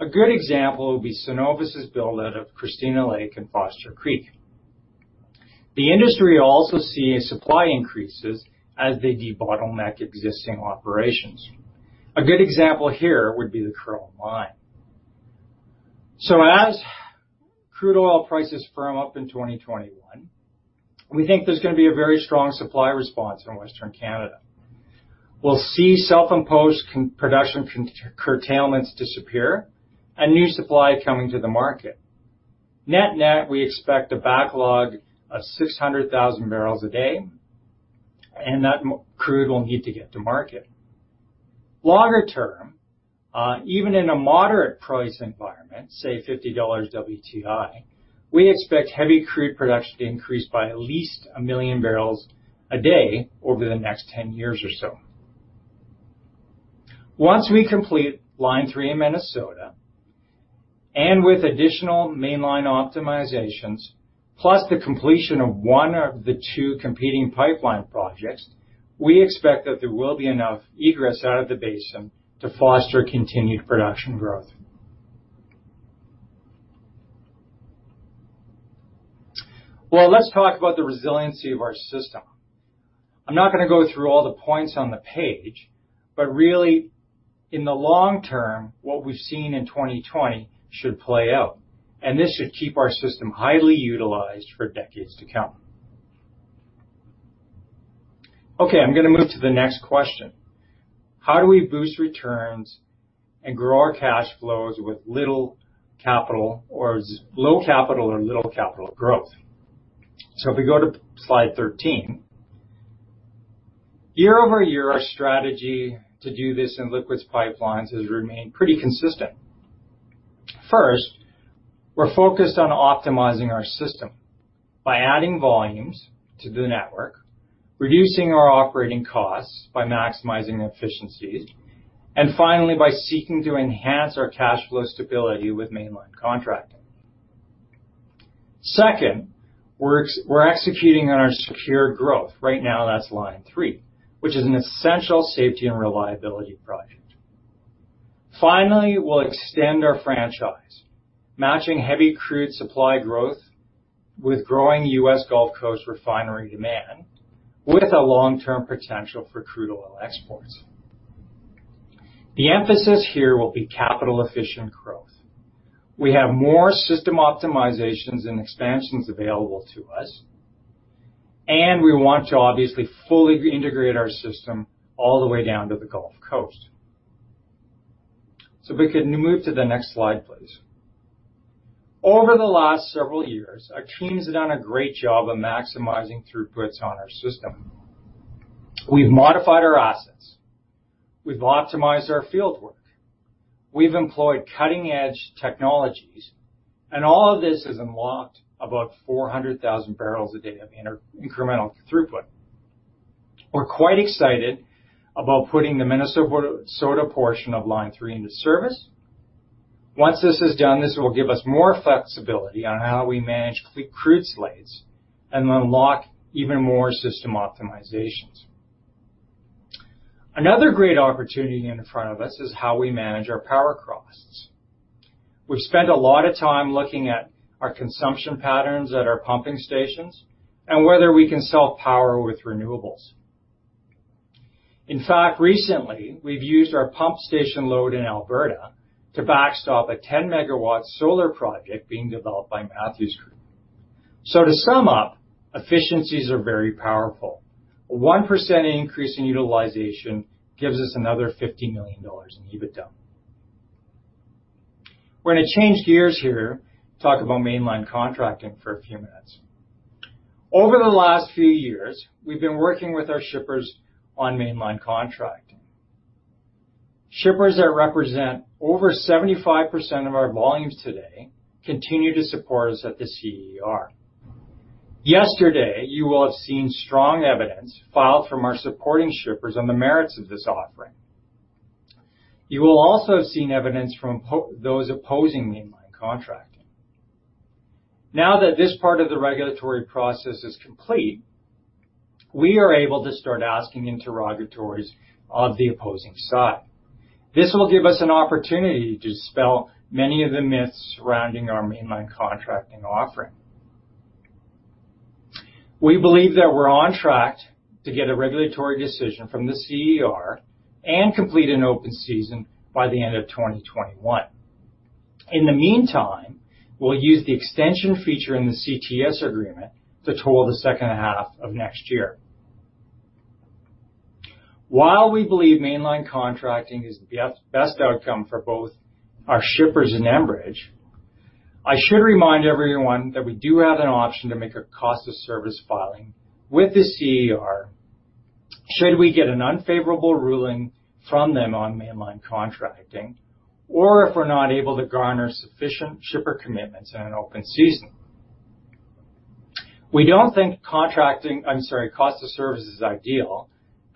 Speaker 6: A good example would be Cenovus's build-out of Christina Lake and Foster Creek. The industry will also see supply increases as they debottleneck existing operations. A good example here would be the Kearl mine. As crude oil prices firm up in 2021, we think there's going to be a very strong supply response from Western Canada. We'll see self-imposed production curtailments disappear and new supply coming to the market. Net-net, we expect a backlog of 600,000 bbl a day, and that crude will need to get to market. Longer term, even in a moderate price environment, say $50 WTI, we expect heavy crude production to increase by at least a million bbl a day over the next 10 years or so. With additional mainline optimizations, plus the completion of one of the two competing pipeline projects, we expect that there will be enough egress out of the basin to foster continued production growth. Let's talk about the resiliency of our system. I'm not going to go through all the points on the page, really, in the long term, what we've seen in 2020 should play out, this should keep our system highly utilized for decades to come. I'm going to move to the next question. How do we boost returns and grow our cash flows with little capital or low capital or little capital growth? If we go to slide 13. Year-over-year, our strategy to do this in liquids pipelines has remained pretty consistent. First, we're focused on optimizing our system by adding volumes to the network, reducing our operating costs by maximizing efficiencies, and finally, by seeking to enhance our cash flow stability with mainline contracting. Second, we're executing on our secure growth. Right now, that's Line 3, which is an essential safety and reliability project. Finally, we'll extend our franchise, matching heavy crude supply growth with growing U.S. Gulf Coast refinery demand with a long-term potential for crude oil exports. The emphasis here will be capital-efficient growth. We have more system optimizations and expansions available to us, and we want to obviously fully integrate our system all the way down to the Gulf Coast. If we could move to the next slide, please. Over the last several years, our team's done a great job of maximizing throughputs on our system. We've modified our assets, we've optimized our fieldwork, we've employed cutting-edge technologies. All of this has unlocked about 400,000 bbl a day of incremental throughput. We're quite excited about putting the Minnesota portion of Line 3 into service. Once this is done, this will give us more flexibility on how we manage crude slates and unlock even more system optimizations. Another great opportunity in front of us is how we manage our power costs. We've spent a lot of time looking at our consumption patterns at our pumping stations and whether we can sell power with renewables. In fact, recently, we've used our pump station load in Alberta to backstop a 10 MW solar project being developed by Matthew's Crew. To sum up, efficiencies are very powerful. A 1% increase in utilization gives us another CAD 50 million in EBITDA. We're going to change gears here, talk about mainline contracting for a few minutes. Over the last few years, we've been working with our shippers on mainline contracting. Shippers that represent over 75% of our volumes today continue to support us at the CER. Yesterday, you will have seen strong evidence filed from our supporting shippers on the merits of this offering. You will also have seen evidence from those opposing mainline contracting. Now that this part of the regulatory process is complete, we are able to start asking interrogatories of the opposing side. This will give us an opportunity to dispel many of the myths surrounding our mainline contracting offering. We believe that we're on track to get a regulatory decision from the CER and complete an open season by the end of 2021. In the meantime, we'll use the extension feature in the CTS agreement to toll the second half of next year. While we believe Mainline contracting is the best outcome for both our shippers and Enbridge, I should remind everyone that we do have an option to make a cost of service filing with the CER should we get an unfavorable ruling from them on Mainline contracting or if we're not able to garner sufficient shipper commitments in an open season. We don't think cost of service is ideal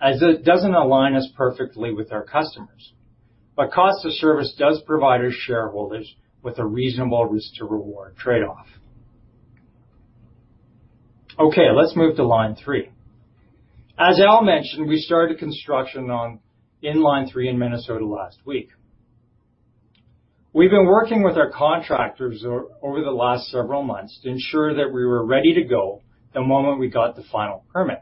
Speaker 6: as it doesn't align us perfectly with our customers. Cost of service does provide our shareholders with a reasonable risk-to-reward trade-off. Okay, let's move to Line 3. As Al mentioned, we started construction in Line 3 in Minnesota last week. We've been working with our contractors over the last several months to ensure that we were ready to go the moment we got the final permit.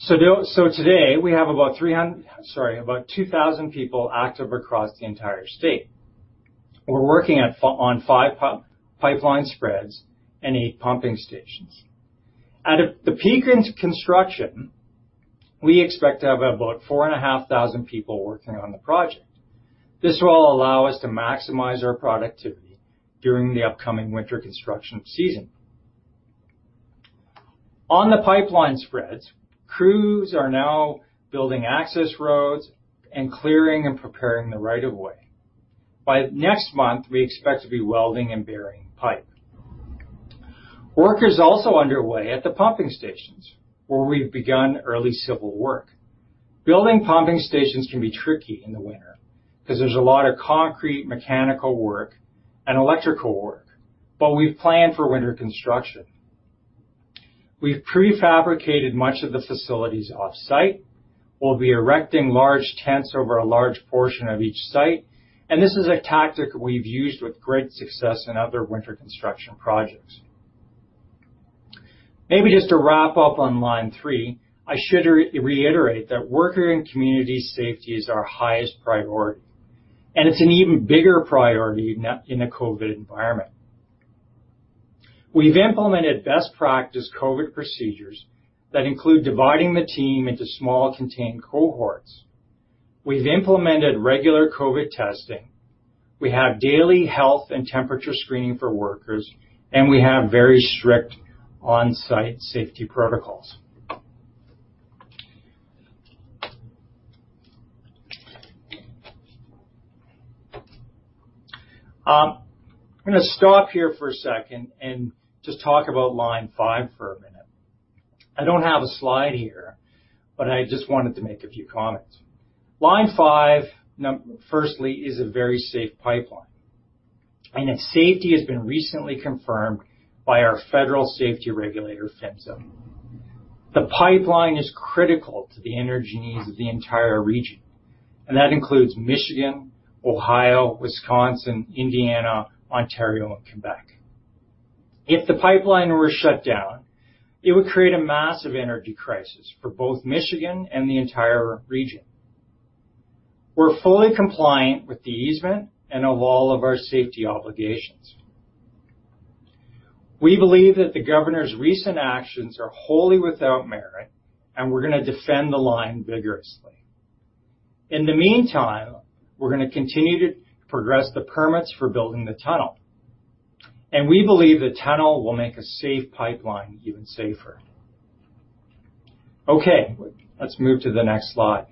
Speaker 6: Today, we have about 2,000 people active across the entire state. We're working on five pipeline spreads and eight pumping stations. At the peak into construction, we expect to have about 4,500 people working on the project. This will allow us to maximize our productivity during the upcoming winter construction season. On the pipeline spreads, crews are now building access roads and clearing and preparing the right of way. By next month, we expect to be welding and burying pipe. Work is also underway at the pumping stations, where we've begun early civil work. Building pumping stations can be tricky in the winter because there's a lot of concrete, mechanical work, and electrical work, but we've planned for winter construction. We've pre-fabricated much of the facilities off-site. We'll be erecting large tents over a large portion of each site. This is a tactic we've used with great success in other winter construction projects. Maybe just to wrap up on Line 3, I should reiterate that worker and community safety is our highest priority. It's an even bigger priority in a COVID environment. We've implemented best practice COVID procedures that include dividing the team into small contained cohorts. We've implemented regular COVID testing. We have daily health and temperature screening for workers. We have very strict on-site safety protocols. I'm going to stop here for a second and just talk about Line 5 for a minute. I don't have a slide here. I just wanted to make a few comments. Line 5, firstly, is a very safe pipeline, and its safety has been recently confirmed by our federal safety regulator, PHMSA. The pipeline is critical to the energy needs of the entire region, and that includes Michigan, Ohio, Wisconsin, Indiana, Ontario, and Quebec. If the pipeline were shut down, it would create a massive energy crisis for both Michigan and the entire region. We're fully compliant with the easement and of all of our safety obligations. We believe that the governor's recent actions are wholly without merit, and we're going to defend the line vigorously. In the meantime, we're going to continue to progress the permits for building the tunnel. We believe the tunnel will make a safe pipeline even safer. Okay, let's move to the next slide.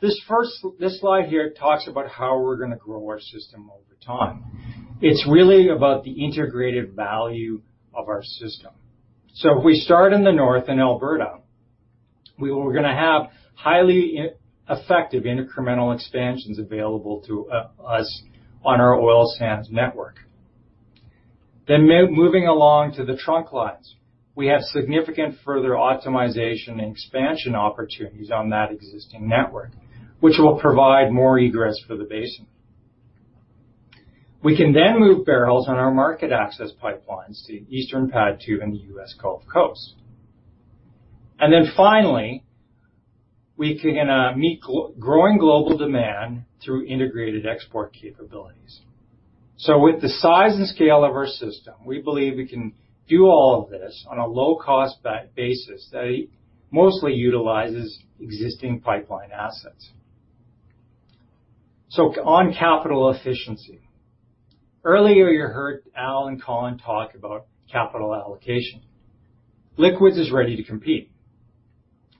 Speaker 6: This slide here talks about how we're going to grow our system over time. It's really about the integrated value of our system. If we start in the north in Alberta, we're going to have highly effective incremental expansions available to us on our oil sands network. Moving along to the trunk lines, we have significant further optimization and expansion opportunities on that existing network, which will provide more egress for the basin. We can then move bbl on our market access pipelines to Eastern PADD 2 and the U.S. Gulf Coast. Finally, we can meet growing global demand through integrated export capabilities. With the size and scale of our system, we believe we can do all of this on a low-cost basis that mostly utilizes existing pipeline assets. On capital efficiency. Earlier, you heard Al and Colin talk about capital allocation. Liquids is ready to compete.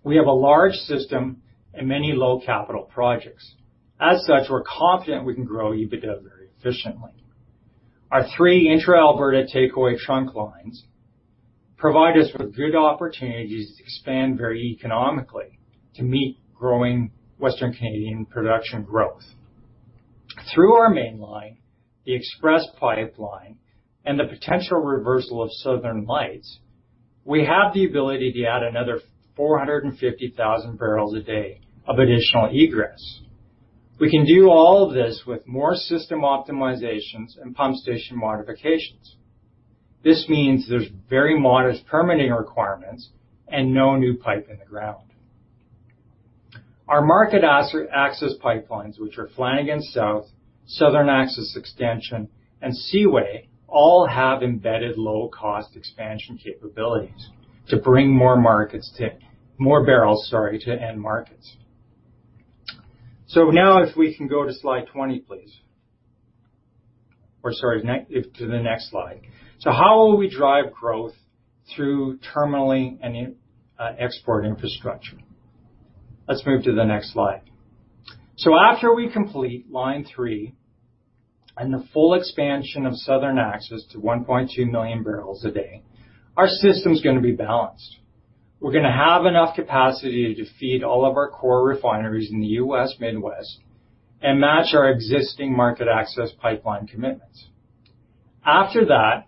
Speaker 6: We have a large system and many low-capital projects. As such, we're confident we can grow EBITDA very efficiently. Our three intra-Alberta takeaway trunk lines provide us with good opportunities to expand very economically to meet growing Western Canadian production growth. Through our mainline, the Express Pipeline, and the potential reversal of Southern Lights, we have the ability to add another 450,000 bbl a day of additional egress. We can do all of this with more system optimizations and pump station modifications. This means there's very modest permitting requirements and no new pipe in the ground. Our market access pipelines, which are Flanagan South, Southern Access Extension, and Seaway, all have embedded low-cost expansion capabilities to bring more bbl to end markets. Now if we can go to slide 20, please. Sorry, to the next slide. How will we drive growth through terminaling and export infrastructure? Let's move to the next slide. After we complete Line 3 and the full expansion of Southern Access to 1.2 million bbl a day, our system's going to be balanced. We're going to have enough capacity to feed all of our core refineries in the U.S. Midwest and match our existing market access pipeline commitments. After that,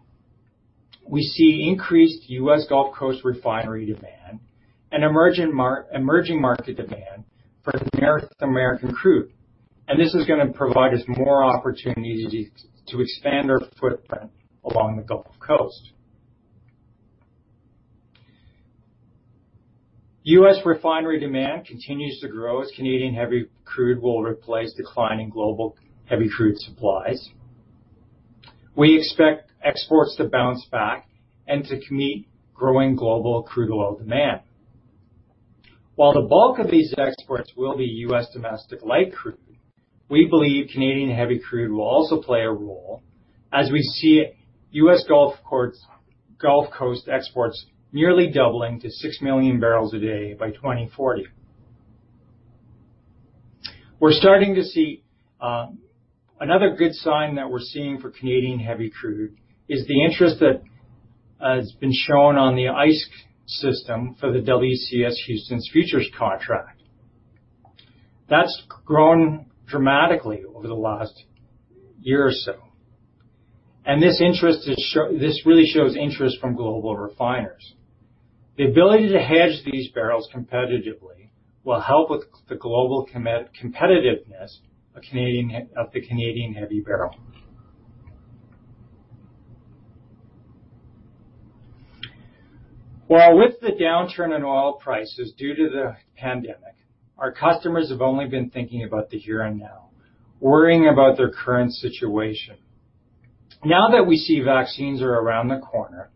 Speaker 6: we see increased U.S. Gulf Coast refinery demand and emerging market demand for North American crude. This is going to provide us more opportunity to expand our footprint along the Gulf Coast. U.S. refinery demand continues to grow as Canadian heavy crude will replace declining global heavy crude supplies. We expect exports to bounce back and to meet growing global crude oil demand. The bulk of these exports will be U.S. domestic light crude, we believe Canadian heavy crude will also play a role as we see U.S. Gulf Coast exports nearly doubling to 6 million bbl a day by 2040. Another good sign that we're seeing for Canadian heavy crude is the interest that has been shown on the ICE system for the WCS Houston futures contract. That's grown dramatically over the last year or so. This really shows interest from global refiners. The ability to hedge these bbl competitively will help with the global competitiveness of the Canadian heavy barrel. With the downturn in oil prices due to the pandemic, our customers have only been thinking about the here and now, worrying about their current situation. Now that we see vaccines are around the corner,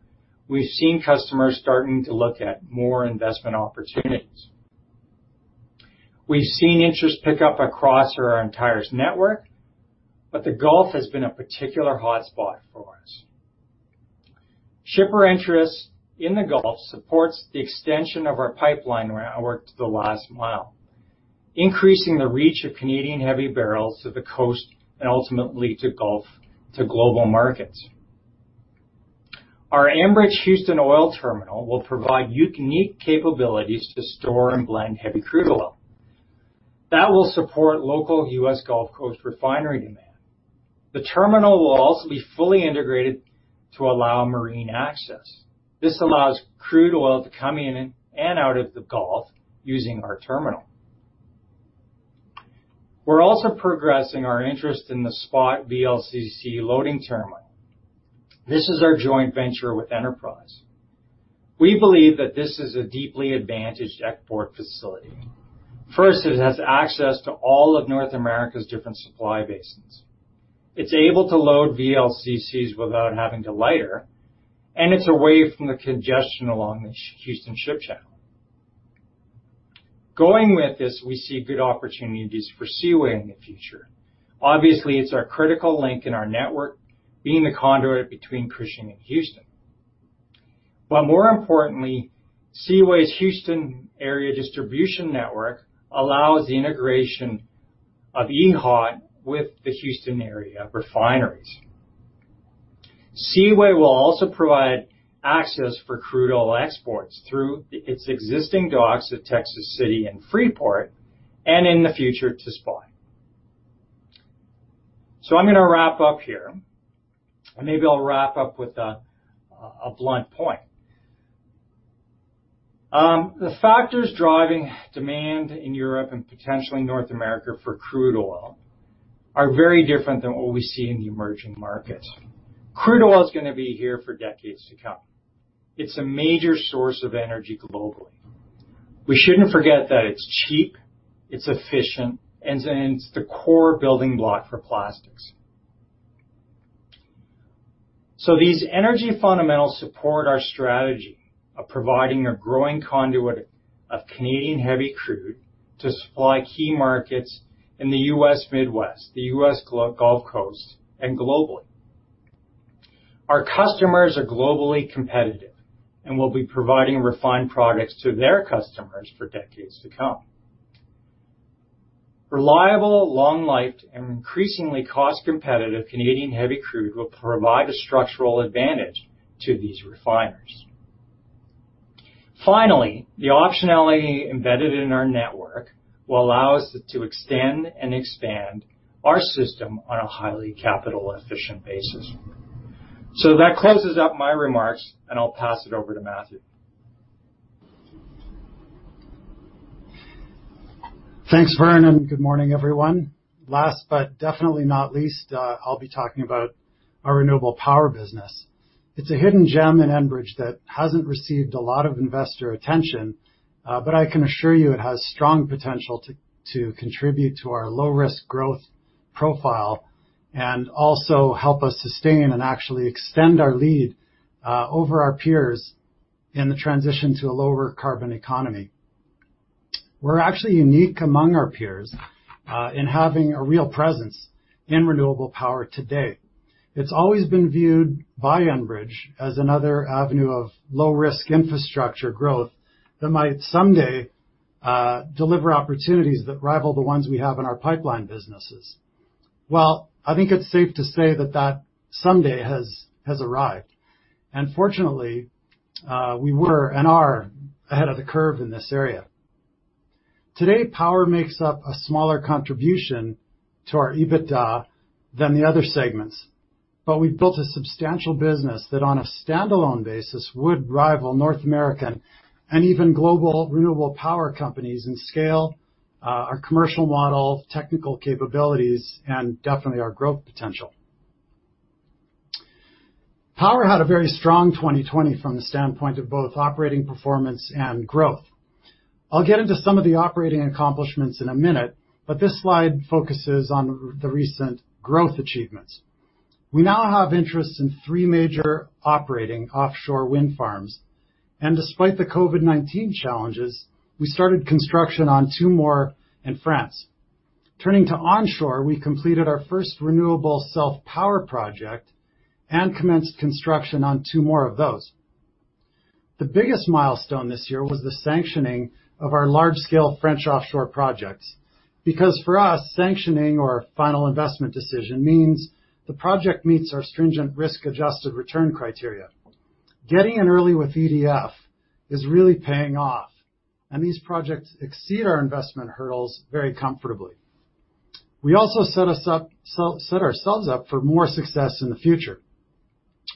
Speaker 6: we've seen customers starting to look at more investment opportunities. We've seen interest pick up across our entire network, the Gulf has been a particular hotspot for us. Shipper interest in the Gulf supports the extension of our pipeline network to the last mile, increasing the reach of Canadian heavy bbl to the coast and ultimately to global markets. Our Enbridge Houston Oil Terminal will provide unique capabilities to store and blend heavy crude oil. That will support local U.S. Gulf Coast refinery demand. The terminal will also be fully integrated to allow marine access. This allows crude oil to come in and out of the Gulf using our terminal. We're also progressing our interest in the SPOT VLCC loading terminal. This is our joint venture with Enterprise. We believe that this is a deeply advantaged export facility. First, it has access to all of North America's different supply basins. It's able to load VLCCs without having to lighter, and it's away from the congestion along the Houston Ship Channel. Going with this, we see good opportunities for Seaway in the future. Obviously, it's our critical link in our network, being the conduit between Cushing and Houston. More importantly, Seaway's Houston area distribution network allows the integration of EHOT with the Houston area refineries. Seaway will also provide access for crude oil exports through its existing docks at Texas City and Freeport, and in the future to Spivey]. I'm going to wrap up here, and maybe I'll wrap up with a blunt point. The factors driving demand in Europe and potentially North America for crude oil are very different than what we see in the emerging markets. Crude oil is going to be here for decades to come. It's a major source of energy globally. We shouldn't forget that it's cheap, it's efficient, and it's the core building block for plastics. These energy fundamentals support our strategy of providing a growing conduit of Canadian heavy crude to supply key markets in the U.S. Midwest, the U.S. Gulf Coast, and globally. Our customers are globally competitive and will be providing refined products to their customers for decades to come. Reliable, long-lived, and increasingly cost-competitive Canadian heavy crude will provide a structural advantage to these refiners. Finally, the optionality embedded in our network will allow us to extend and expand our system on a highly capital-efficient basis. That closes up my remarks, and I'll pass it over to Matthew.
Speaker 7: Thanks, Vern, and good morning, everyone. Last but definitely not least, I'll be talking about our renewable power business. It's a hidden gem in Enbridge that hasn't received a lot of investor attention, but I can assure you it has strong potential to contribute to our low-risk growth profile and also help us sustain and actually extend our lead over our peers in the transition to a lower carbon economy. We're actually unique among our peers in having a real presence in renewable power today. It's always been viewed by Enbridge as another avenue of low-risk infrastructure growth that might someday deliver opportunities that rival the ones we have in our pipeline businesses. Well, I think it's safe to say that that someday has arrived. Fortunately, we were and are ahead of the curve in this area. Today, power makes up a smaller contribution to our EBITDA than the other segments, but we've built a substantial business that, on a standalone basis, would rival North American and even global renewable power companies in scale, our commercial model, technical capabilities, and definitely our growth potential. Power had a very strong 2020 from the standpoint of both operating performance and growth. I'll get into some of the operating accomplishments in a minute, but this slide focuses on the recent growth achievements. We now have interest in three major operating offshore wind farms, and despite the COVID-19 challenges, we started construction on two more in France. Turning to onshore, we completed our first renewable self-power project and commenced construction on two more of those. The biggest milestone this year was the sanctioning of our large-scale French offshore projects. For us, sanctioning or final investment decision means the project meets our stringent risk-adjusted return criteria. Getting in early with EDF is really paying off. These projects exceed our investment hurdles very comfortably. We also set ourselves up for more success in the future.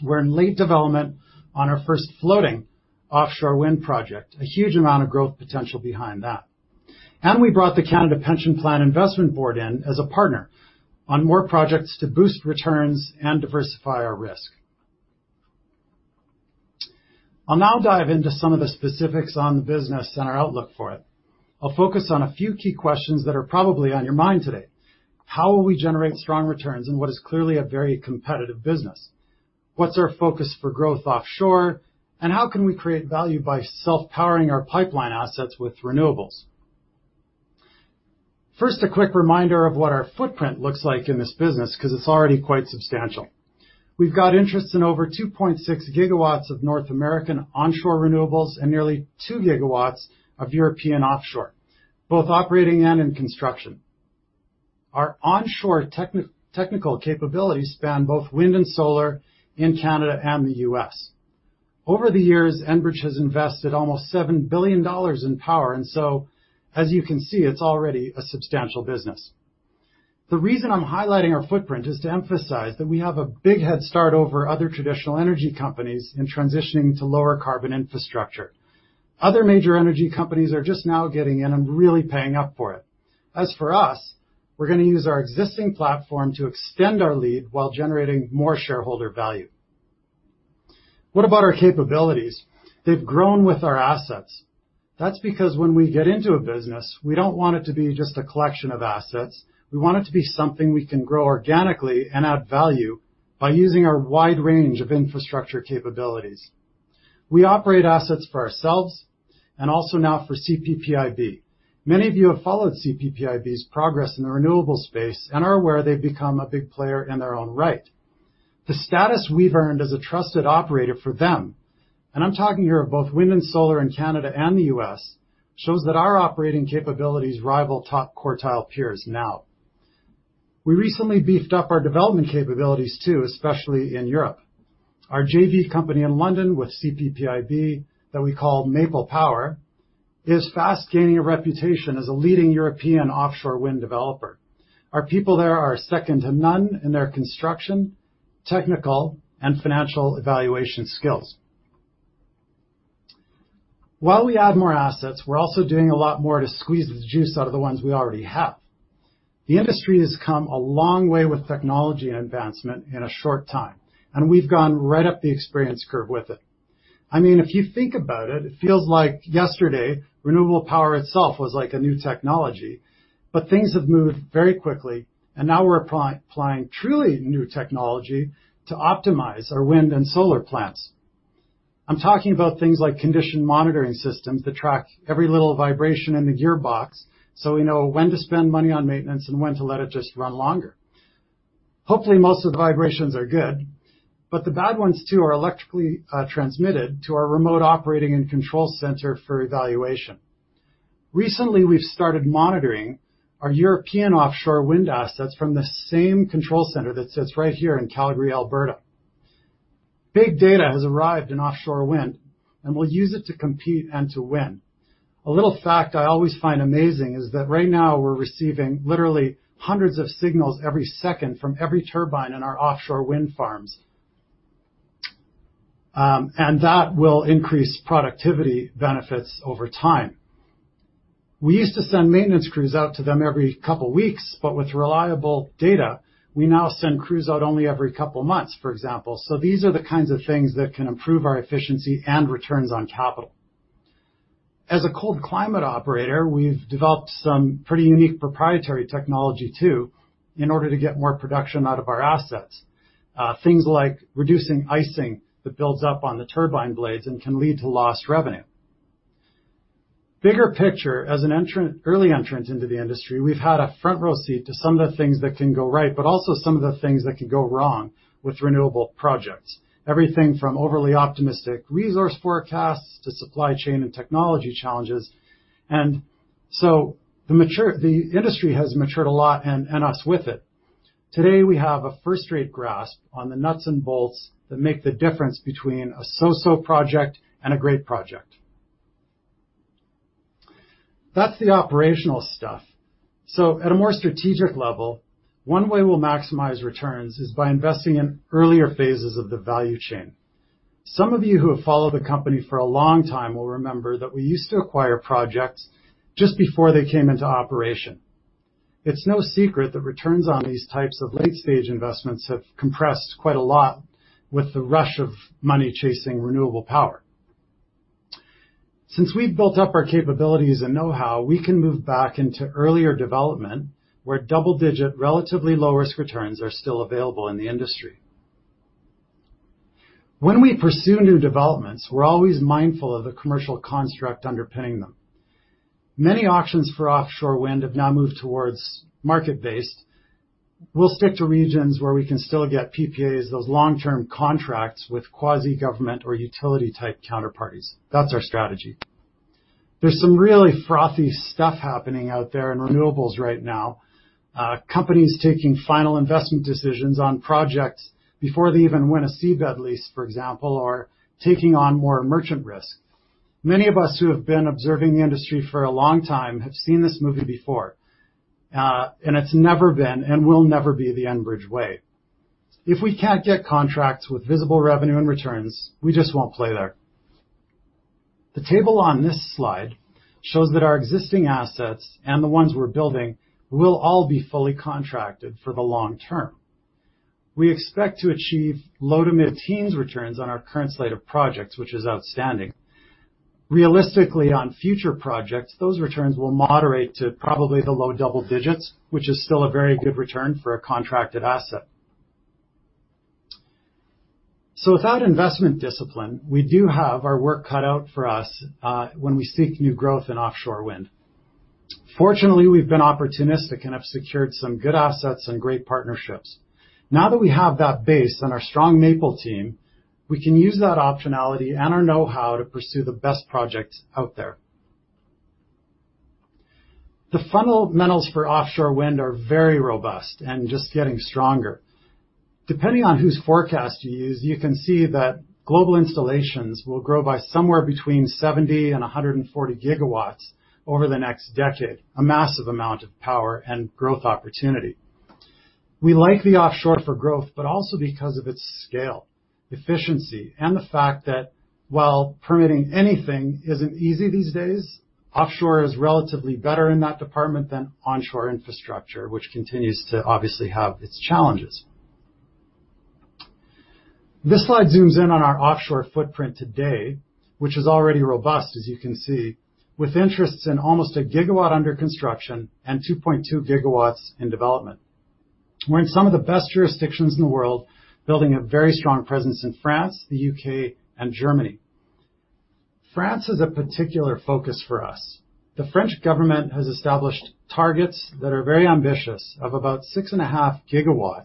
Speaker 7: We're in late development on our first floating offshore wind project, a huge amount of growth potential behind that. We brought the Canada Pension Plan Investment Board in as a partner on more projects to boost returns and diversify our risk. I'll now dive into some of the specifics on the business and our outlook for it. I'll focus on a few key questions that are probably on your mind today. How will we generate strong returns in what is clearly a very competitive business? What's our focus for growth offshore? How can we create value by self-powering our pipeline assets with renewables? First, a quick reminder of what our footprint looks like in this business, because it's already quite substantial. We've got interest in over 2.6 GW of North American onshore renewables and nearly two GW of European offshore, both operating and in construction. Our onshore technical capabilities span both wind and solar in Canada and the U.S. Over the years, Enbridge has invested almost 7 billion dollars in power, as you can see, it's already a substantial business. The reason I'm highlighting our footprint is to emphasize that we have a big head start over other traditional energy companies in transitioning to lower carbon infrastructure. Other major energy companies are just now getting in and really paying up for it. As for us, we're going to use our existing platform to extend our lead while generating more shareholder value. What about our capabilities? They've grown with our assets. That's because when we get into a business, we don't want it to be just a collection of assets. We want it to be something we can grow organically and add value by using our wide range of infrastructure capabilities. We operate assets for ourselves and also now for CPPIB. Many of you have followed CPPIB's progress in the renewable space and are aware they've become a big player in their own right. The status we've earned as a trusted operator for them, and I'm talking here of both wind and solar in Canada and the U.S., shows that our operating capabilities rival top quartile peers now. We recently beefed up our development capabilities too, especially in Europe. Our JV company in London with CPPIB, that we call Maple Power, is fast gaining a reputation as a leading European offshore wind developer. Our people there are second to none in their construction, technical, and financial evaluation skills. While we add more assets, we're also doing a lot more to squeeze the juice out of the ones we already have. The industry has come a long way with technology advancement in a short time. We've gone right up the experience curve with it. If you think about it feels like yesterday, renewable power itself was like a new technology. Things have moved very quickly. Now we're applying truly new technology to optimize our wind and solar plants. I'm talking about things like condition monitoring systems that track every little vibration in the gearbox, so we know when to spend money on maintenance and when to let it just run longer. Hopefully, most of the vibrations are good, but the bad ones too are electrically transmitted to our remote operating and control center for evaluation. Recently, we've started monitoring our European offshore wind assets from the same control center that sits right here in Calgary, Alberta. Big data has arrived in offshore wind, and we'll use it to compete and to win. A little fact I always find amazing is that right now we're receiving literally hundreds of signals every second from every turbine in our offshore wind farms. That will increase productivity benefits over time. We used to send maintenance crews out to them every couple of weeks, but with reliable data, we now send crews out only every couple of months, for example. These are the kinds of things that can improve our efficiency and returns on capital. As a cold climate operator, we've developed some pretty unique proprietary technology too, in order to get more production out of our assets. Things like reducing icing that builds up on the turbine blades and can lead to lost revenue. Bigger picture, as an early entrant into the industry, we've had a front row seat to some of the things that can go right, but also some of the things that can go wrong with renewable projects. Everything from overly optimistic resource forecasts to supply chain and technology challenges. The industry has matured a lot, and us with it. Today, we have a first-rate grasp on the nuts and bolts that make the difference between a so-so project and a great project. That's the operational stuff. At a more strategic level, one way we'll maximize returns is by investing in earlier phases of the value chain. Some of you who have followed the company for a long time will remember that we used to acquire projects just before they came into operation. It's no secret that returns on these types of late-stage investments have compressed quite a lot with the rush of money chasing renewable power. Since we've built up our capabilities and know-how, we can move back into earlier development, where double-digit, relatively low-risk returns are still available in the industry. When we pursue new developments, we're always mindful of the commercial construct underpinning them. Many auctions for offshore wind have now moved towards market-based. We'll stick to regions where we can still get PPAs, those long-term contracts with quasi-government or utility-type counterparties. That's our strategy. There's some really frothy stuff happening out there in renewables right now. Companies taking final investment decisions on projects before they even win a seabed lease, for example, are taking on more merchant risk. Many of us who have been observing the industry for a long time have seen this movie before. It's never been and will never be the Enbridge way. If we can't get contracts with visible revenue and returns, we just won't play there. The table on this slide shows that our existing assets and the ones we're building will all be fully contracted for the long term. We expect to achieve low to mid-teens returns on our current slate of projects, which is outstanding. Realistically, on future projects, those returns will moderate to probably the low double digits, which is still a very good return for a contracted asset. Without investment discipline, we do have our work cut out for us, when we seek new growth in offshore wind. Fortunately, we've been opportunistic and have secured some good assets and great partnerships. Now that we have that base and our strong Maple team, we can use that optionality and our know-how to pursue the best projects out there. The fundamentals for offshore wind are very robust and just getting stronger. Depending on whose forecast you use, you can see that global installations will grow by somewhere between 70 GW and 140 GW over the next decade, a massive amount of power and growth opportunity. We like the offshore for growth, but also because of its scale, efficiency, and the fact that while permitting anything isn't easy these days, Offshore is relatively better in that department than onshore infrastructure, which continues to obviously have its challenges. This slide zooms in on our offshore footprint today, which is already robust, as you can see, with interests in almost a GW under construction and 2.2 GW in development. We're in some of the best jurisdictions in the world, building a very strong presence in France, the U.K., and Germany. France is a particular focus for us. The French government has established targets that are very ambitious, of about 6.5 GW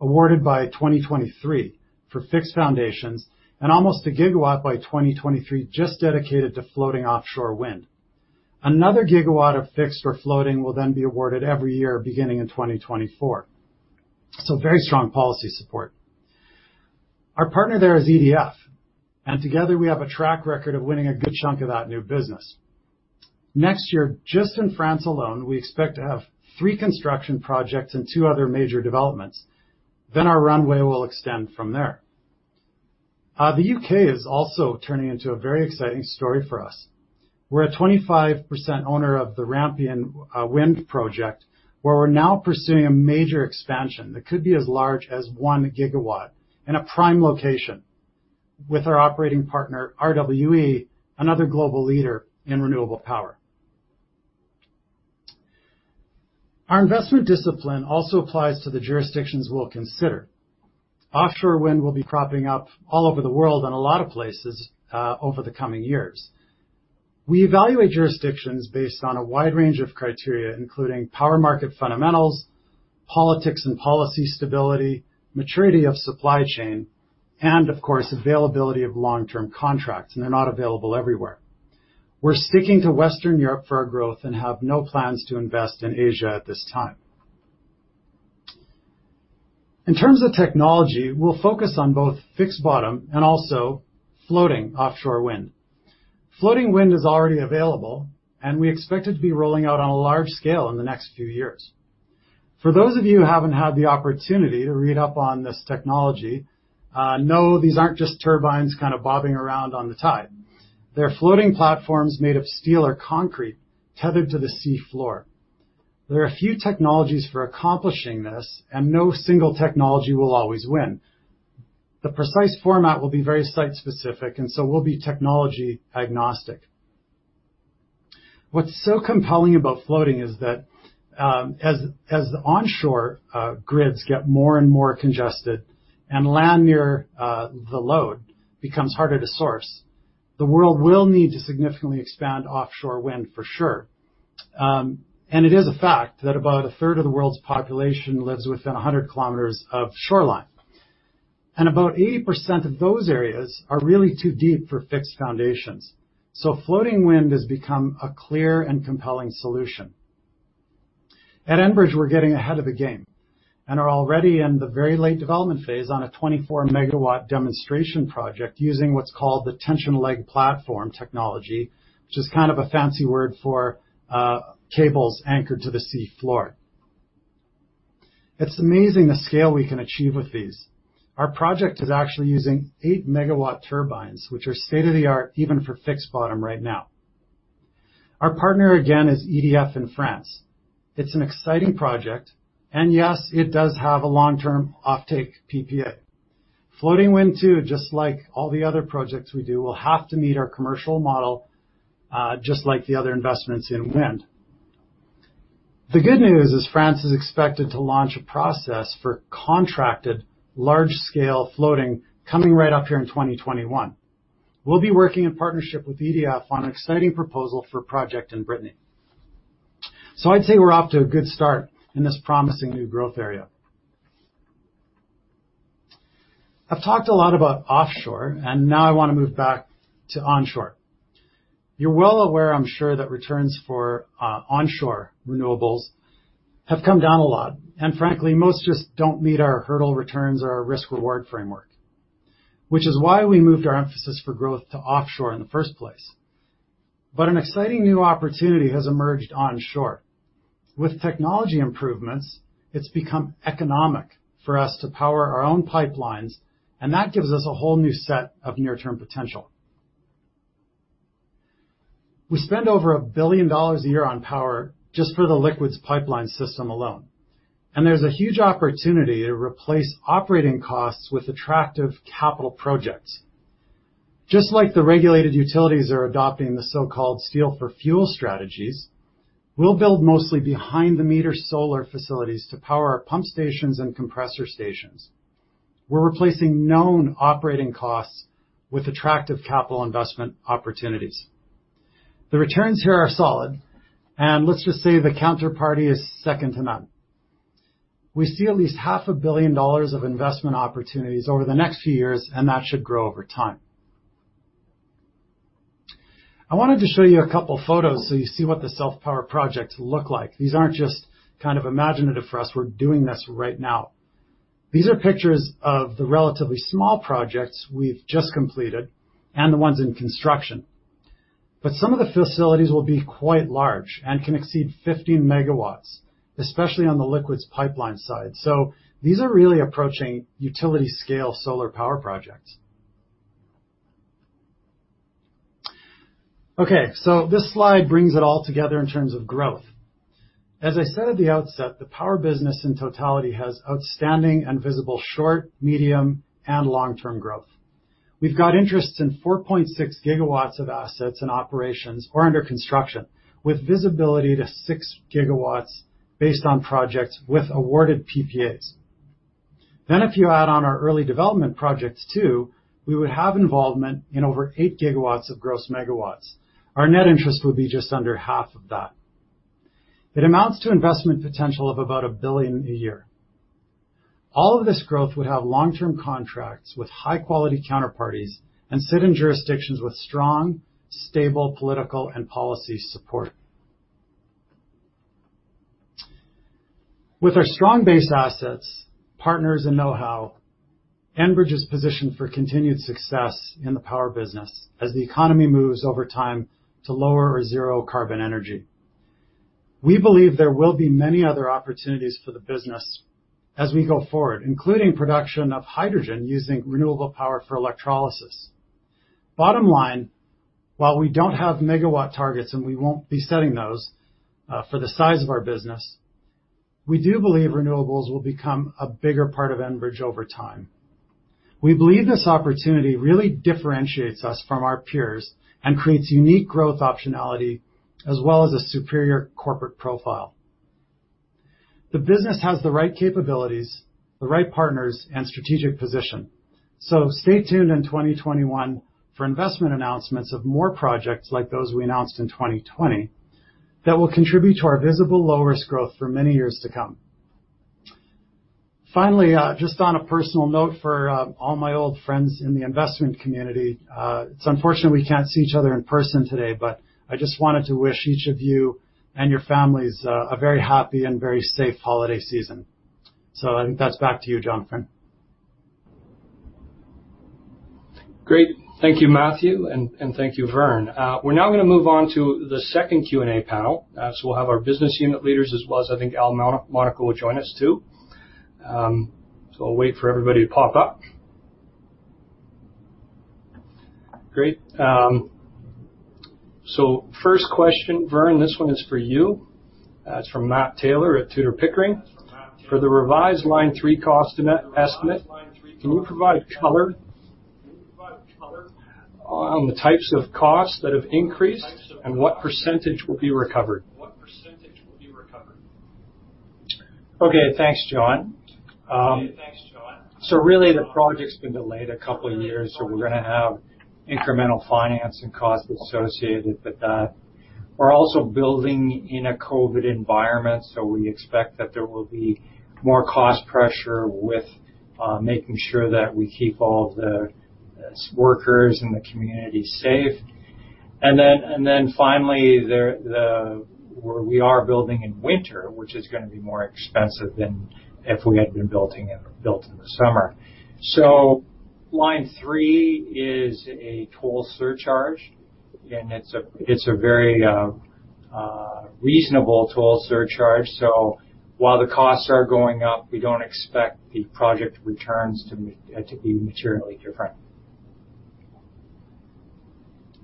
Speaker 7: awarded by 2023 for fixed foundations and almost a GW by 2023 just dedicated to floating offshore wind. Another GW of fixed or floating will then be awarded every year, beginning in 2024. Very strong policy support. Our partner there is EDF, and together we have a track record of winning a good chunk of that new business. Next year, just in France alone, we expect to have three construction projects and two other major developments. Our runway will extend from there. The U.K. is also turning into a very exciting story for us. We're a 25% owner of the Rampion wind project, where we're now pursuing a major expansion that could be as large as 1 GW in a prime location with our operating partner, RWE, another global leader in renewable power. Our investment discipline also applies to the jurisdictions we'll consider. Offshore wind will be cropping up all over the world in a lot of places over the coming years. We evaluate jurisdictions based on a wide range of criteria, including power market fundamentals, politics and policy stability, maturity of supply chain, and of course, availability of long-term contracts, and they're not available everywhere. We're sticking to Western Europe for our growth and have no plans to invest in Asia at this time. In terms of technology, we'll focus on both fixed bottom and also floating offshore wind. Floating wind is already available, and we expect it to be rolling out on a large scale in the next few years. For those of you who haven't had the opportunity to read up on this technology, no, these aren't just turbines kind of bobbing around on the tide. They're floating platforms made of steel or concrete tethered to the sea floor. There are a few technologies for accomplishing this, and no single technology will always win. The precise format will be very site-specific, we'll be technology agnostic. What's so compelling about floating is that, as onshore grids get more and more congested and land near the load becomes harder to source, the world will need to significantly expand offshore wind, for sure. It is a fact that about a third of the world's population lives within 100 km of shoreline. About 80% of those areas are really too deep for fixed foundations. Floating wind has become a clear and compelling solution. At Enbridge, we're getting ahead of the game and are already in the very late development phase on a 24-MW demonstration project using what's called the tension leg platform technology, which is kind of a fancy word for cables anchored to the sea floor. It's amazing the scale we can achieve with these. Our project is actually using 8-MW turbines, which are state-of-the-art even for fixed bottom right now. Our partner, again, is EDF in France. It's an exciting project. Yes, it does have a long-term offtake PPA. Floating wind too, just like all the other projects we do, will have to meet our commercial model just like the other investments in wind. The good news is France is expected to launch a process for contracted large-scale floating coming right up here in 2021. We'll be working in partnership with EDF on an exciting proposal for a project in Brittany. I'd say we're off to a good start in this promising new growth area. I've talked a lot about offshore. Now I want to move back to onshore. You're well aware, I'm sure, that returns for onshore renewables have come down a lot, and frankly, most just don't meet our hurdle returns or our risk-reward framework. We moved our emphasis for growth to offshore in the first place. An exciting new opportunity has emerged onshore. With technology improvements, it's become economic for us to power our own pipelines, and that gives us a whole new set of near-term potential. We spend over 1 billion dollars a year on power just for the liquids pipeline system alone, and there's a huge opportunity to replace operating costs with attractive capital projects. Just like the regulated utilities are adopting the so-called steel for fuel strategies, we'll build mostly behind-the-meter solar facilities to power our pump stations and compressor stations. We're replacing known operating costs with attractive capital investment opportunities. The returns here are solid, and let's just say the counterparty is second to none. We see at least half a billion CAD of investment opportunities over the next few years, and that should grow over time. I wanted to show you a couple photos so you see what the self-power projects look like. These aren't just kind of imaginative for us. We're doing this right now. These are pictures of the relatively small projects we've just completed and the ones in construction. But some of the facilities will be quite large and can exceed 50 MWs, especially on the liquids pipeline side. These are really approaching utility-scale solar power projects. This slide brings it all together in terms of growth. As I said at the outset, the power business in totality has outstanding and visible short, medium, and long-term growth. We've got interests in 4.6 GW of assets and operations or under construction with visibility to 6 GW based on projects with awarded PPAs. If you add on our early development projects too, we would have involvement in over 8 GW of gross MWs. Our net interest would be just under half of that. It amounts to investment potential of about 1 billion a year. All of this growth would have long-term contracts with high-quality counterparties and sit in jurisdictions with strong, stable political and policy support. With our strong base assets, partners, and know-how, Enbridge is positioned for continued success in the power business as the economy moves over time to lower or zero-carbon energy. We believe there will be many other opportunities for the business as we go forward, including production of hydrogen using renewable power for electrolysis. Bottom line, while we don't have MW targets and we won't be setting those for the size of our business, we do believe renewables will become a bigger part of Enbridge over time. We believe this opportunity really differentiates us from our peers and creates unique growth optionality as well as a superior corporate profile. The business has the right capabilities, the right partners, and strategic position. Stay tuned in 2021 for investment announcements of more projects like those we announced in 2020 that will contribute to our visible low-risk growth for many years to come. Finally, just on a personal note for all my old friends in the investment community, it's unfortunate we can't see each other in person today, but I just wanted to wish each of you and your families a very happy and very safe holiday season. I think that's back to you, Jonathan.
Speaker 1: Great. Thank you, Matthew, and thank you, Vern. We're now going to move on to the second Q&A panel. We'll have our business unit leaders as well as I think Al Monaco will join us, too. I'll wait for everybody to pop up. Great. First question, Vern, this one is for you. It's from Matt Taylor at Tudor, Pickering. "For the revised Line 3 cost estimate, can you provide color on the types of costs that have increased and what percentage will be recovered?
Speaker 6: Okay. Thanks, Jon. Really the project's been delayed a couple of years, we're going to have incremental financing costs associated with that. We're also building in a COVID environment, we expect that there will be more cost pressure with making sure that we keep all of the workers in the community safe. Finally, we are building in winter, which is going to be more expensive than if we had been built in the summer. Line 3 is a toll surcharge, and it's a very reasonable toll surcharge. While the costs are going up, we don't expect the project returns to be materially different.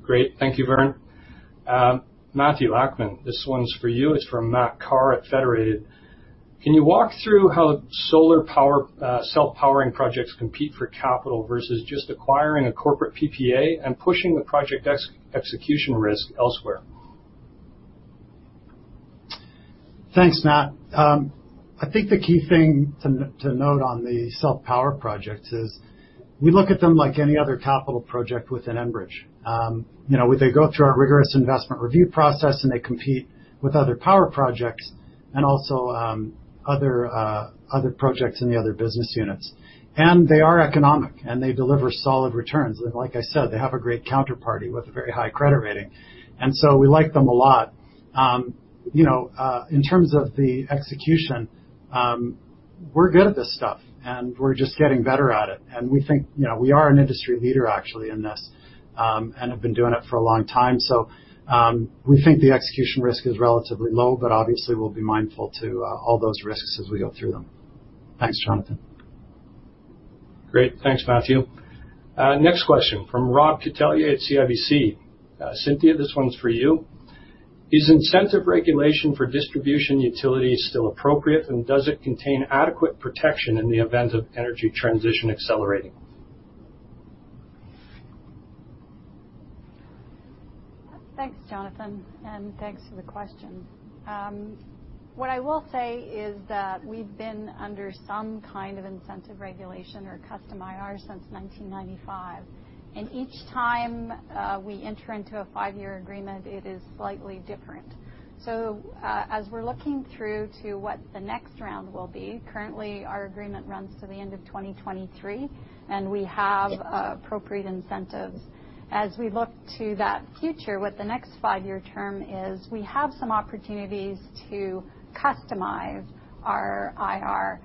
Speaker 1: Great. Thank you, Vern. Matthew Akman, this one's for you. It's from Matt Carr at Federated. "Can you walk through how solar self-powering projects compete for capital versus just acquiring a corporate PPA and pushing the project execution risk elsewhere?
Speaker 7: Thanks, Matt. I think the key thing to note on the self-power project is we look at them like any other capital project within Enbridge. They go through our rigorous investment review process, and they compete with other power projects and also other projects in the other business units. They are economic, and they deliver solid returns. Like I said, they have a great counterparty with a very high credit rating. We like them a lot. In terms of the execution, we're good at this stuff, and we're just getting better at it. We think we are an industry leader actually in this and have been doing it for a long time. We think the execution risk is relatively low, but obviously, we'll be mindful to all those risks as we go through them. Thanks, Jonathan.
Speaker 1: Great. Thanks, Matthew. Next question from Rob Catellier at CIBC. Cynthia, this one's for you. Is incentive regulation for distribution utilities still appropriate, and does it contain adequate protection in the event of energy transition accelerating?
Speaker 4: Thanks, Jonathan. Thanks for the question. What I will say is that we've been under some kind of incentive regulation or custom IR since 1995. Each time we enter into a five-year agreement, it is slightly different. As we're looking through to what the next round will be, currently our agreement runs to the end of 2023, and we have appropriate incentives. As we look to that future, what the next five-year term is, we have some opportunities to customize our IR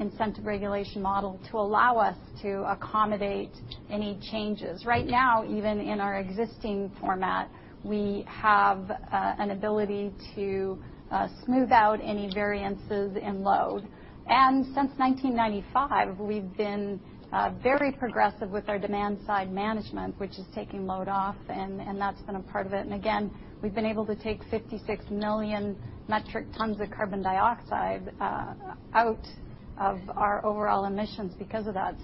Speaker 4: incentive regulation model to allow us to accommodate any changes. Right now, even in our existing format, we have an ability to smooth out any variances in load. Since 1995, we've been very progressive with our demand-side management, which is taking load off, and that's been a part of it. Again, we've been able to take 56 million metric tons of carbon dioxide out of our overall emissions because of that.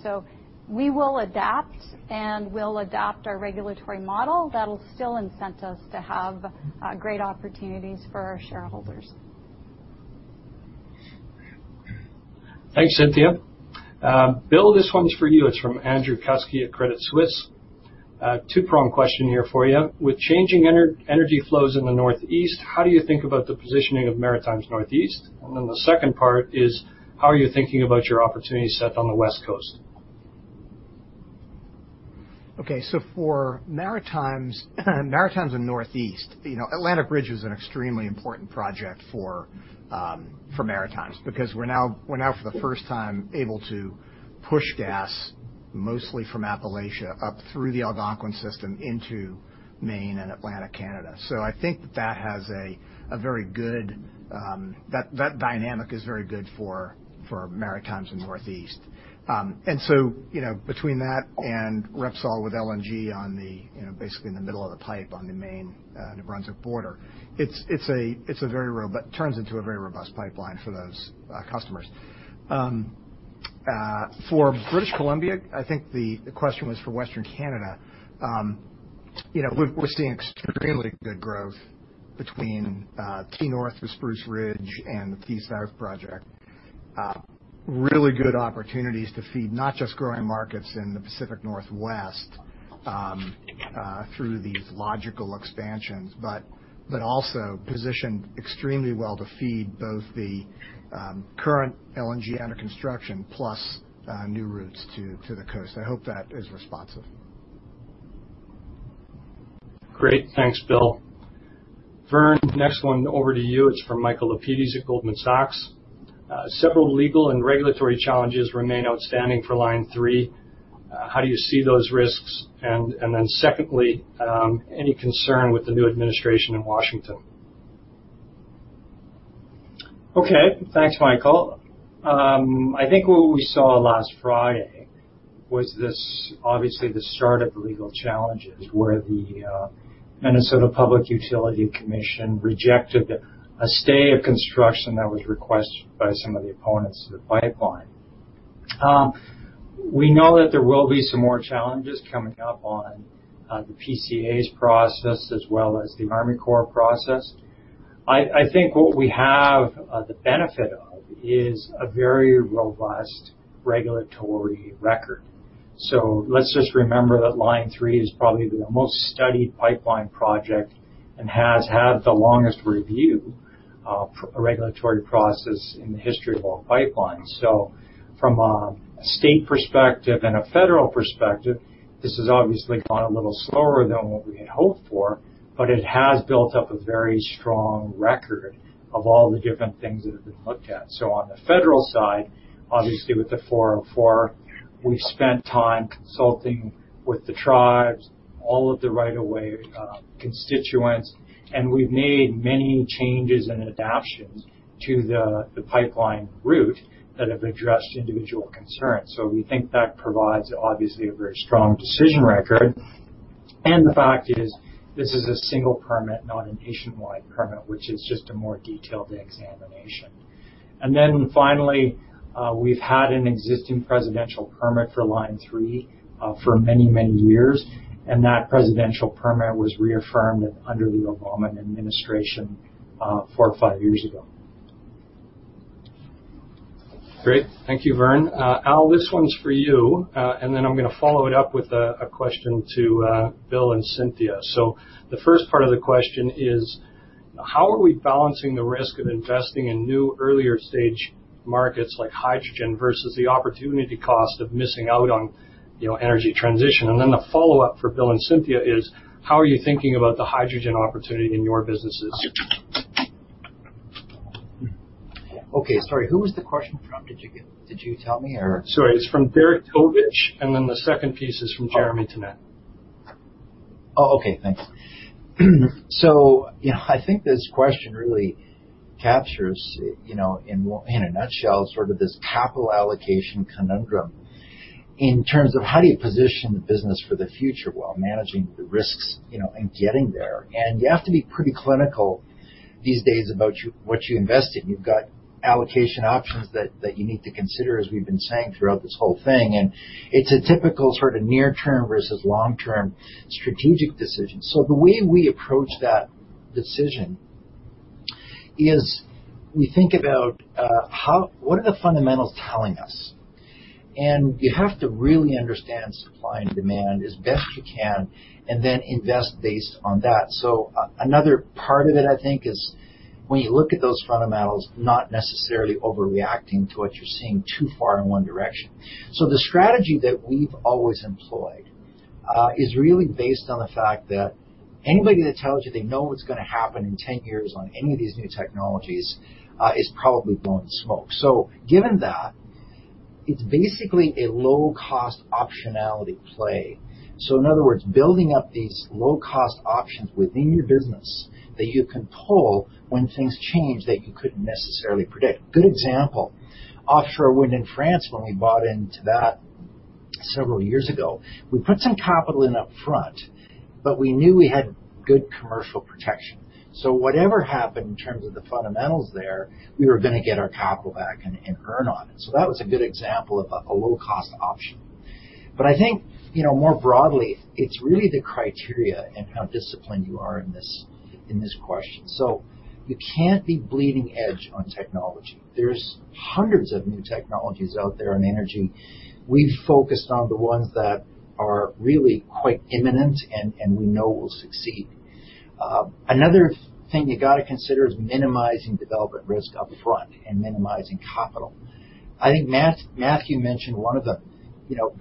Speaker 4: We will adapt, and we'll adapt our regulatory model that'll still incentivize to have great opportunities for our shareholders.
Speaker 1: Thanks, Cynthia. Bill, this one's for you. It's from Andrew Kuske at Credit Suisse. A two-prong question here for you. With changing energy flows in the Northeast, how do you think about the positioning of Maritimes Northeast? The second part is, how are you thinking about your opportunity set on the West Coast?
Speaker 5: Okay. For Maritimes & Northeast, Atlantic Bridge is an extremely important project for Maritimes because we're now for the first time able to push gas, mostly from Appalachia, up through the Algonquin system into Maine and Atlantic Canada. Between that and Repsol with LNG basically in the middle of the pipe on the main New Brunswick border, it turns into a very robust pipeline for those customers. For British Columbia, I think the question was for Western Canada. We're seeing extremely good growth between T-North with Spruce Ridge and the T-South project. Really good opportunities to feed not just growing markets in the Pacific Northwest through these logical expansions, but also positioned extremely well to feed both the current LNG under construction plus new routes to the coast. I hope that is responsive.
Speaker 1: Great. Thanks, Bill. Vern, next one over to you. It's from Michael Lapides at Goldman Sachs. Several legal and regulatory challenges remain outstanding for Line 3. How do you see those risks? Secondly, any concern with the new administration in Washington?
Speaker 6: Thanks, Michael. I think what we saw last Friday was obviously the start of the legal challenges where the Minnesota Public Utilities Commission rejected a stay of construction that was requested by some of the opponents of the pipeline. We know that there will be some more challenges coming up on the MPCA's process as well as the Army Corps process. I think what we have the benefit of is a very robust regulatory record. Let's just remember that Line 3 is probably the most studied pipeline project and has had the longest review regulatory process in the history of all pipelines. From a state perspective and a federal perspective, this has obviously gone a little slower than what we had hoped for, it has built up a very strong record of all the different things that have been looked at. On the federal side, obviously with the 404, we've spent time consulting with the tribes, all of the right of way constituents, and we've made many changes and adaptations to the pipeline route that have addressed individual concerns. We think that provides, obviously, a very strong decision record. The fact is, this is a single permit, not a nationwide permit, which is just a more detailed examination. Finally, we've had an existing presidential permit for Line 3 for many, many years, and that presidential permit was reaffirmed under the Obama administration four or five years ago.
Speaker 1: Great. Thank you, Vern. Al, this one's for you, and then I'm going to follow it up with a question to Bill and Cynthia. The first part of the question is: how are we balancing the risk of investing in new, earlier-stage markets like hydrogen versus the opportunity cost of missing out on energy transition? The follow-up for Bill and Cynthia is: how are you thinking about the hydrogen opportunity in your businesses?
Speaker 2: Okay, sorry. Who was the question from? Did you tell me or?
Speaker 1: Sorry, it's from Derek Tovich, and then the second piece is from Jeremy Tonet.
Speaker 2: Oh, okay. Thanks. I think this question really captures, in a nutshell, sort of this capital allocation conundrum in terms of how do you position the business for the future while managing the risks in getting there. You have to be pretty clinical these days about what you invest in. You've got allocation options that you need to consider, as we've been saying throughout this whole thing. It's a typical sort of near-term versus long-term strategic decision. The way we approach that decision is we think about what are the fundamentals telling us, and you have to really understand supply and demand as best you can and then invest based on that. Another part of it, I think, is when you look at those fundamentals, not necessarily overreacting to what you're seeing too far in one direction. The strategy that we've always employed is really based on the fact that anybody that tells you they know what's going to happen in 10 years on any of these new technologies is probably blowing smoke. Given that, it's basically a low-cost optionality play. In other words, building up these low-cost options within your business that you can pull when things change that you couldn't necessarily predict. Good example, offshore wind in France, when we bought into that several years ago, we put some capital in up front, but we knew we had good commercial protection. Whatever happened in terms of the fundamentals there, we were going to get our capital back and earn on it. That was a good example of a low-cost option. I think, more broadly, it's really the criteria and how disciplined you are in this question. You can't be bleeding edge on technology. There's hundreds of new technologies out there on energy. We've focused on the ones that are really quite imminent and we know will succeed. Another thing you got to consider is minimizing development risk up front and minimizing CapEx. I think Matthew mentioned,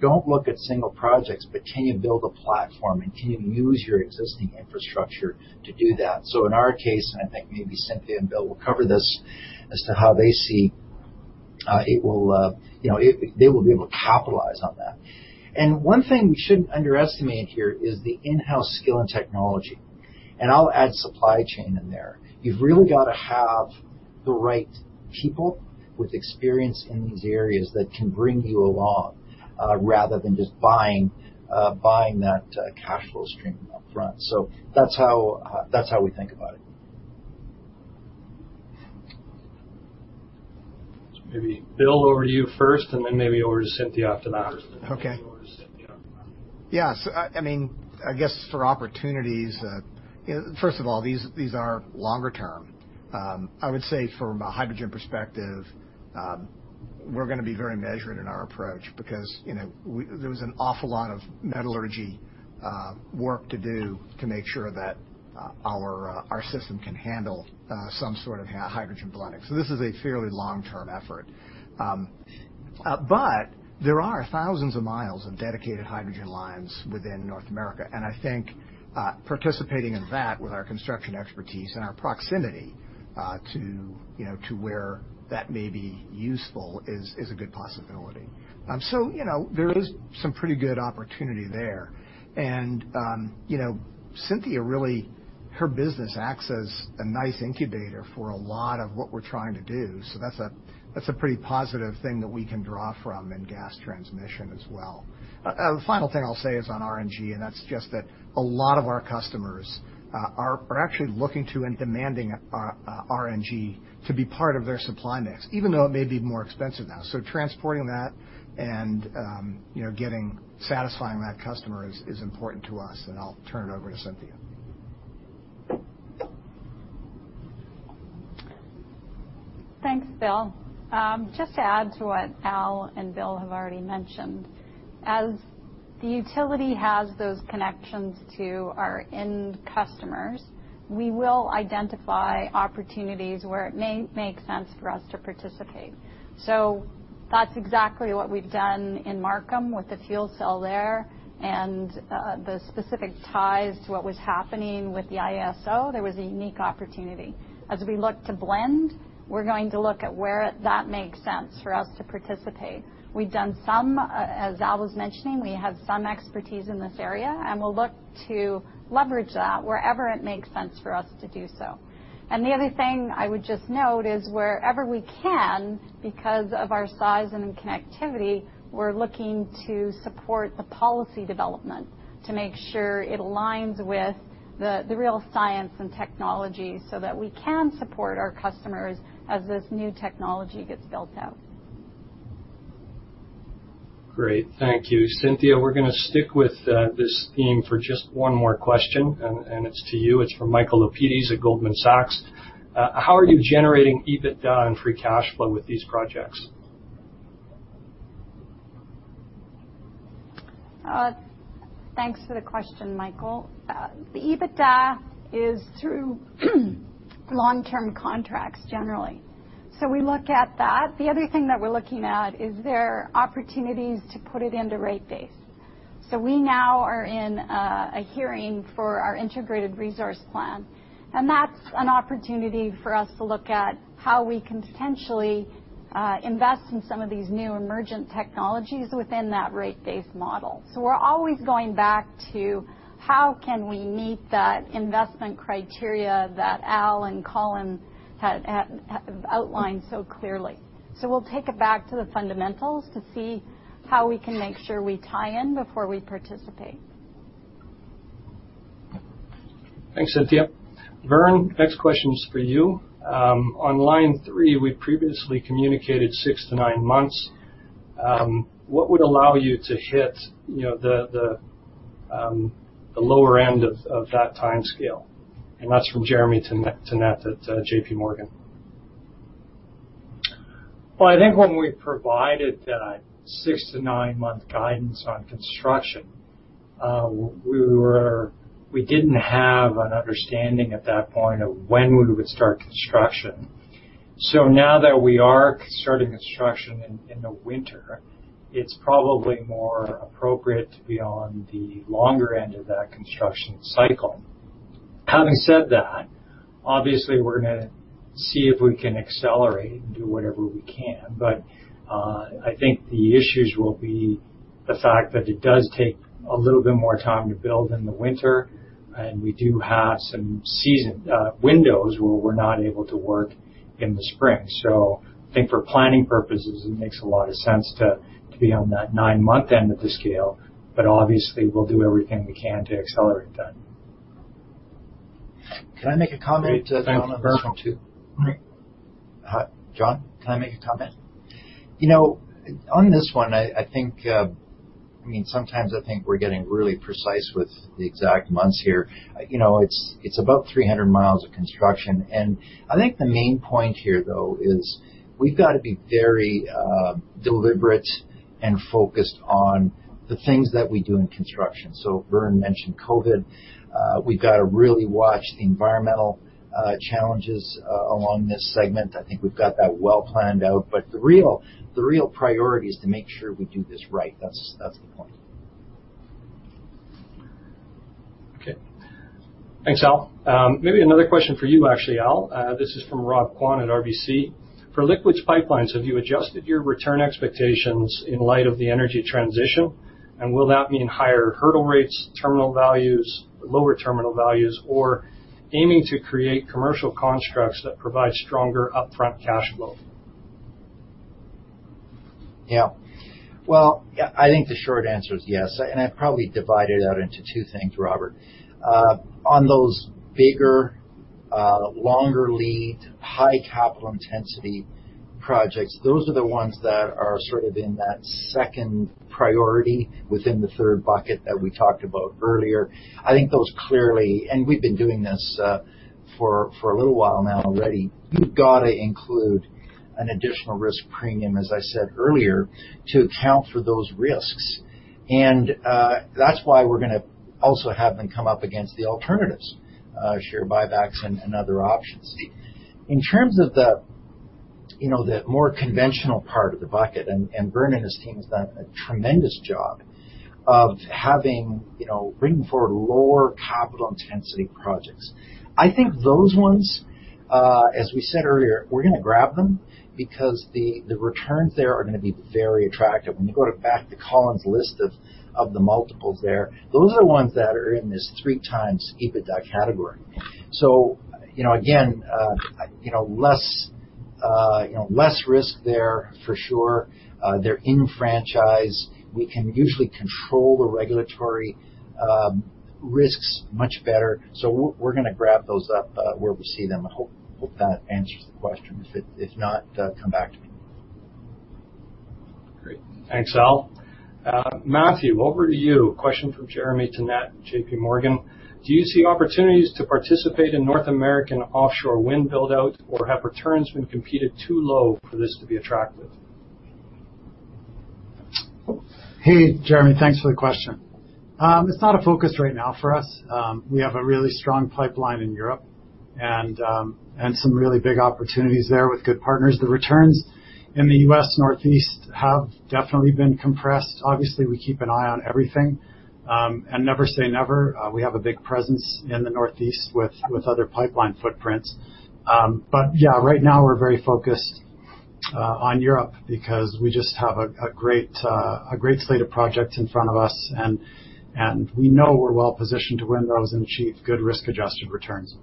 Speaker 2: don't look at single projects, but can you build a platform and can you use your existing infrastructure to do that? In our case, and I think maybe Cynthia and Bill will cover this as to how they see they will be able to capitalize on that. One thing we shouldn't underestimate here is the in-house skill and technology, and I'll add supply chain in there. You've really got to have the right people with experience in these areas that can bring you along, rather than just buying that cash flow stream up front. That's how we think about it.
Speaker 1: Maybe Bill, over to you first, and then maybe over to Cynthia after that.
Speaker 5: Okay. Yes, I guess for opportunities, first of all, these are longer term. I would say from a hydrogen perspective, we're going to be very measured in our approach because there was an awful lot of metallurgy work to do to make sure that our system can handle some sort of hydrogen blending. This is a fairly long-term effort. There are thousands of miles of dedicated hydrogen lines within North America, and I think participating in that with our construction expertise and our proximity to where that may be useful is a good possibility. There is some pretty good opportunity there. Cynthia really, her business acts as a nice incubator for a lot of what we're trying to do. That's a pretty positive thing that we can draw from in Gas Transmission as well. A final thing I'll say is on RNG, and that's just that a lot of our customers are actually looking to and demanding RNG to be part of their supply mix, even though it may be more expensive now. Transporting that and satisfying that customer is important to us. I'll turn it over to Cynthia.
Speaker 4: Thanks, Bill. Just to add to what Al and Bill have already mentioned, as the utility has those connections to our end customers, we will identify opportunities where it may make sense for us to participate. That's exactly what we've done in Markham with the fuel cell there and the specific ties to what was happening with the IESO. There was a unique opportunity. As we look to blend, we're going to look at where that makes sense for us to participate. We've done some, as Al was mentioning, we have some expertise in this area, and we'll look to leverage that wherever it makes sense for us to do so. The other thing I would just note is wherever we can, because of our size and connectivity, we're looking to support the policy development to make sure it aligns with the real science and technology so that we can support our customers as this new technology gets built out.
Speaker 1: Great. Thank you. Cynthia, we're going to stick with this theme for just one more question, and it's to you. It's from Michael Lapides at Goldman Sachs. How are you generating EBITDA and free cash flow with these projects?
Speaker 4: Thanks for the question, Michael. The EBITDA is through long-term contracts generally. We look at that. The other thing that we're looking at is there are opportunities to put it into rate base. We now are in a hearing for our integrated resource plan, and that's an opportunity for us to look at how we can potentially invest in some of these new emergent technologies within that rate base model. We're always going back to how can we meet that investment criteria that Al and Colin have outlined so clearly. We'll take it back to the fundamentals to see how we can make sure we tie in before we participate.
Speaker 1: Thanks, Cynthia. Vern, next question is for you. On Line 3, we previously communicated six to nine months. What would allow you to hit the lower end of that timescale? That's from Jeremy Tonet at JPMorgan.
Speaker 6: Well, I think when we provided that six to nine month guidance on construction, we didn't have an understanding at that point of when we would start construction. Now that we are starting construction in the winter, it's probably more appropriate to be on the longer end of that construction cycle. Having said that, obviously, we're going to see if we can accelerate and do whatever we can. I think the issues will be the fact that it does take a little bit more time to build in the winter, and we do have some windows where we're not able to work in the spring. I think for planning purposes, it makes a lot of sense to be on that nine month end of the scale. Obviously, we'll do everything we can to accelerate that.
Speaker 2: Can I make a comment, Jon, on this one too?
Speaker 1: Great. Thanks, Vern.
Speaker 2: Jon, can I make a comment? On this one, sometimes I think we're getting really precise with the exact months here. It's about 300 miles of construction. I think the main point here, though, is we've got to be very deliberate and focused on the things that we do in construction. Vern mentioned COVID. We've got to really watch the environmental challenges along this segment. I think we've got that well planned out, but the real priority is to make sure we do this right. That's the point.
Speaker 1: Okay. Thanks, Al. Maybe another question for you, actually, Al. This is from Robert Kwan at RBC. For Liquids Pipelines, have you adjusted your return expectations in light of the energy transition? Will that mean higher hurdle rates, terminal values, lower terminal values, or aiming to create commercial constructs that provide stronger upfront cash flow?
Speaker 2: Yeah. Well, I think the short answer is yes. I'd probably divide it out into two things, Robert. On those bigger, longer lead, high capital intensity projects, those are the ones that are sort of in that second priority within the third bucket that we talked about earlier. I think those clearly. We've been doing this for a little while now already. You've got to include an additional risk premium, as I said earlier, to account for those risks. That's why we're going to also have them come up against the alternatives, share buybacks and other options. In terms of the more conventional part of the bucket, Vern and his team has done a tremendous job of bringing forward lower capital intensity projects. I think those ones, as we said earlier, we're going to grab them because the returns there are going to be very attractive. When you go back to Colin's list of the multiples there, those are the ones that are in this 3x EBITDA category. Again, less risk there for sure. They're in franchise. We can usually control the regulatory risks much better. We're going to grab those up where we see them. I hope that answers the question. If not, come back to me.
Speaker 1: Great. Thanks, Al. Matthew, over to you. Question from Jeremy Tonet, JPMorgan. Do you see opportunities to participate in North American offshore wind build-out, or have returns been competed too low for this to be attractive?
Speaker 7: Hey, Jeremy. Thanks for the question. It's not a focus right now for us. We have a really strong pipeline in Europe and some really big opportunities there with good partners. The returns in the U.S. Northeast have definitely been compressed. Obviously, we keep an eye on everything. Never say never. We have a big presence in the Northeast with other pipeline footprints. Yeah, right now we're very focused on Europe because we just have a great slate of projects in front of us, and we know we're well-positioned to win those and achieve good risk-adjusted returns.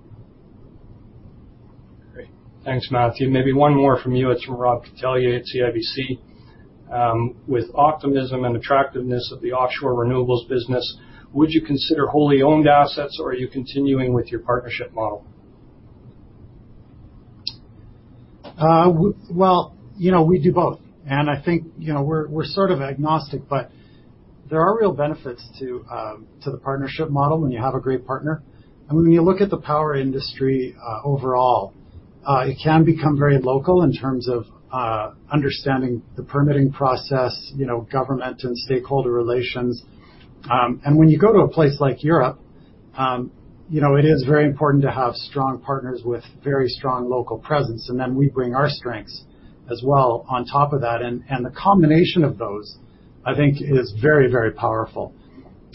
Speaker 1: Great. Thanks, Matthew. Maybe one more from you. It's from Rob Catellier at CIBC. With optimism and attractiveness of the offshore renewables business, would you consider wholly owned assets, or are you continuing with your partnership model?
Speaker 7: Well, we do both, and I think we're sort of agnostic, but there are real benefits to the partnership model when you have a great partner. When you look at the power industry overall, it can become very local in terms of understanding the permitting process, government and stakeholder relations. When you go to a place like Europe, it is very important to have strong partners with very strong local presence, and then we bring our strengths as well on top of that. The combination of those, I think, is very, very powerful.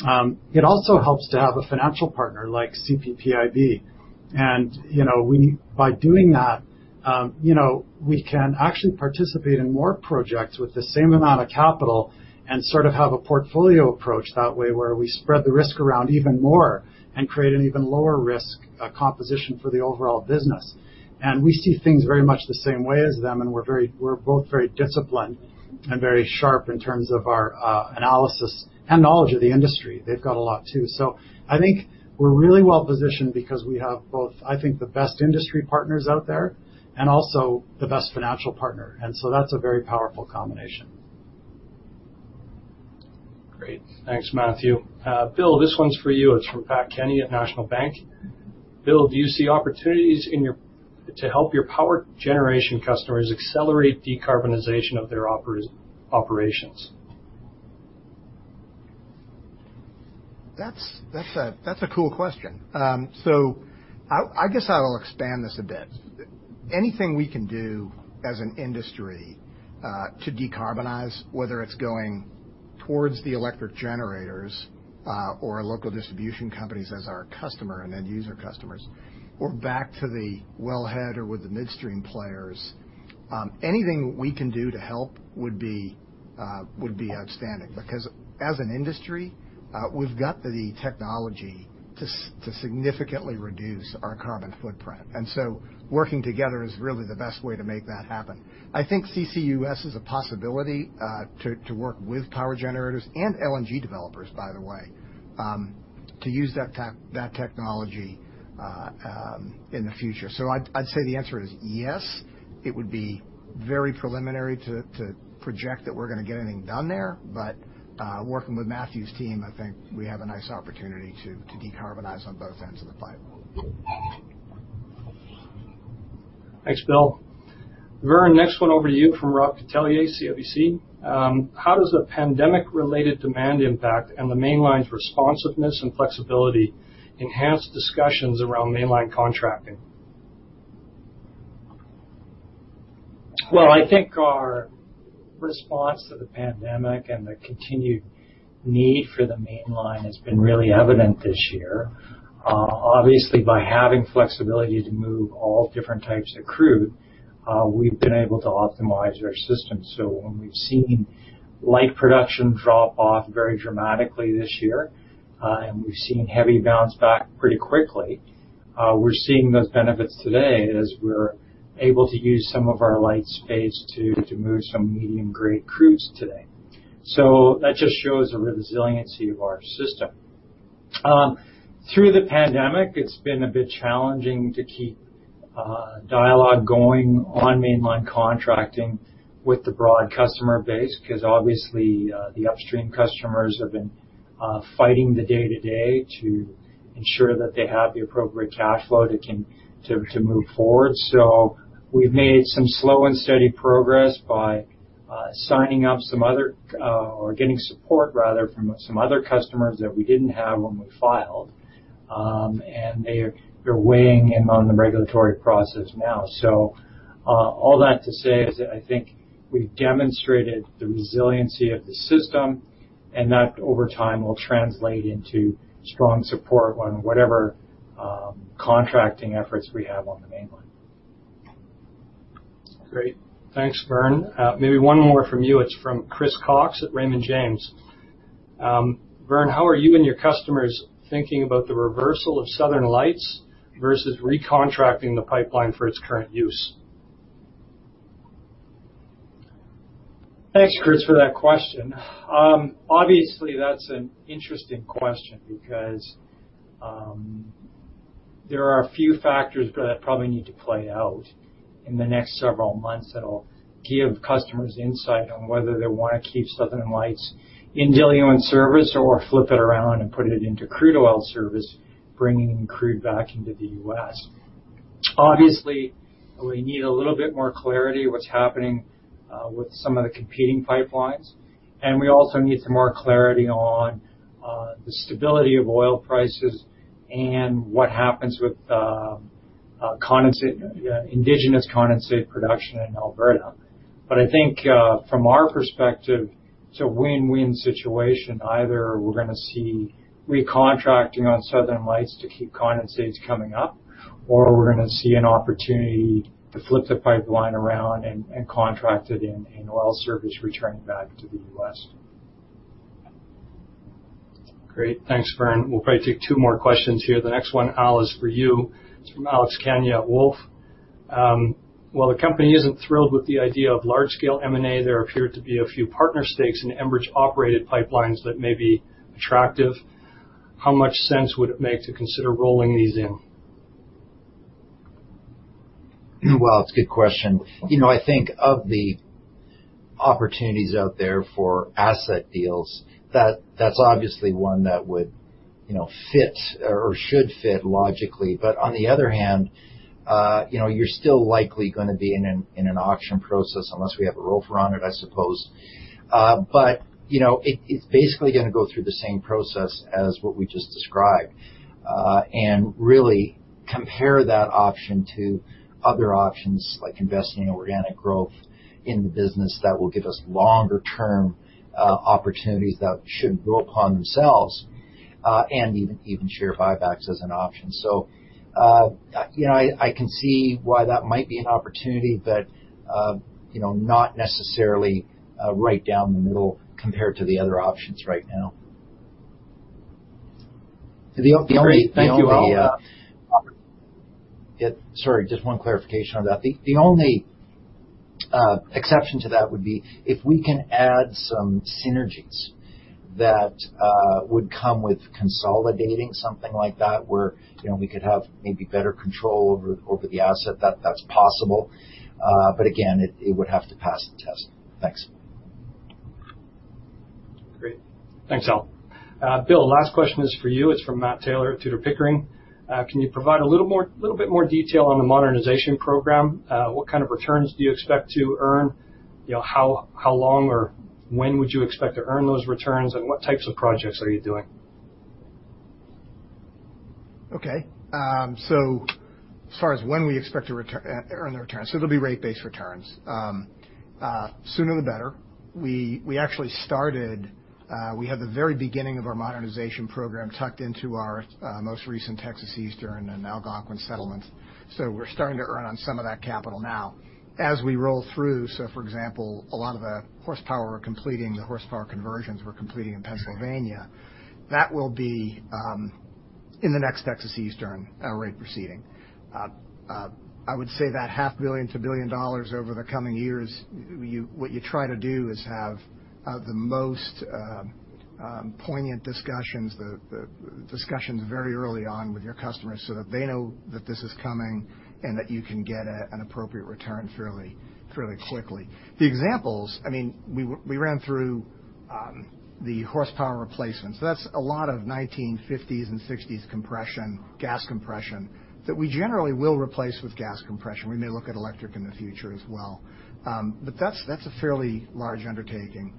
Speaker 7: It also helps to have a financial partner like CPPIB. By doing that, we can actually participate in more projects with the same amount of capital and sort of have a portfolio approach that way where we spread the risk around even more and create an even lower risk composition for the overall business. We see things very much the same way as them, and we're both very disciplined and very sharp in terms of our analysis and knowledge of the industry. They've got a lot too. I think we're really well-positioned because we have both, I think, the best industry partners out there and also the best financial partner, that's a very powerful combination.
Speaker 1: Great. Thanks, Matthew. Bill, this one's for you. It's from Pat Kenny at National Bank. Bill, do you see opportunities to help your power generation customers accelerate decarbonization of their operations?
Speaker 5: That's a cool question. I guess I'll expand this a bit. Anything we can do as an industry to decarbonize, whether it's going towards the electric generators or local distribution companies as our customer and end user customers, or back to the wellhead or with the midstream players. Anything we can do to help would be outstanding because as an industry, we've got the technology to significantly reduce our carbon footprint. Working together is really the best way to make that happen. I think CCUS is a possibility to work with power generators and LNG developers, by the way, to use that technology in the future. I'd say the answer is yes. It would be very preliminary to project that we're going to get anything done there. Working with Matthew's team, I think we have a nice opportunity to decarbonize on both ends of the pipe.
Speaker 1: Thanks, Bill. Vern, next one over to you from Robert Catellier, CIBC. How does the pandemic-related demand impact and the mainline's responsiveness and flexibility enhance discussions around mainline contracting?
Speaker 6: Well, I think our response to the pandemic and the continued need for the Mainline has been really evident this year. By having flexibility to move all different types of crude, we've been able to optimize our system. When we've seen light production drop off very dramatically this year, and we've seen heavy bounce back pretty quickly, we're seeing those benefits today as we're able to use some of our light space to move some medium-grade crudes today. That just shows the resiliency of our system. Through the pandemic, it's been a bit challenging to keep dialogue going on Mainline contracting with the broad customer base, because obviously, the upstream customers have been fighting the day-to-day to ensure that they have the appropriate cash flow to move forward. We've made some slow and steady progress by getting support, rather, from some other customers that we didn't have when we filed. They're weighing in on the regulatory process now. All that to say is that I think we've demonstrated the resiliency of the system, and that over time will translate into strong support on whatever contracting efforts we have on the Mainline.
Speaker 1: Great. Thanks, Vern. Maybe one more from you. It is from Christopher Cox at Raymond James. Vern, how are you and your customers thinking about the reversal of Southern Lights versus recontracting the pipeline for its current use?
Speaker 6: Thanks, Chris, for that question. Obviously, that's an interesting question because there are a few factors that probably need to play out in the next several months that'll give customers insight on whether they want to keep Southern Lights in diluent service or flip it around and put it into crude oil service, bringing crude back into the U.S. Obviously, we need a little bit more clarity what's happening with some of the competing pipelines, and we also need some more clarity on the stability of oil prices and what happens with indigenous condensate production in Alberta. I think from our perspective, it's a win-win situation. Either we're going to see recontracting on Southern Lights to keep condensates coming up, or we're going to see an opportunity to flip the pipeline around and contract it in oil service returning back to the U.S.
Speaker 1: Great. Thanks, Vern. We'll probably take two more questions here. The next one, Al, is for you. It's from Alex Kania at Wolfe. While the company isn't thrilled with the idea of large-scale M&A, there appear to be a few partner stakes in Enbridge-operated pipelines that may be attractive. How much sense would it make to consider rolling these in?
Speaker 2: Well, it's a good question. I think of the opportunities out there for asset deals, that's obviously one that would fit or should fit logically. On the other hand, you're still likely going to be in an auction process unless we have a ROFR on it, I suppose. It's basically going to go through the same process as what we just described. Really compare that option to other options like investing in organic growth in the business that will give us longer-term opportunities that should grow upon themselves and even share buybacks as an option. I can see why that might be an opportunity, but not necessarily right down the middle compared to the other options right now.
Speaker 1: Great. Thank you, Al.
Speaker 2: Just one clarification on that. The only exception to that would be if we can add some synergies that would come with consolidating something like that, where we could have maybe better control over the asset. That's possible. Again, it would have to pass the test. Thanks.
Speaker 1: Great. Thanks, Al. Bill, last question is for you. It's from Matt Taylor at Tudor, Pickering. Can you provide a little bit more detail on the modernization program? What kind of returns do you expect to earn? How long or when would you expect to earn those returns, and what types of projects are you doing?
Speaker 5: As far as when we expect to earn the returns, it'll be rate-based returns. Sooner, the better. We have the very beginning of our modernization program tucked into our most recent Texas Eastern and Algonquin settlements. We're starting to earn on some of that capital now. As we roll through, for example, a lot of the horsepower we're completing, the horsepower conversions we're completing in Pennsylvania, in the next Texas Eastern rate proceeding. I would say that CAD 500,000,000 - 1 billion over the coming years, what you try to do is have the most poignant discussions very early on with your customers so that they know that this is coming and that you can get an appropriate return fairly quickly. The examples, we ran through the horsepower replacements. That's a lot of 1950s and '60s gas compression that we generally will replace with gas compression. We may look at electric in the future as well. That's a fairly large undertaking.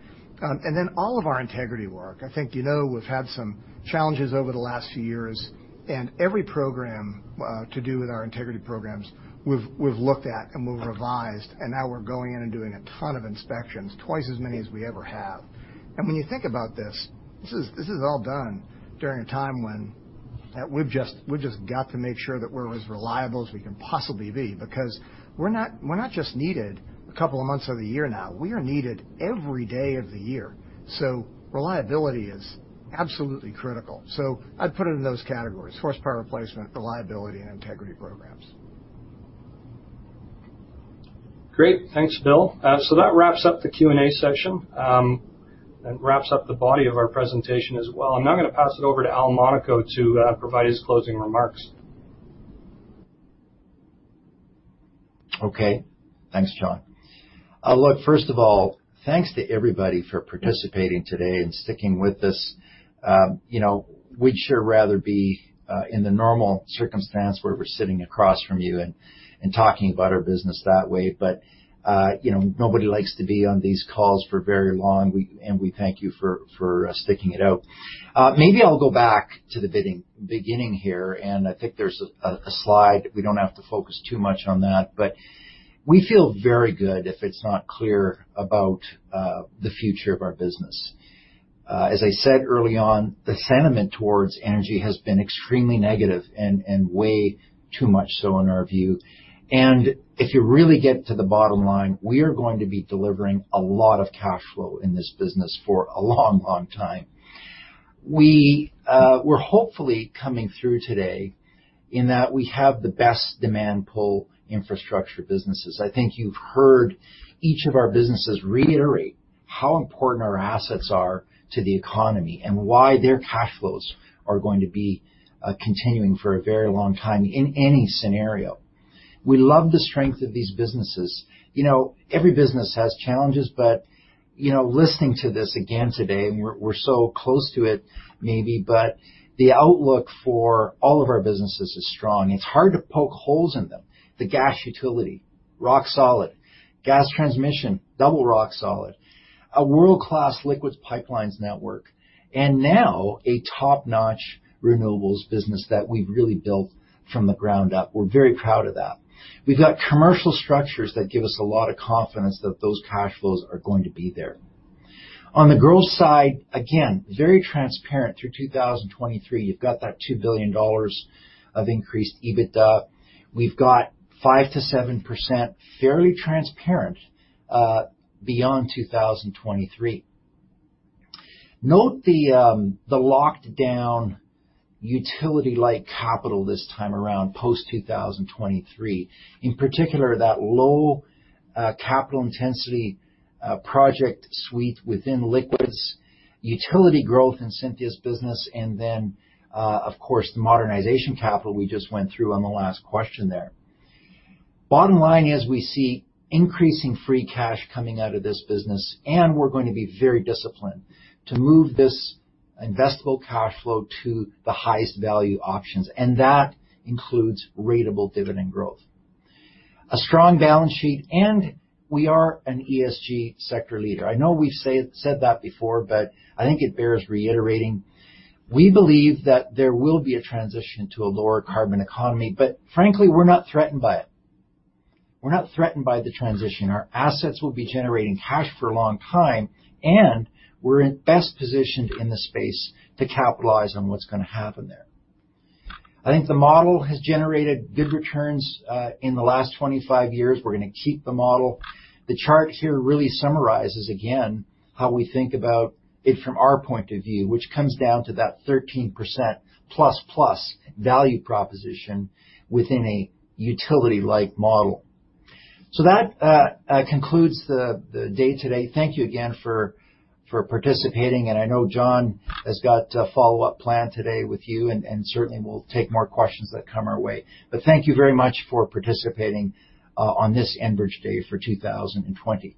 Speaker 5: All of our integrity work, I think you know we've had some challenges over the last few years, and every program to do with our integrity programs, we've looked at and we've revised, and now we're going in and doing a ton of inspections, twice as many as we ever have. When you think about this is all done during a time when we've just got to make sure that we're as reliable as we can possibly be, because we're not just needed a couple of months of the year now. We are needed every day of the year. Reliability is absolutely critical. I'd put it in those categories, horsepower replacement, reliability, and integrity programs.
Speaker 1: Great. Thanks, Bill. That wraps up the Q&A section and wraps up the body of our presentation as well. I'm now going to pass it over to Al Monaco to provide his closing remarks.
Speaker 2: Okay. Thanks, Jon. Look, first of all, thanks to everybody for participating today and sticking with us. We'd sure rather be in the normal circumstance where we're sitting across from you and talking about our business that way. Nobody likes to be on these calls for very long, and we thank you for sticking it out. Maybe I'll go back to the beginning here, and I think there's a slide. We don't have to focus too much on that, but we feel very good, if it's not clear, about the future of our business. As I said early on, the sentiment towards energy has been extremely negative and way too much so in our view. If you really get to the bottom line, we are going to be delivering a lot of cash flow in this business for a long time. We're hopefully coming through today in that we have the best demand pull infrastructure businesses. I think you've heard each of our businesses reiterate how important our assets are to the economy and why their cash flows are going to be continuing for a very long time in any scenario. We love the strength of these businesses. Every business has challenges, but listening to this again today, and we're so close to it maybe, but the outlook for all of our businesses is strong. It's hard to poke holes in them. The gas utility, rock solid. Gas transmission, double rock solid. A world-class liquids pipelines network. Now a top-notch renewables business that we've really built from the ground up. We're very proud of that. We've got commercial structures that give us a lot of confidence that those cash flows are going to be there. On the growth side, again, very transparent through 2023. You've got that 2 billion dollars of increased EBITDA. We've got 5%-7%, fairly transparent, beyond 2023. Note the locked-down utility-like capital this time around post-2023. In particular, that low capital intensity project suite within liquids, utility growth in Cynthia's business, and then, of course, the modernization capital we just went through on the last question there. Bottom line is we see increasing free cash coming out of this business, and we're going to be very disciplined to move this investable cash flow to the highest value options. That includes ratable dividend growth. A strong balance sheet, and we are an ESG sector leader. I know we've said that before, but I think it bears reiterating. We believe that there will be a transition to a lower carbon economy, but frankly, we're not threatened by it. We're not threatened by the transition. Our assets will be generating cash for a long time, and we're in best position in the space to capitalize on what's going to happen there. I think the model has generated good returns in the last 25 years. We're going to keep the model. The chart here really summarizes, again, how we think about it from our point of view, which comes down to that 13% plus value proposition within a utility-like model. That concludes the day today. Thank you again for participating, and I know Jon has got a follow-up plan today with you and certainly will take more questions that come our way. Thank you very much for participating on this Enbridge Day for 2020.